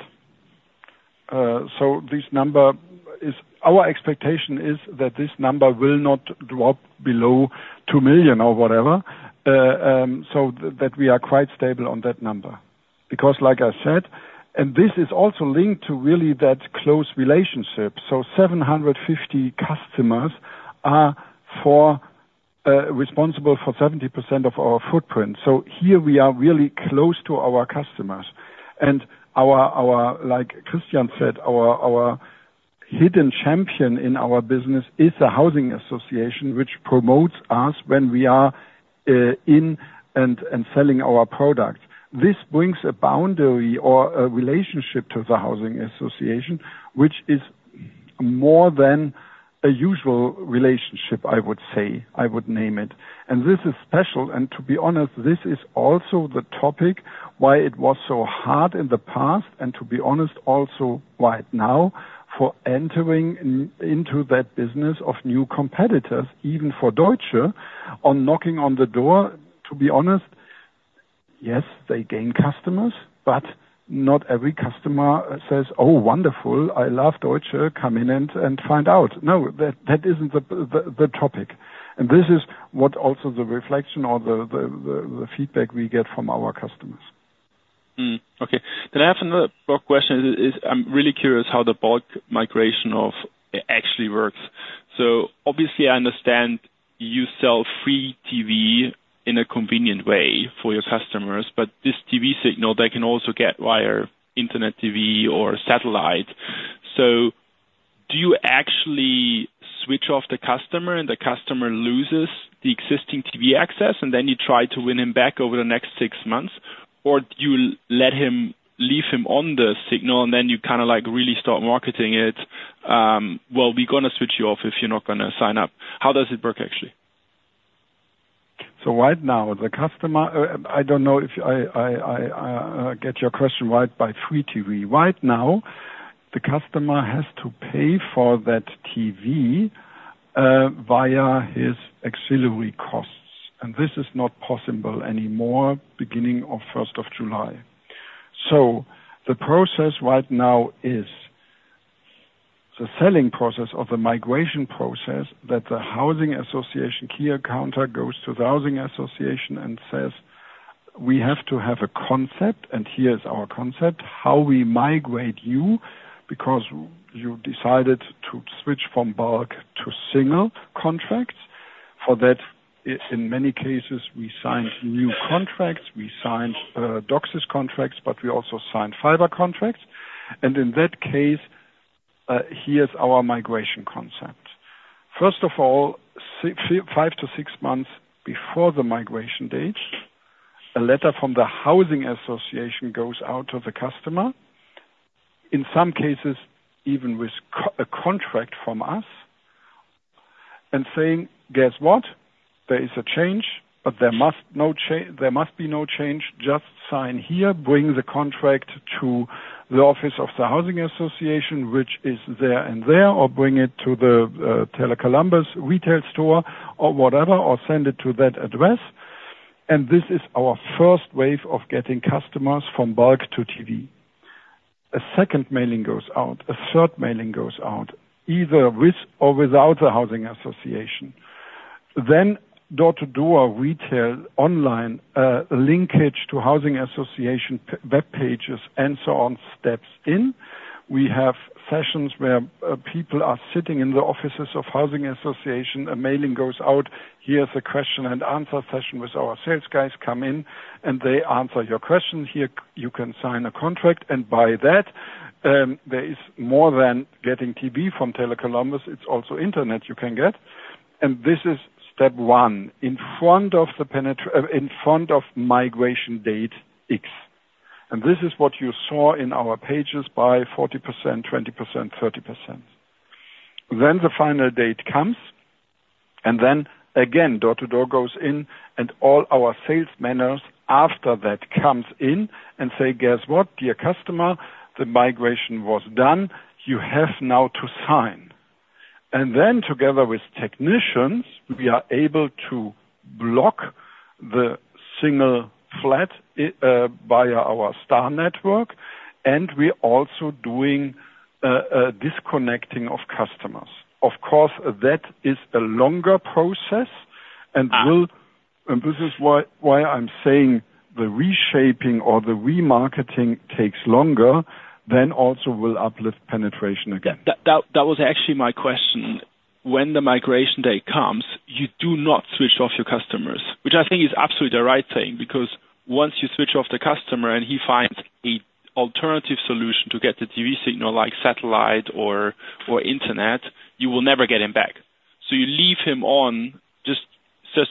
So this number is our expectation is that this number will not drop below 2 million or whatever. So that we are quite stable on that number. Because like I said, and this is also linked to really that close relationship. So 750 customers are responsible for 70% of our footprint. So here we are really close to our customers. And our, like Christian said, our hidden champion in our business is the Housing Association, which promotes us when we are in and selling our product. This brings a boundary or a relationship to the Housing Association, which is more than a usual relationship, I would say. I would name it. And this is special, and to be honest, this is also the topic why it was so hard in the past, and to be honest, also why now, for entering into that business of new competitors, even for Deutsche, on knocking on the door. To be honest, yes, they gain customers, but not every customer says: "Oh, wonderful! I love Deutsche. Come in and find out." No, that isn't the topic. And this is what also the reflection or the feedback we get from our customers. Okay. Then I have another question. I'm really curious how the bulk migration of it actually works. So obviously, I understand you sell free TV in a convenient way for your customers, but this TV signal, they can also get via internet TV or satellite. So do you actually switch off the customer, and the customer loses the existing TV access, and then you try to win him back over the next six months? Or do you let him, leave him on the signal, and then you kind of, like, really start marketing it? Well, we're gonna switch you off if you're not gonna sign up. How does it work, actually? So right now, the customer, I don't know if I get your question right by free TV. Right now, the customer has to pay for that TV via his auxiliary costs, and this is not possible anymore, beginning of first of July. So the process right now is: the selling process or the migration process, that the housing association key account goes to the housing association and says, "We have to have a concept, and here's our concept, how we migrate you, because you decided to switch from bulk to single contracts. For that, in many cases, we signed new contracts, we signed DOCSIS contracts, but we also signed fiber contracts. And in that case, here's our migration concept." First of all, 5-6 months before the migration date, a letter from the housing association goes out to the customer. In some cases, even with a contract from us, and saying: "Guess what? There is a change, but there must be no change. Just sign here, bring the contract to the office of the housing association, which is there and there, or bring it to the Tele Columbus retail store or whatever, or send it to that address." And this is our first wave of getting customers from bulk to TV. A second mailing goes out, a third mailing goes out, either with or without the housing association. Then door-to-door retail, online, linkage to housing association web pages, and so on, steps in. We have sessions where people are sitting in the offices of housing association. A mailing goes out. Here's a question-and-answer session with our sales guys, come in and they answer your questions. Here, you can sign a contract. By that, there is more than getting TV from Tele Columbus; it's also internet you can get... And this is step one: in front of the penetr- in front of migration date X. And this is what you saw in our pages by 40%, 20%, 30%. Then the final date comes, and then again, door-to-door goes in, and all our salesmen after that comes in and say, "Guess what, dear customer? The migration was done. You have now to sign." And then together with technicians, we are able to block the single flat via our star network, and we're also doing a disconnecting of customers. Of course, that is a longer process and will- Ah. This is why I'm saying the reshaping or the remarketing takes longer, then also will uplift penetration again. That was actually my question. When the migration day comes, you do not switch off your customers, which I think is absolutely the right thing, because once you switch off the customer and he finds an alternative solution to get the TV signal, like satellite or internet, you will never get him back. So you leave him on, just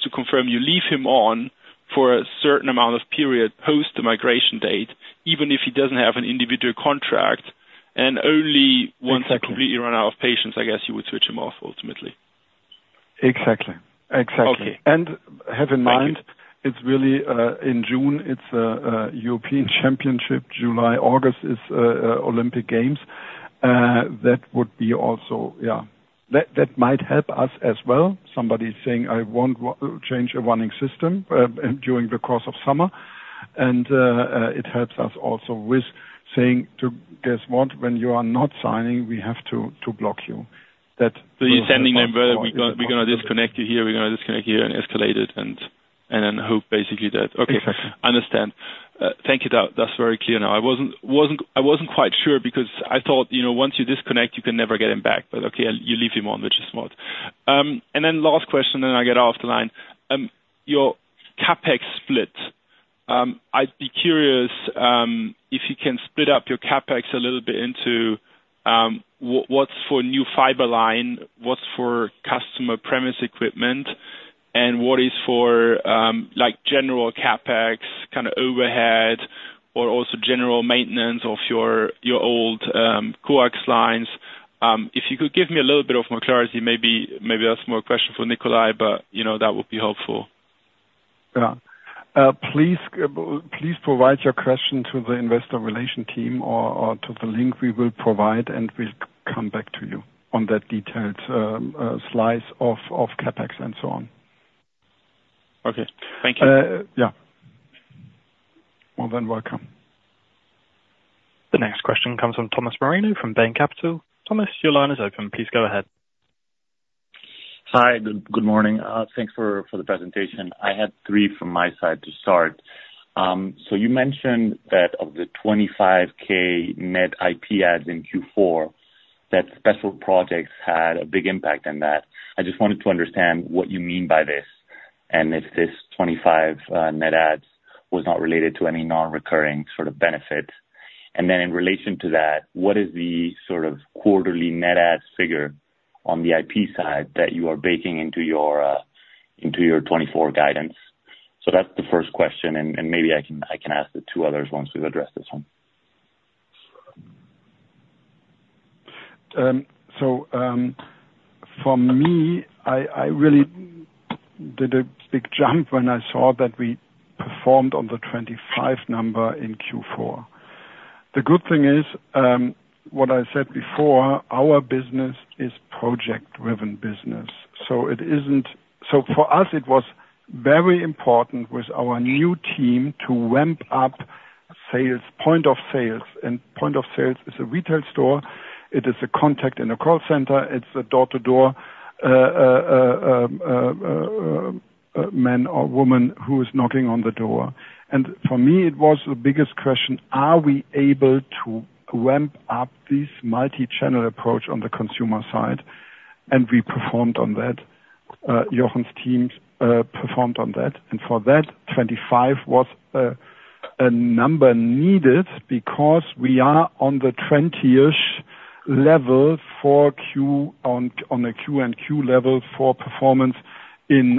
to confirm, you leave him on for a certain amount of period post the migration date, even if he doesn't have an individual contract, and only- Exactly. Once you completely run out of patience, I guess you would switch him off ultimately. Exactly. Exactly. Okay. And have in mind- Thank you. It's really in June, it's a European Championship. July, August is Olympic Games. That would be also... Yeah, that might help us as well. Somebody is saying, "I won't change a running system," during the course of summer. It helps us also with saying to, "Guess what? When you are not signing, we have to block you." That- So you're sending them whether we're gonna disconnect you here and escalate it, and then hope basically that- Exactly. Okay, understand. Uh, thank you. That, that's very clear now. I wasn't quite sure because I thought, you know, once you disconnect, you can never get him back. But okay, you leave him on, which is smart. And then last question, then I get off the line. Your CapEx split. I'd be curious if you can split up your CapEx a little bit into what, what's for new fiber line, what's for customer premise equipment, and what is for like general CapEx, kind of overhead, or also general maintenance of your old coax lines. If you could give me a little bit more clarity, maybe that's more question for Nicolai, but you know, that would be helpful. Yeah. Please provide your question to the investor relations team or to the link we will provide, and we'll come back to you on that detailed slice of CapEx and so on. Okay. Thank you. Yeah. More than welcome. The next question comes from Thomas Marino, from Bain Capital. Thomas, your line is open. Please go ahead. Hi, good morning. Thanks for, for the presentation. I had three from my side to start. So you mentioned that of the 25K net IP adds in Q4, that special projects had a big impact on that. I just wanted to understand what you mean by this, and if this 25 net adds was not related to any non-recurring sort of benefits. And then in relation to that, what is the sort of quarterly net adds figure on the IP side that you are baking into your 2024 guidance? So that's the first question, and, and maybe I can, I can ask the two others once we've addressed this one. So, for me, I really did a big jump when I saw that we performed on the 25 number in Q4. The good thing is, what I said before, our business is project-driven business. So for us, it was very important with our new team to ramp up sales, point of sales. And point of sales is a retail store, it is a contact in a call center, it's a door-to-door man or woman who is knocking on the door. And for me, it was the biggest question: Are we able to ramp up this multi-channel approach on the consumer side? And we performed on that. Jochen's teams performed on that. For that, 25 was a number needed because we are on the 20-ish level for Q on a Q&Q level for performance in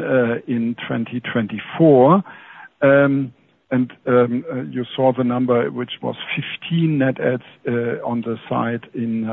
2024. And you saw the number, which was 15 net adds on the side in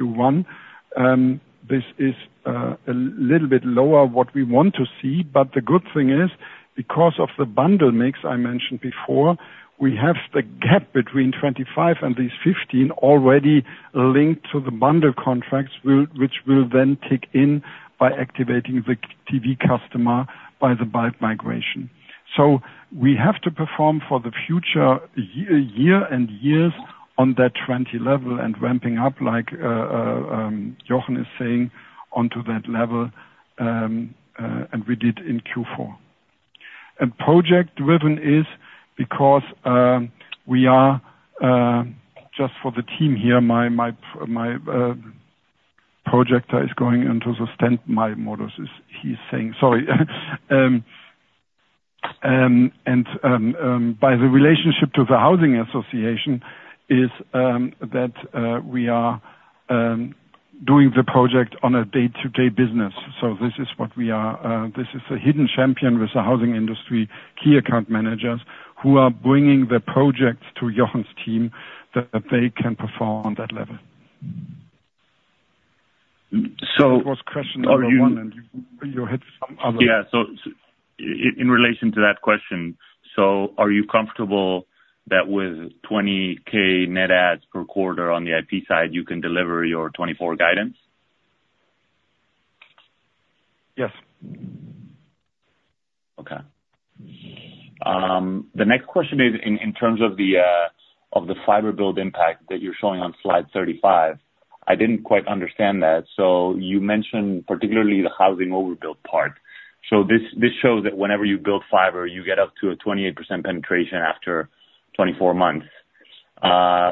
Q1. This is a little bit lower what we want to see, but the good thing is, because of the bundle mix I mentioned before, we have the gap between 25 and these 15 already linked to the bundle contracts, which will then kick in by activating the TV customer by the bulk migration. So we have to perform for the future year and years on that 20 level and ramping up, like Jochen is saying, onto that level, and we did in Q4. Project-driven is because we are. Just for the team here, projector is going into the stand, my motor is, he's saying. Sorry. The relationship to the housing association is that we are doing the project on a day-to-day business. So this is what we are. This is a hidden champion with the housing industry, key account managers, who are bringing the projects to Jochen's team, that they can perform on that level. So- It was question number one, and you had some other- Yeah, so in relation to that question, so are you comfortable that with 20,000 net adds per quarter on the IP side, you can deliver your 2024 guidance? Yes. Okay. The next question is in terms of the fiber build impact that you're showing on slide 35. I didn't quite understand that. So you mentioned particularly the housing overbuild part. So this shows that whenever you build fiber, you get up to a 28% penetration after 24 months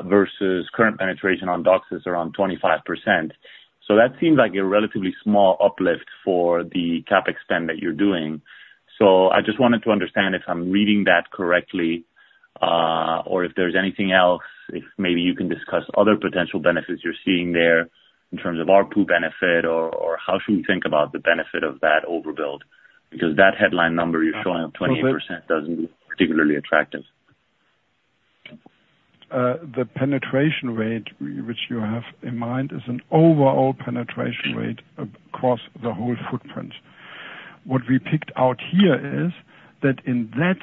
versus current penetration on DOCSIS around 25%. So that seems like a relatively small uplift for the CapEx spend that you're doing. So I just wanted to understand if I'm reading that correctly, or if there's anything else, if maybe you can discuss other potential benefits you're seeing there in terms of ARPU benefit, or how should we think about the benefit of that overbuild? Because that headline number you're showing of 28% doesn't look particularly attractive. The penetration rate which you have in mind is an overall penetration rate across the whole footprint. What we picked out here is that in that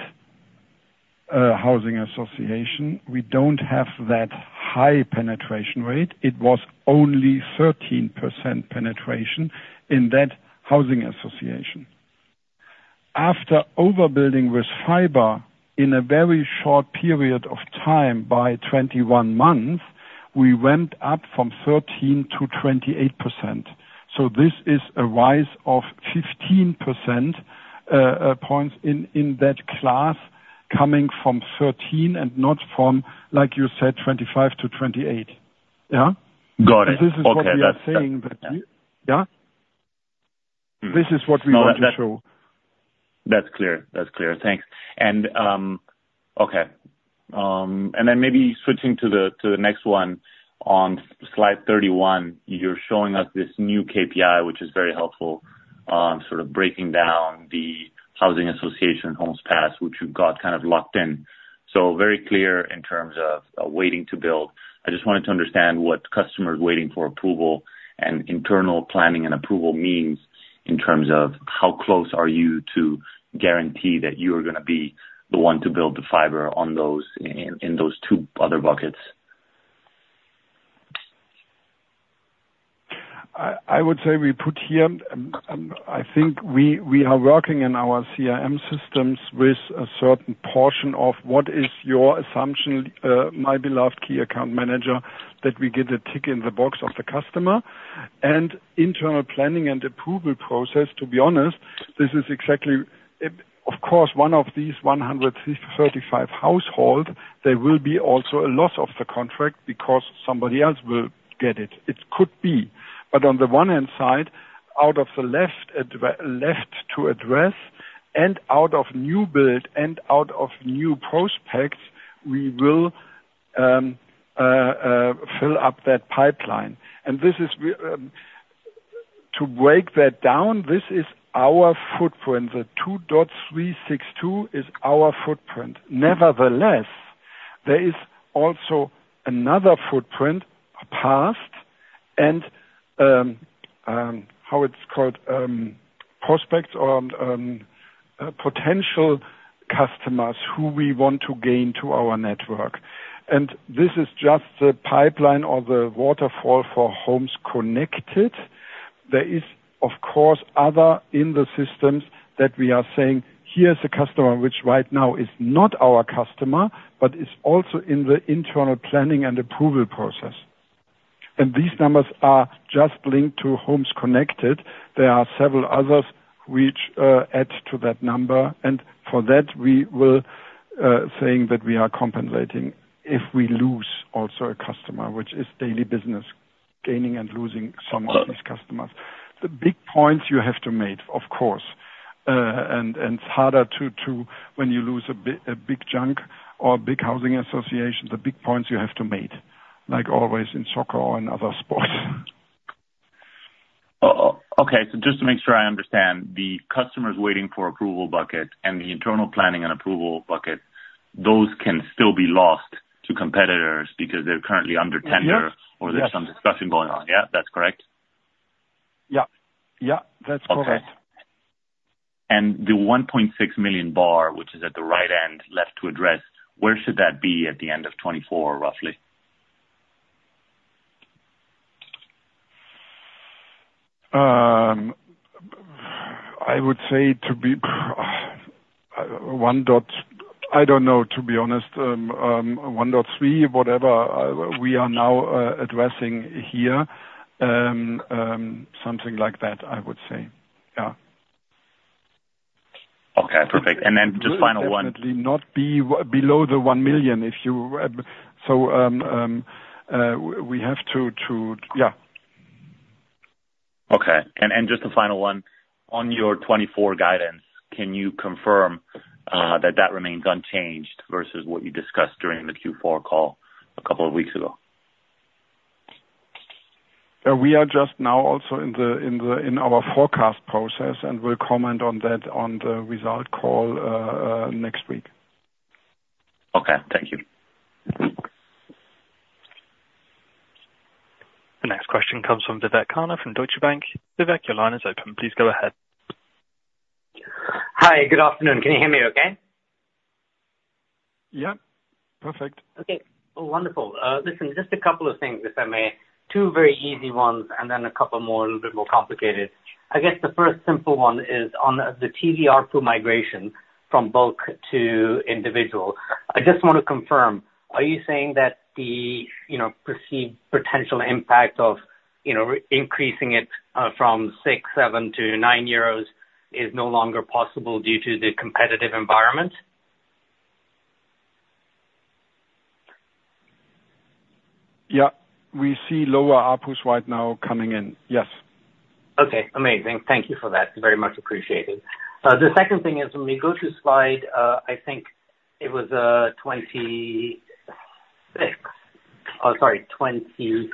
housing association, we don't have that high penetration rate. It was only 13% penetration in that housing association. After overbuilding with fiber, in a very short period of time, by 21 months, we went up from 13% to 28%. So this is a rise of 15 percentage points in that class, coming from 13 and not from, like you said, 25%-28%. Yeah? Got it. This is what we are saying that- Okay. Yeah. This is what we want to show. That's clear, that's clear. Thanks. And, okay, and then maybe switching to the, to the next one. On slide 31, you're showing us this new KPI, which is very helpful, on sort of breaking down the housing association homes passed, which you've got kind of locked in. So very clear in terms of waiting to build. I just wanted to understand what customers waiting for approval and internal planning and approval means, in terms of how close are you to guarantee that you are gonna be the one to build the fiber on those, in those two other buckets? I would say we put here, I think we are working in our CIM systems with a certain portion of what is your assumption, my beloved key account manager, that we get a tick in the box of the customer. And internal planning and approval process, to be honest, this is exactly... Of course, one of these 135 households, there will be also a loss of the contract because somebody else will get it. It could be. But on the one hand side, out of the left to address, and out of new build, and out of new prospects, we will fill up that pipeline. And this is to break that down, this is our footprint. The 2.362 is our footprint. Nevertheless, there is also another footprint, a path, and how it's called, prospects or potential customers who we want to gain to our network. And this is just the pipeline or the waterfall for homes connected. There is, of course, other in the systems that we are saying: Here's a customer which right now is not our customer, but is also in the internal planning and approval process. And these numbers are just linked to homes connected. There are several others which add to that number, and for that, we will saying that we are compensating if we lose also a customer, which is daily business, gaining and losing some of these customers. The big points you have to make, of course, and it's harder to when you lose a big chunk or a big Housing Association, the big points you have to make, like always in soccer or in other sports. Oh, okay. So just to make sure I understand, the customers waiting for approval bucket and the internal planning and approval bucket, those can still be lost to competitors because they're currently under tender- Yes. or there's some discussion going on. Yeah, that's correct? Yeah. Yeah, that's correct. Okay. The 1.6 million bar, which is at the right end, left to address, where should that be at the end of 2024, roughly? I would say to be 1... I don't know, to be honest. 1.3, whatever, we are now addressing here. Something like that, I would say. Yeah. Okay, perfect. And then just final one- Will definitely not be below the 1 million, if you, so, we have to... Yeah. ... Okay. And, and just a final one. On your 24 guidance, can you confirm that that remains unchanged versus what you discussed during the Q4 call a couple of weeks ago? We are just now also in our forecast process, and we'll comment on that on the results call next week. Okay, thank you. The next question comes from Vivek Khanna from Deutsche Bank. Vivek, your line is open. Please go ahead. Hi, good afternoon. Can you hear me okay? Yeah, perfect. Okay. Oh, wonderful. Listen, just a couple of things, if I may. Two very easy ones, and then a couple more, a little bit more complicated. I guess the first simple one is on the TV ARPU migration from bulk to individual. I just want to confirm, are you saying that the, you know, perceived potential impact of, you know, increasing it from 6-7 to 9 euros is no longer possible due to the competitive environment? Yeah. We see lower ARPU's right now coming in. Yes. Okay, amazing. Thank you for that. Very much appreciated. The second thing is, when we go to slide, I think it was 26... Oh, sorry, 24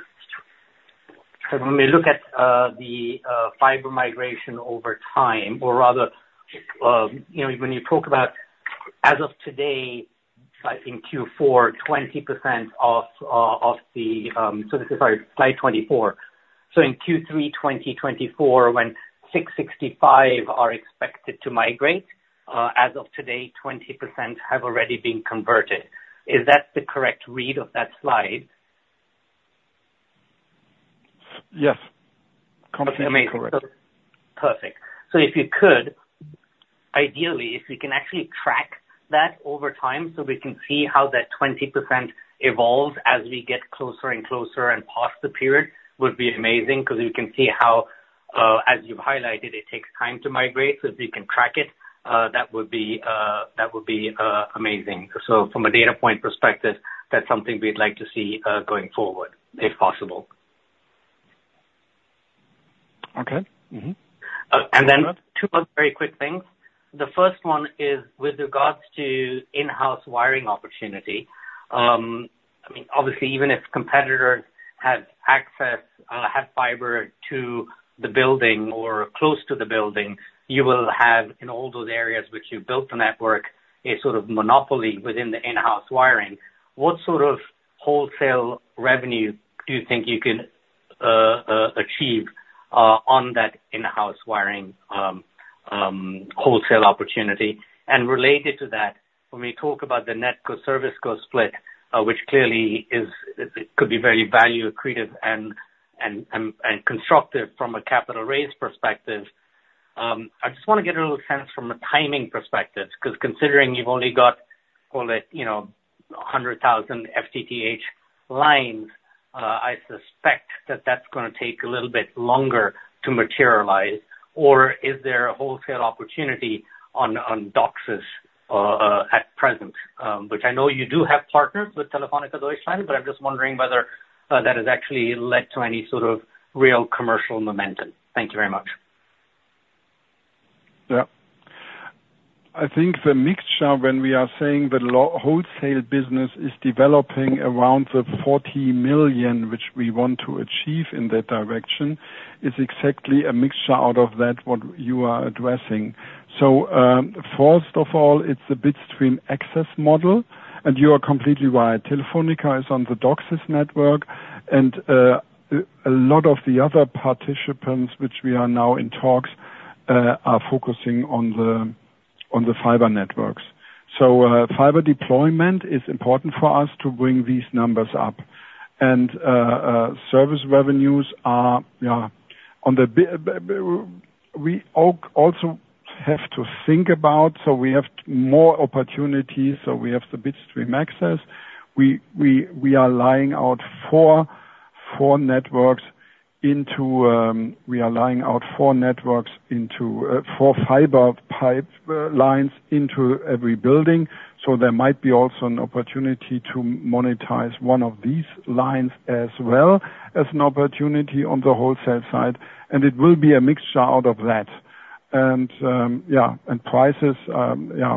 when we look at the fiber migration over time, or rather, you know, when you talk about as of today, like in Q4, 20% of the, so this is sorry, slide 24. So in Q3 2024, when 665 are expected to migrate, as of today, 20% have already been converted. Is that the correct read of that slide? Yes. Completely correct. Okay, amazing. Perfect. So if you could, ideally, if we can actually track that over time, so we can see how that 20% evolves as we get closer and closer and past the period, would be amazing. Because we can see how, as you've highlighted, it takes time to migrate. So if we can track it, that would be amazing. So from a data point perspective, that's something we'd like to see, going forward, if possible. Okay. Mm-hmm. And then two other very quick things. The first one is with regards to in-house wiring opportunity. I mean, obviously, even if competitors have access, have fiber to the building or close to the building, you will have, in all those areas which you've built the network, a sort of monopoly within the in-house wiring. What sort of wholesale revenue do you think you can achieve on that in-house wiring wholesale opportunity? And related to that, when we talk about the NetCo ServCo split, which clearly is, it could be very value accretive and constructive from a capital raise perspective, I just want to get a little sense from a timing perspective, because considering you've only got, call it, you know, 100,000 FTTH lines, I suspect that that's gonna take a little bit longer to materialize. Or is there a wholesale opportunity on DOCSIS at present? Which I know you do have partners with Telefónica Deutschland, but I'm just wondering whether that has actually led to any sort of real commercial momentum. Thank you very much. Yeah. I think the mixture, when we are saying the wholesale business is developing around the 40 million, which we want to achieve in that direction, is exactly a mixture out of that, what you are addressing. So, first of all, it's a bitstream access model, and you are completely right. Telefónica is on the DOCSIS network, and, a lot of the other participants, which we are now in talks, are focusing on the, on the fiber networks. So, fiber deployment is important for us to bring these numbers up. And, service revenues are, yeah, on the B2B we also have to think about, so we have more opportunities, so we have the bitstream access. We are laying out four networks into... We are laying out four networks into four fiber pipe lines into every building. So there might be also an opportunity to monetize one of these lines as well, as an opportunity on the wholesale side, and it will be a mixture out of that. And and prices,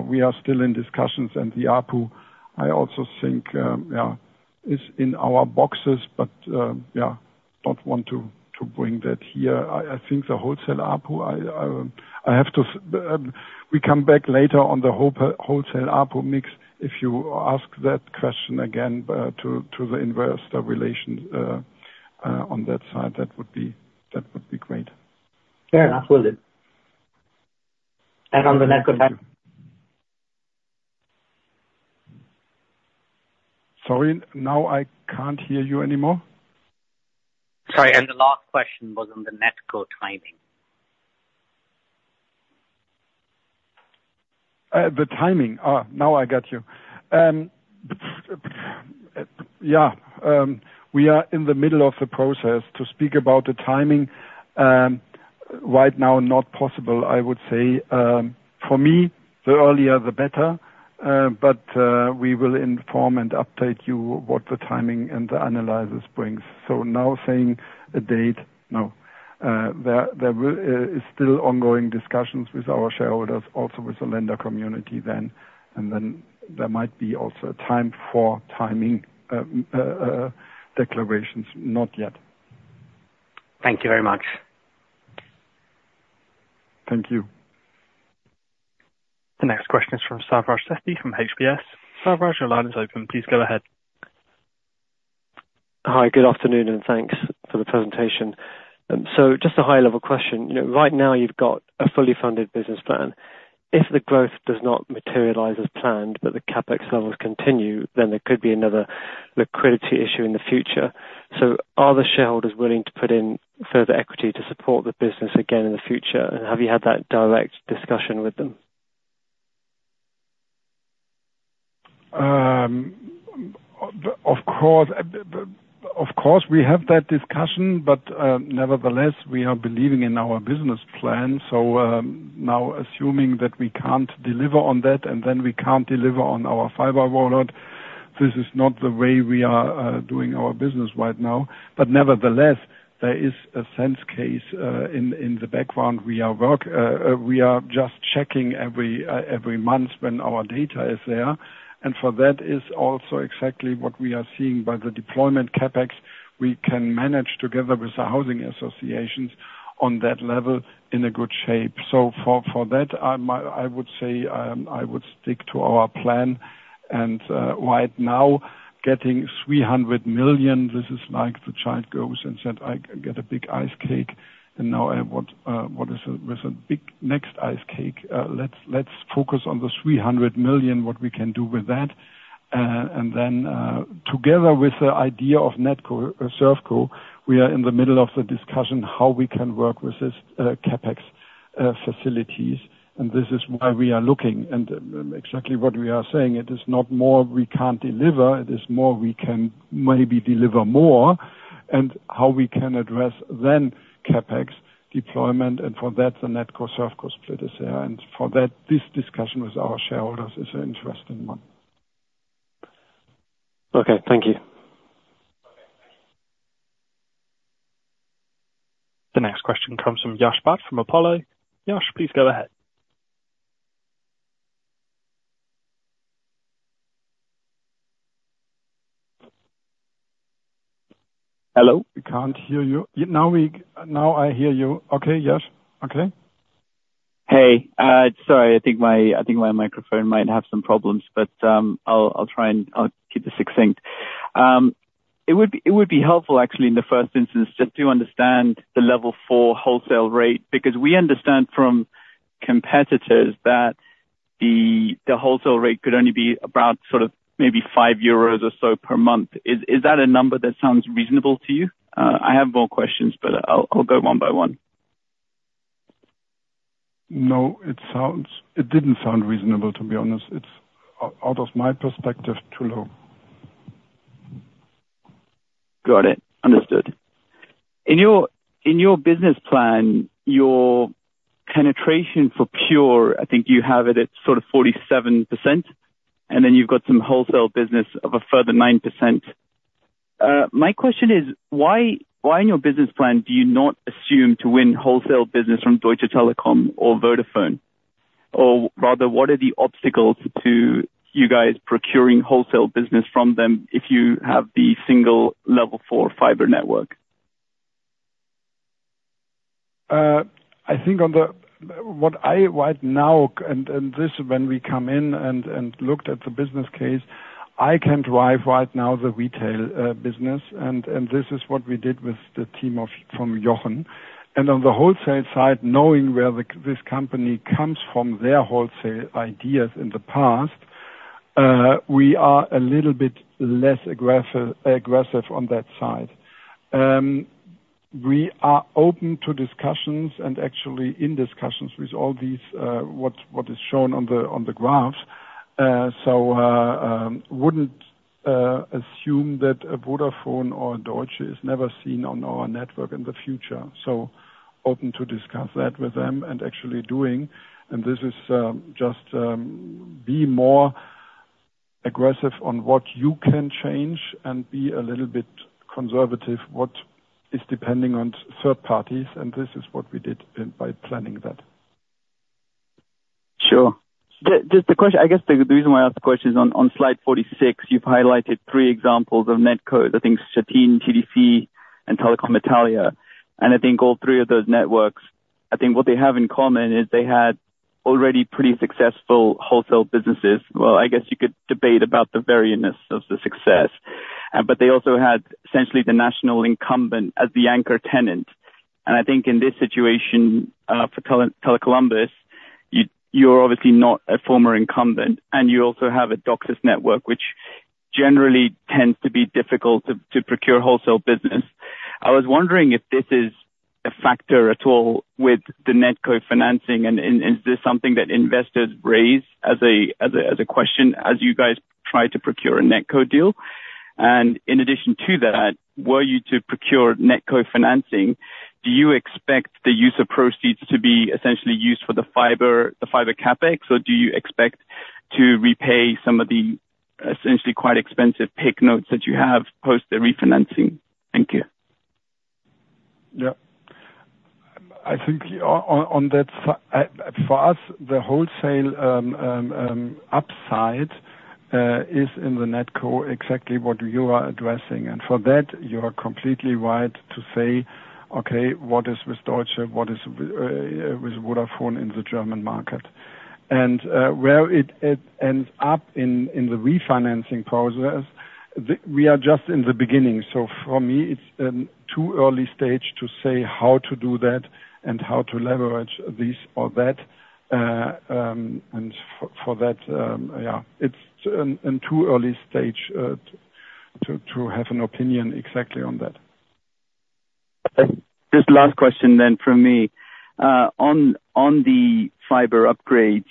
we are still in discussions, and the ARPU, I also think, is in our boxes, but, don't want to, to bring that here. I think the wholesale ARPU, I have to, we come back later on the whole- wholesale ARPU mix, if you ask that question again, to, to the Investor Relations, on that side, that would be... That would be great. Fair enough. Will do. And on the NetCo- Sorry, now I can't hear you anymore. Sorry, and the last question was on the NetCo timing. The timing. Now I get you. Yeah, we are in the middle of the process to speak about the timing. Right now, not possible. I would say, for me, the earlier the better, but, we will inform and update you what the timing and the analysis brings. So now saying a date, no. There, there will-- is still ongoing discussions with our shareholders, also with the lender community then, and then there might be also a time for timing, declarations. Not yet. Thank you very much. Thank you. The next question is from Sarvaj Sethi from HPS. Sarvaj, your line is open. Please go ahead. Hi, good afternoon, and thanks for the presentation. So just a high-level question. You know, right now you've got a fully funded business plan. If the growth does not materialize as planned, but the CapEx levels continue, then there could be another liquidity issue in the future. So are the shareholders willing to put in further equity to support the business again in the future? And have you had that direct discussion with them? Of course, we have that discussion, but nevertheless, we are believing in our business plan. So, now assuming that we can't deliver on that, and then we can't deliver on our fiber rollout, this is not the way we are doing our business right now. But nevertheless, there is a business case in the background. We are just checking every month when our data is there, and for that is also exactly what we are seeing by the deployment CapEx. We can manage together with the housing associations on that level in a good shape. So for that, I would say, I would stick to our plan and right now, getting 300 million, this is like the child goes and said, "I get a big ice cake," and now I want, what is it? With a big next ice cake. Let's focus on the 300 million, what we can do with that. And then, together with the idea of NetCo, ServCo, we are in the middle of the discussion, how we can work with this, CapEx facilities. And this is why we are looking and exactly what we are saying, it is not more we can't deliver. It is more we can maybe deliver more, and how we can address then CapEx deployment, and for that, the NetCo/ServCo split is there. For that, this discussion with our shareholders is an interesting one. Okay, thank you. The next question comes from Yash Bhatt from Apollo. Yash, please go ahead. Hello? We can't hear you. Now I hear you. Okay, Yash. Okay. Hey, sorry, I think my microphone might have some problems, but, I'll try and I'll keep this succinct. It would be helpful, actually, in the first instance, just to understand the level four wholesale rate, because we understand from competitors that the wholesale rate could only be about sort of maybe 5 euros or so per month. Is that a number that sounds reasonable to you? I have more questions, but I'll go one by one. No, it sounds... It didn't sound reasonable, to be honest. It's out of my perspective, too low. Got it. Understood. In your, in your business plan, your penetration for PŸUR, I think you have it at sort of 47%, and then you've got some wholesale business of a further 9%. My question is, why, why in your business plan do you not assume to win wholesale business from Deutsche Telekom or Vodafone? Or rather, what are the obstacles to you guys procuring wholesale business from them if you have the single Level 4 fiber network? I think on the what I right now, and this, when we come in and looked at the business case, I can drive right now the retail business, and this is what we did with the team of from Jochen. And on the wholesale side, knowing where this company comes from, their wholesale ideas in the past, we are a little bit less aggressive on that side. We are open to discussions and actually in discussions with all these what is shown on the graph. I wouldn't assume that a Vodafone or a Deutsche is never seen on our network in the future. So open to discuss that with them and actually doing, and this is just be more aggressive on what you can change and be a little bit conservative what is depending on third parties, and this is what we did by planning that. Sure. Just the question, I guess, the reason why I asked the question is on slide 46, you've highlighted three examples of NetCo. I think Telenet, TDC and Telecom Italia, and I think all three of those networks, I think what they have in common is they had already pretty successful wholesale businesses. Well, I guess you could debate about the veracity of the success, but they also had essentially the national incumbent as the anchor tenant. And I think in this situation, for Tele Columbus, you're obviously not a former incumbent, and you also have a DOCSIS network, which generally tends to be difficult to procure wholesale business. I was wondering if this is a factor at all with the NetCo financing, and is this something that investors raise as a question, as you guys try to procure a NetCo deal? And in addition to that, were you to procure NetCo financing, do you expect the use of proceeds to be essentially used for the fiber CapEx? Or do you expect to repay some of the essentially quite expensive PIK notes that you have post the refinancing? Thank you. Yeah. I think on that, for us, the wholesale upside is in the NetCo, exactly what you are addressing. And for that, you are completely right to say, okay, what is with Deutsche? What is with Vodafone in the German market? And where it ends up in the refinancing process, we are just in the beginning. So for me, it's too early stage to say how to do that and how to leverage this or that. And for that, yeah, it's in too early stage to have an opinion exactly on that. Just last question then from me. On, on the fiber upgrades,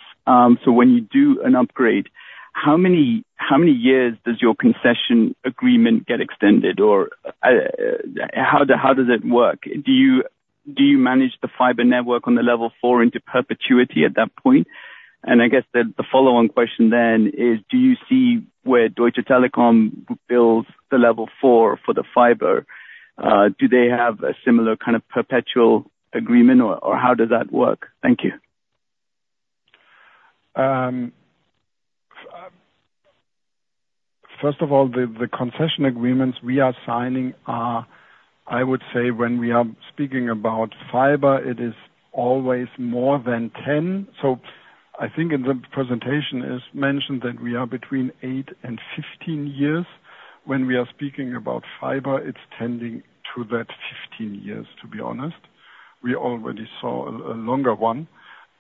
so when you do an upgrade, how many, how many years does your concession agreement get extended? Or, how do, how does it work? Do you, do you manage the fiber network on the level four into perpetuity at that point? And I guess the, the follow-on question then is: Do you see where Deutsche Telekom builds the level four for the fiber? Do they have a similar kind of perpetual agreement, or, or how does that work? Thank you. First of all, the concession agreements we are signing are, I would say, when we are speaking about fiber, it is always more than 10. So I think in the presentation, it's mentioned that we are between 8 and 15 years. When we are speaking about fiber, it's tending to that 15 years, to be honest. We already saw a longer one.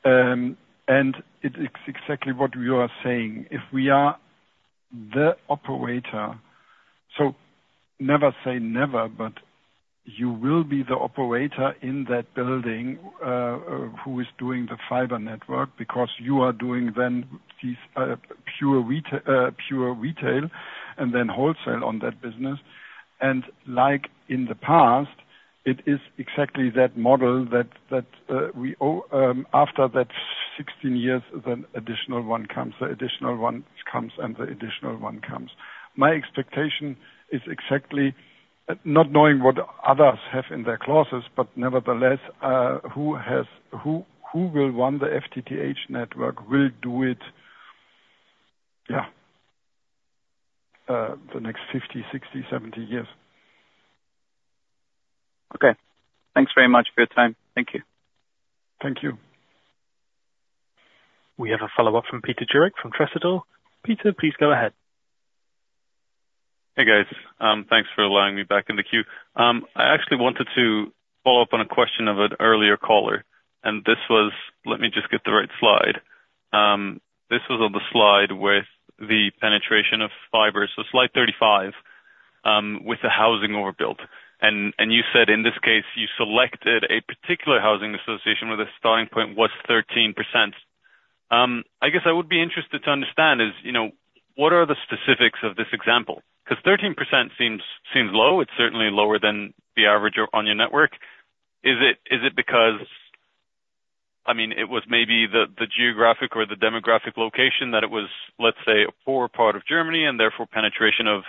And it's exactly what you are saying. If we are the operator, so never say never, but you will be the operator in that building who is doing the fiber network, because you are doing then these PŸUR retail and then wholesale on that business. And like in the past, it is exactly that model that we own, after that 16 years, then additional one comes, the additional one comes, and the additional one comes. My expectation is exactly, not knowing what others have in their clauses, but nevertheless, who will own the FTTH network will do it, yeah, the next 50, 60, 70 years. Okay. Thanks very much for your time. Thank you. Thank you. We have a follow-up from Peter Jurik from Tresidor. Peter, please go ahead. Hey, guys. Thanks for allowing me back in the queue. I actually wanted to follow up on a question of an earlier caller, and this was... Let me just get the right slide. This was on the slide with the penetration of fiber, so slide 35, with the housing overbuilt. And you said in this case, you selected a particular housing association where the starting point was 13%. I guess I would be interested to understand is, you know, what are the specifics of this example? Because 13% seems low. It's certainly lower than the average on your network. Is it because, I mean, it was maybe the geographic or the demographic location that it was, let's say, a poor part of Germany, and therefore, penetration of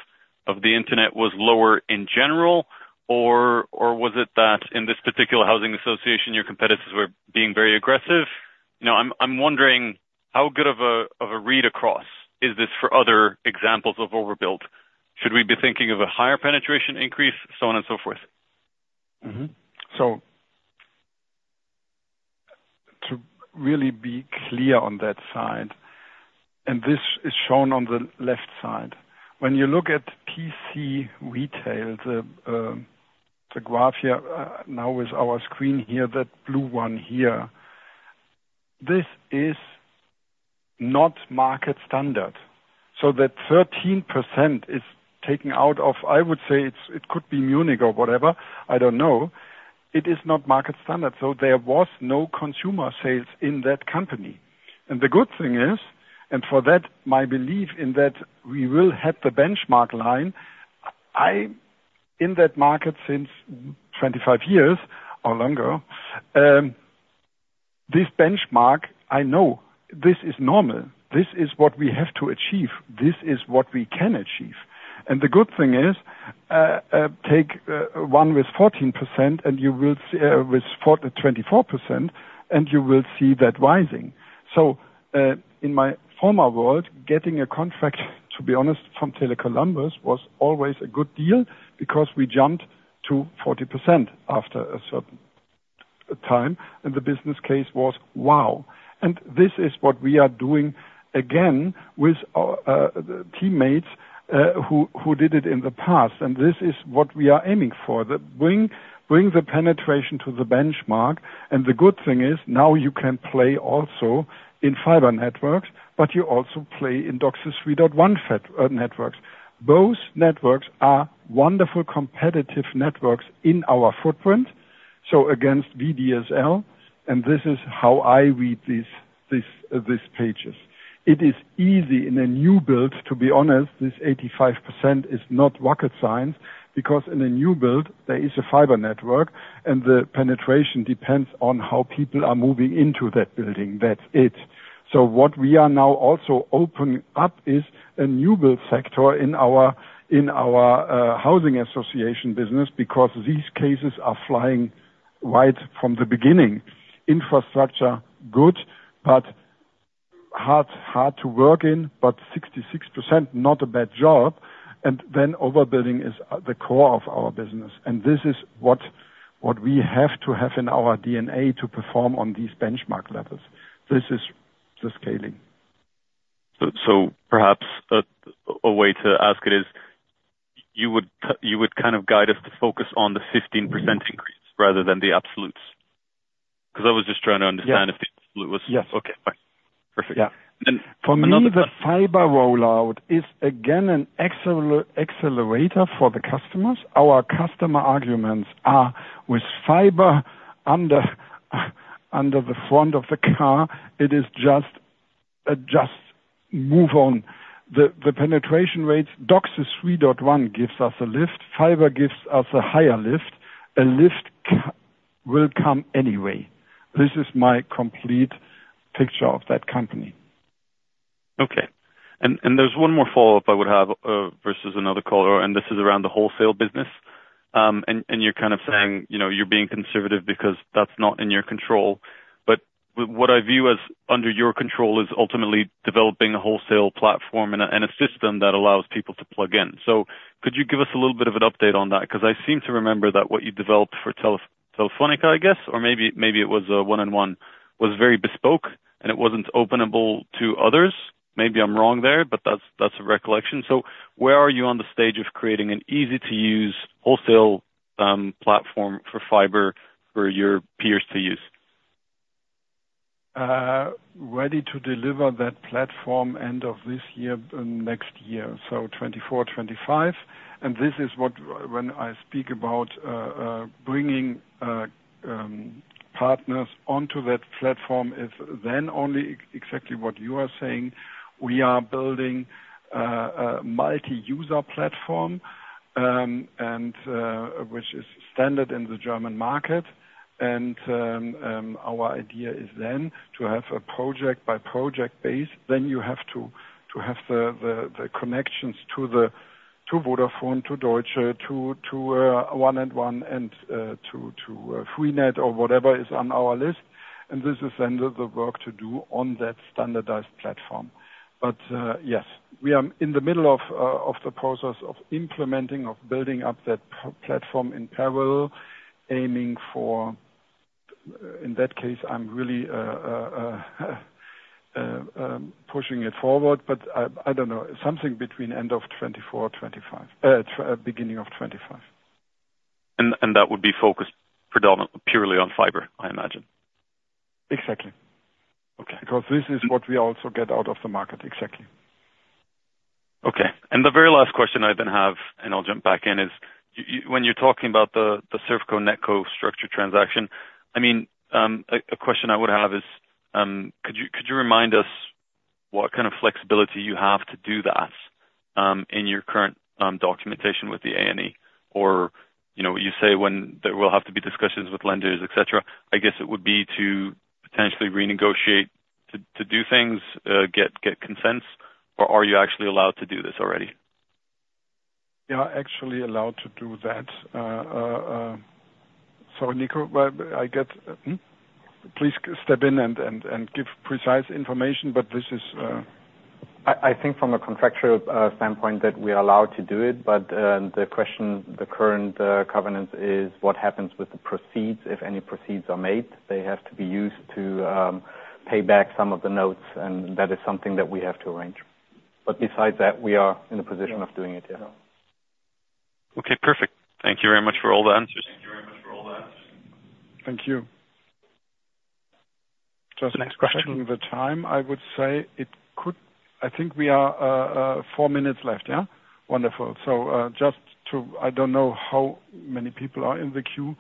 the internet was lower in general, or was it that in this particular housing association, your competitors were being very aggressive? You know, I'm wondering, how good of a read across is this for other examples of overbuild? Should we be thinking of a higher penetration increase, so on and so forth? Mm-hmm. So to really be clear on that side, and this is shown on the left side. When you look at TC retail, the, the graph here, now is our screen here, that blue one here. This is not market standard. So that 13% is taken out of, I would say, it's, it could be Munich or whatever, I don't know. It is not market standard, so there was no consumer sales in that company. And the good thing is, and for that, my belief in that we will hit the benchmark line. I... In that market since 25 years or longer, this benchmark, I know this is normal. This is what we have to achieve. This is what we can achieve. And the good thing is, take one with 14%, and you will see, with 40-24%, and you will see that rising. So, in my former world, getting a contract, to be honest, from Tele Columbus, was always a good deal because we jumped to 40% after a certain time, and the business case was, wow! And this is what we are doing again, with teammates who did it in the past. And this is what we are aiming for, to bring the penetration to the benchmark. And the good thing is, now you can play also in fiber networks, but you also play in DOCSIS 3.1 HFC networks. Those networks are wonderful, competitive networks in our footprint. So against VDSL, and this is how I read these pages. It is easy in a new build, to be honest, this 85% is not rocket science, because in a new build, there is a fiber network, and the penetration depends on how people are moving into that building. That's it. So what we are now also opening up is a new build sector in our housing association business, because these cases are flying right from the beginning. Infrastructure, good, but hard, hard to work in, but 66%, not a bad job, and then overbuilding is at the core of our business. And this is what we have to have in our DNA to perform on these benchmark levels. This is the scaling. So, perhaps, a way to ask it is, you would kind of guide us to focus on the 15% increase rather than the absolutes? 'Cause I was just trying to understand- Yeah. if it was Yes. Okay, bye. Perfect. Yeah. And another- For me, the fiber rollout is again an accelerator for the customers. Our customer arguments are: with fiber under the front of the car, it is just move on. The penetration rates, DOCSIS 3.1 gives us a lift. Fiber gives us a higher lift. A lift will come anyway. This is my complete picture of that company. Okay. And there's one more follow-up I would have versus another caller, and this is around the wholesale business. And you're kind of saying, you know, you're being conservative because that's not in your control. But what I view as under your control is ultimately developing a wholesale platform and a system that allows people to plug in. So could you give us a little bit of an update on that? 'Cause I seem to remember that what you developed for Telefónica, I guess, or maybe it was 1&1, was very bespoke, and it wasn't openable to others. Maybe I'm wrong there, but that's a recollection. So where are you on the stage of creating an easy-to-use wholesale platform for fiber for your peers to use? Ready to deliver that platform end of this year, next year, so 2024, 2025. This is what, when I speak about bringing partners onto that platform, is then only exactly what you are saying. We are building a multi-user platform, and which is standard in the German market. Our idea is then to have a project-by-project base. Then you have to have the connections to Vodafone, to Deutsche, to 1&1, and to Freenet or whatever is on our list, and this is then the work to do on that standardized platform. But, yes, we are in the middle of the process of implementing, of building up that platform in parallel, aiming for, in that case, I'm really pushing it forward, but I don't know, something between end of 2024 or 2025, beginning of 2025. And that would be focused predominantly, purely on fiber, I imagine? Exactly. Okay. Because this is what we also get out of the market. Exactly. Okay. And the very last question I then have, and I'll jump back in, is when you're talking about the ServCo, NetCo structure transaction, I mean, a question I would have is, could you remind us what kind of flexibility you have to do that, in your current documentation with the A&E? Or, you know, you say when there will have to be discussions with lenders, et cetera, I guess it would be to potentially renegotiate to do things, get consents, or are you actually allowed to do this already? We are actually allowed to do that. So Nico, please step in and give precise information, but this is, I think from a contractual standpoint, that we are allowed to do it, but the question, the current covenant is what happens with the proceeds, if any proceeds are made. They have to be used to pay back some of the notes, and that is something that we have to arrange. But besides that, we are in a position of doing it, yes. Okay, perfect. Thank you very much for all the answers. Thank you. Just- Next question. The time, I would say it could. I think we are four minutes left, yeah? Wonderful. So, just to, I don't know how many people are in the queue.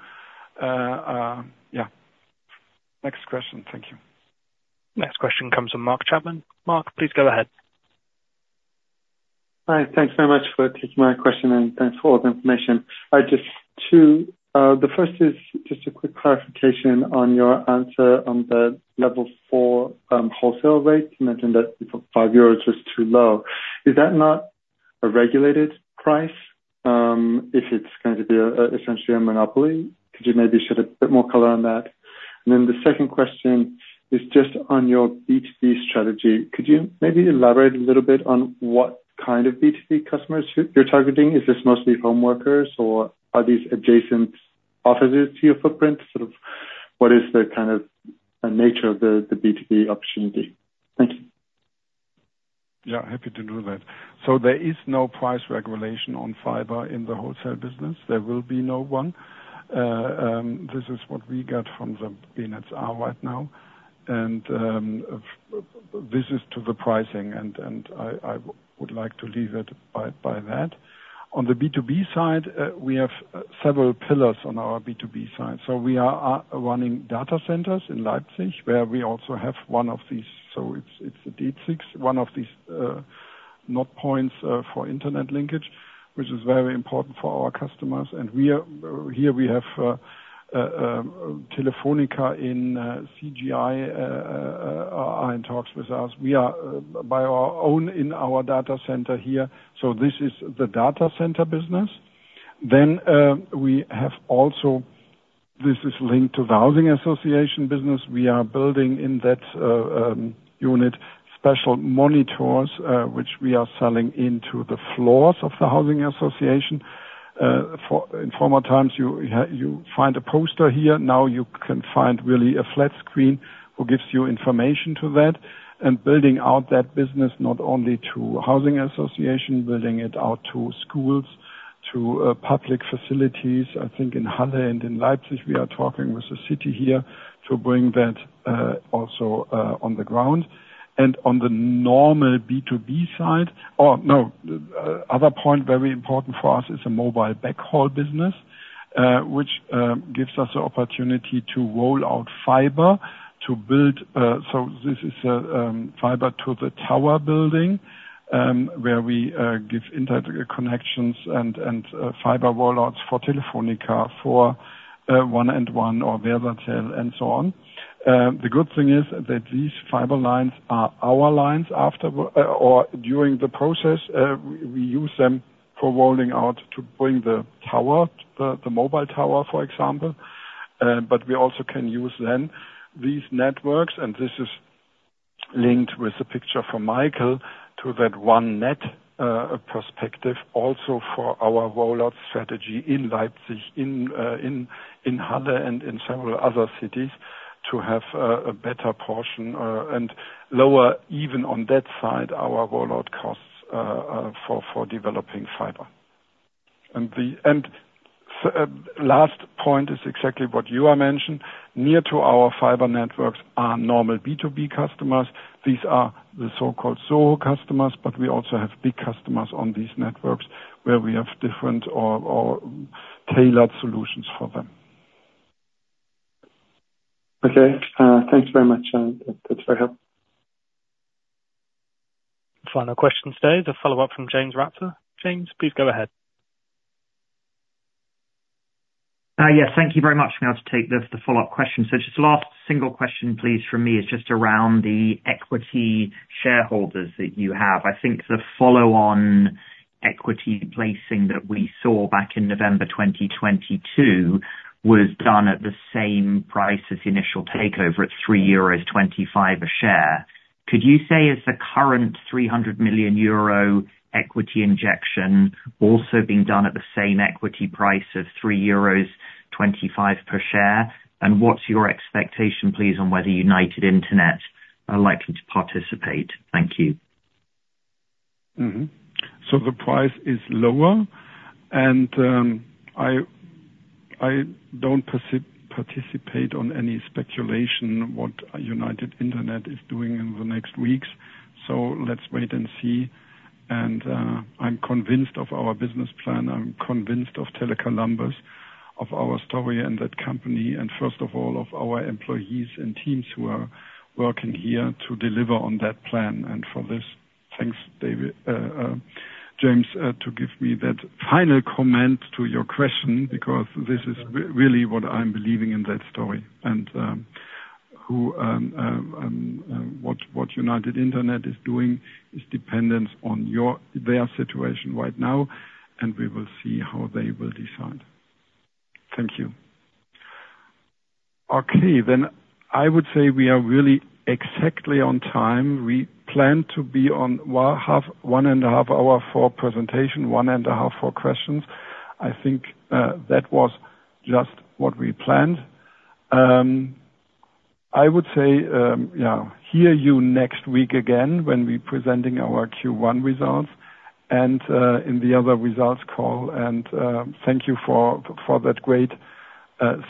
Yeah. Next question. Thank you. Next question comes from Mark Chapman. Mark, please go ahead. Hi, thanks very much for taking my question, and thanks for all the information. I have two, the first is just a quick clarification on your answer on the level four, wholesale rate. You mentioned that 5 euros was too low. Is that not a regulated price, if it's going to be, essentially a monopoly? Could you maybe shed a bit more color on that? And then the second question is just on your B2B strategy. Could you maybe elaborate a little bit on what kind of B2B customers you, you're targeting? Is this mostly home workers, or are these adjacent offices to your footprint? Sort of, what is the kind of the nature of the B2B opportunity? Thank you. Yeah, happy to do that. So there is no price regulation on fiber in the wholesale business. There will be no one. This is what we get from the BNetzA right now. This is to the pricing, and I would like to leave it by that. On the B2B side, we have several pillars on our B2B side. So we are running data centers in Leipzig, where we also have one of these. So it's a DE-CIX, one of these node points for internet linkage, which is very important for our customers. And we are here we have Telefónica and CGI are in talks with us. We are by our own in our data center here, so this is the data center business. Then, we have also, this is linked to the housing association business. We are building in that unit, special monitors, which we are selling into the floors of the housing association. In former times, you find a poster here, now you can find really a flat screen, who gives you information to that. And building out that business, not only to housing association, building it out to schools, to public facilities. I think in Halle and in Leipzig, we are talking with the city here to bring that also on the ground. And on the normal B2B side. Oh, no. Other point, very important for us, is the mobile backhaul business, which gives us the opportunity to roll out fiber, to build. So this is fiber to the tower building, where we give internet connections and fiber rollouts for Telefónica, for 1&1, or Vodafone, and so on. The good thing is that these fiber lines are our lines afterward or during the process. We use them for rolling out, to bring the tower, the mobile tower, for example. But we also can use them, these networks, and this is linked with the picture from Michael, to that One Net perspective, also for our rollout strategy in Leipzig, in Halle, and in several other cities, to have a better portion and lower even on that side our rollout costs for developing fiber. And the last point is exactly what you mentioned. Near to our fiber networks are normal B2B customers. These are the so-called SOHO customers, but we also have big customers on these networks, where we have different or tailored solutions for them. Okay. Thank you very much, and that's very helpful. Final question today, the follow-up from James Ratzer. James, please go ahead. Yes, thank you very much. I'm going to take the follow-up question. So just last single question, please, from me, is just around the equity shareholders that you have. I think the follow-on equity placing that we saw back in November 2022 was done at the same price as the initial takeover, at 3.25 euros per share. Could you say, is the current 300 million euro equity injection also being done at the same equity price of 3.25 euros per share? And what's your expectation, please, on whether United Internet are likely to participate? Thank you. Mm-hmm. So the price is lower, and I don't participate on any speculation on what United Internet is doing in the next weeks. So let's wait and see. And I'm convinced of our business plan. I'm convinced of Tele Columbus, of our story and that company, and first of all, of our employees and teams who are working here to deliver on that plan. And for this, thanks, David, James, to give me that final comment to your question, because this is really what I'm believing in that story. And what United Internet is doing is dependent on their situation right now, and we will see how they will decide. Thank you. Okay, then I would say we are really exactly on time. We planned to be on one half, one and a half hour for presentation, one and a half for questions. I think, that was just what we planned. I would say, yeah, hear you next week again, when we presenting our Q1 results, and, in the other results call. Thank you for, for that great,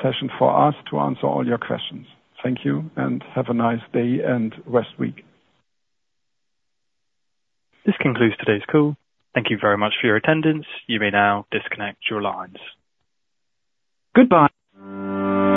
session for us, to answer all your questions. Thank you, and have a nice day and rest week. This concludes today's call. Thank you very much for your attendance. You may now disconnect your lines. Goodbye.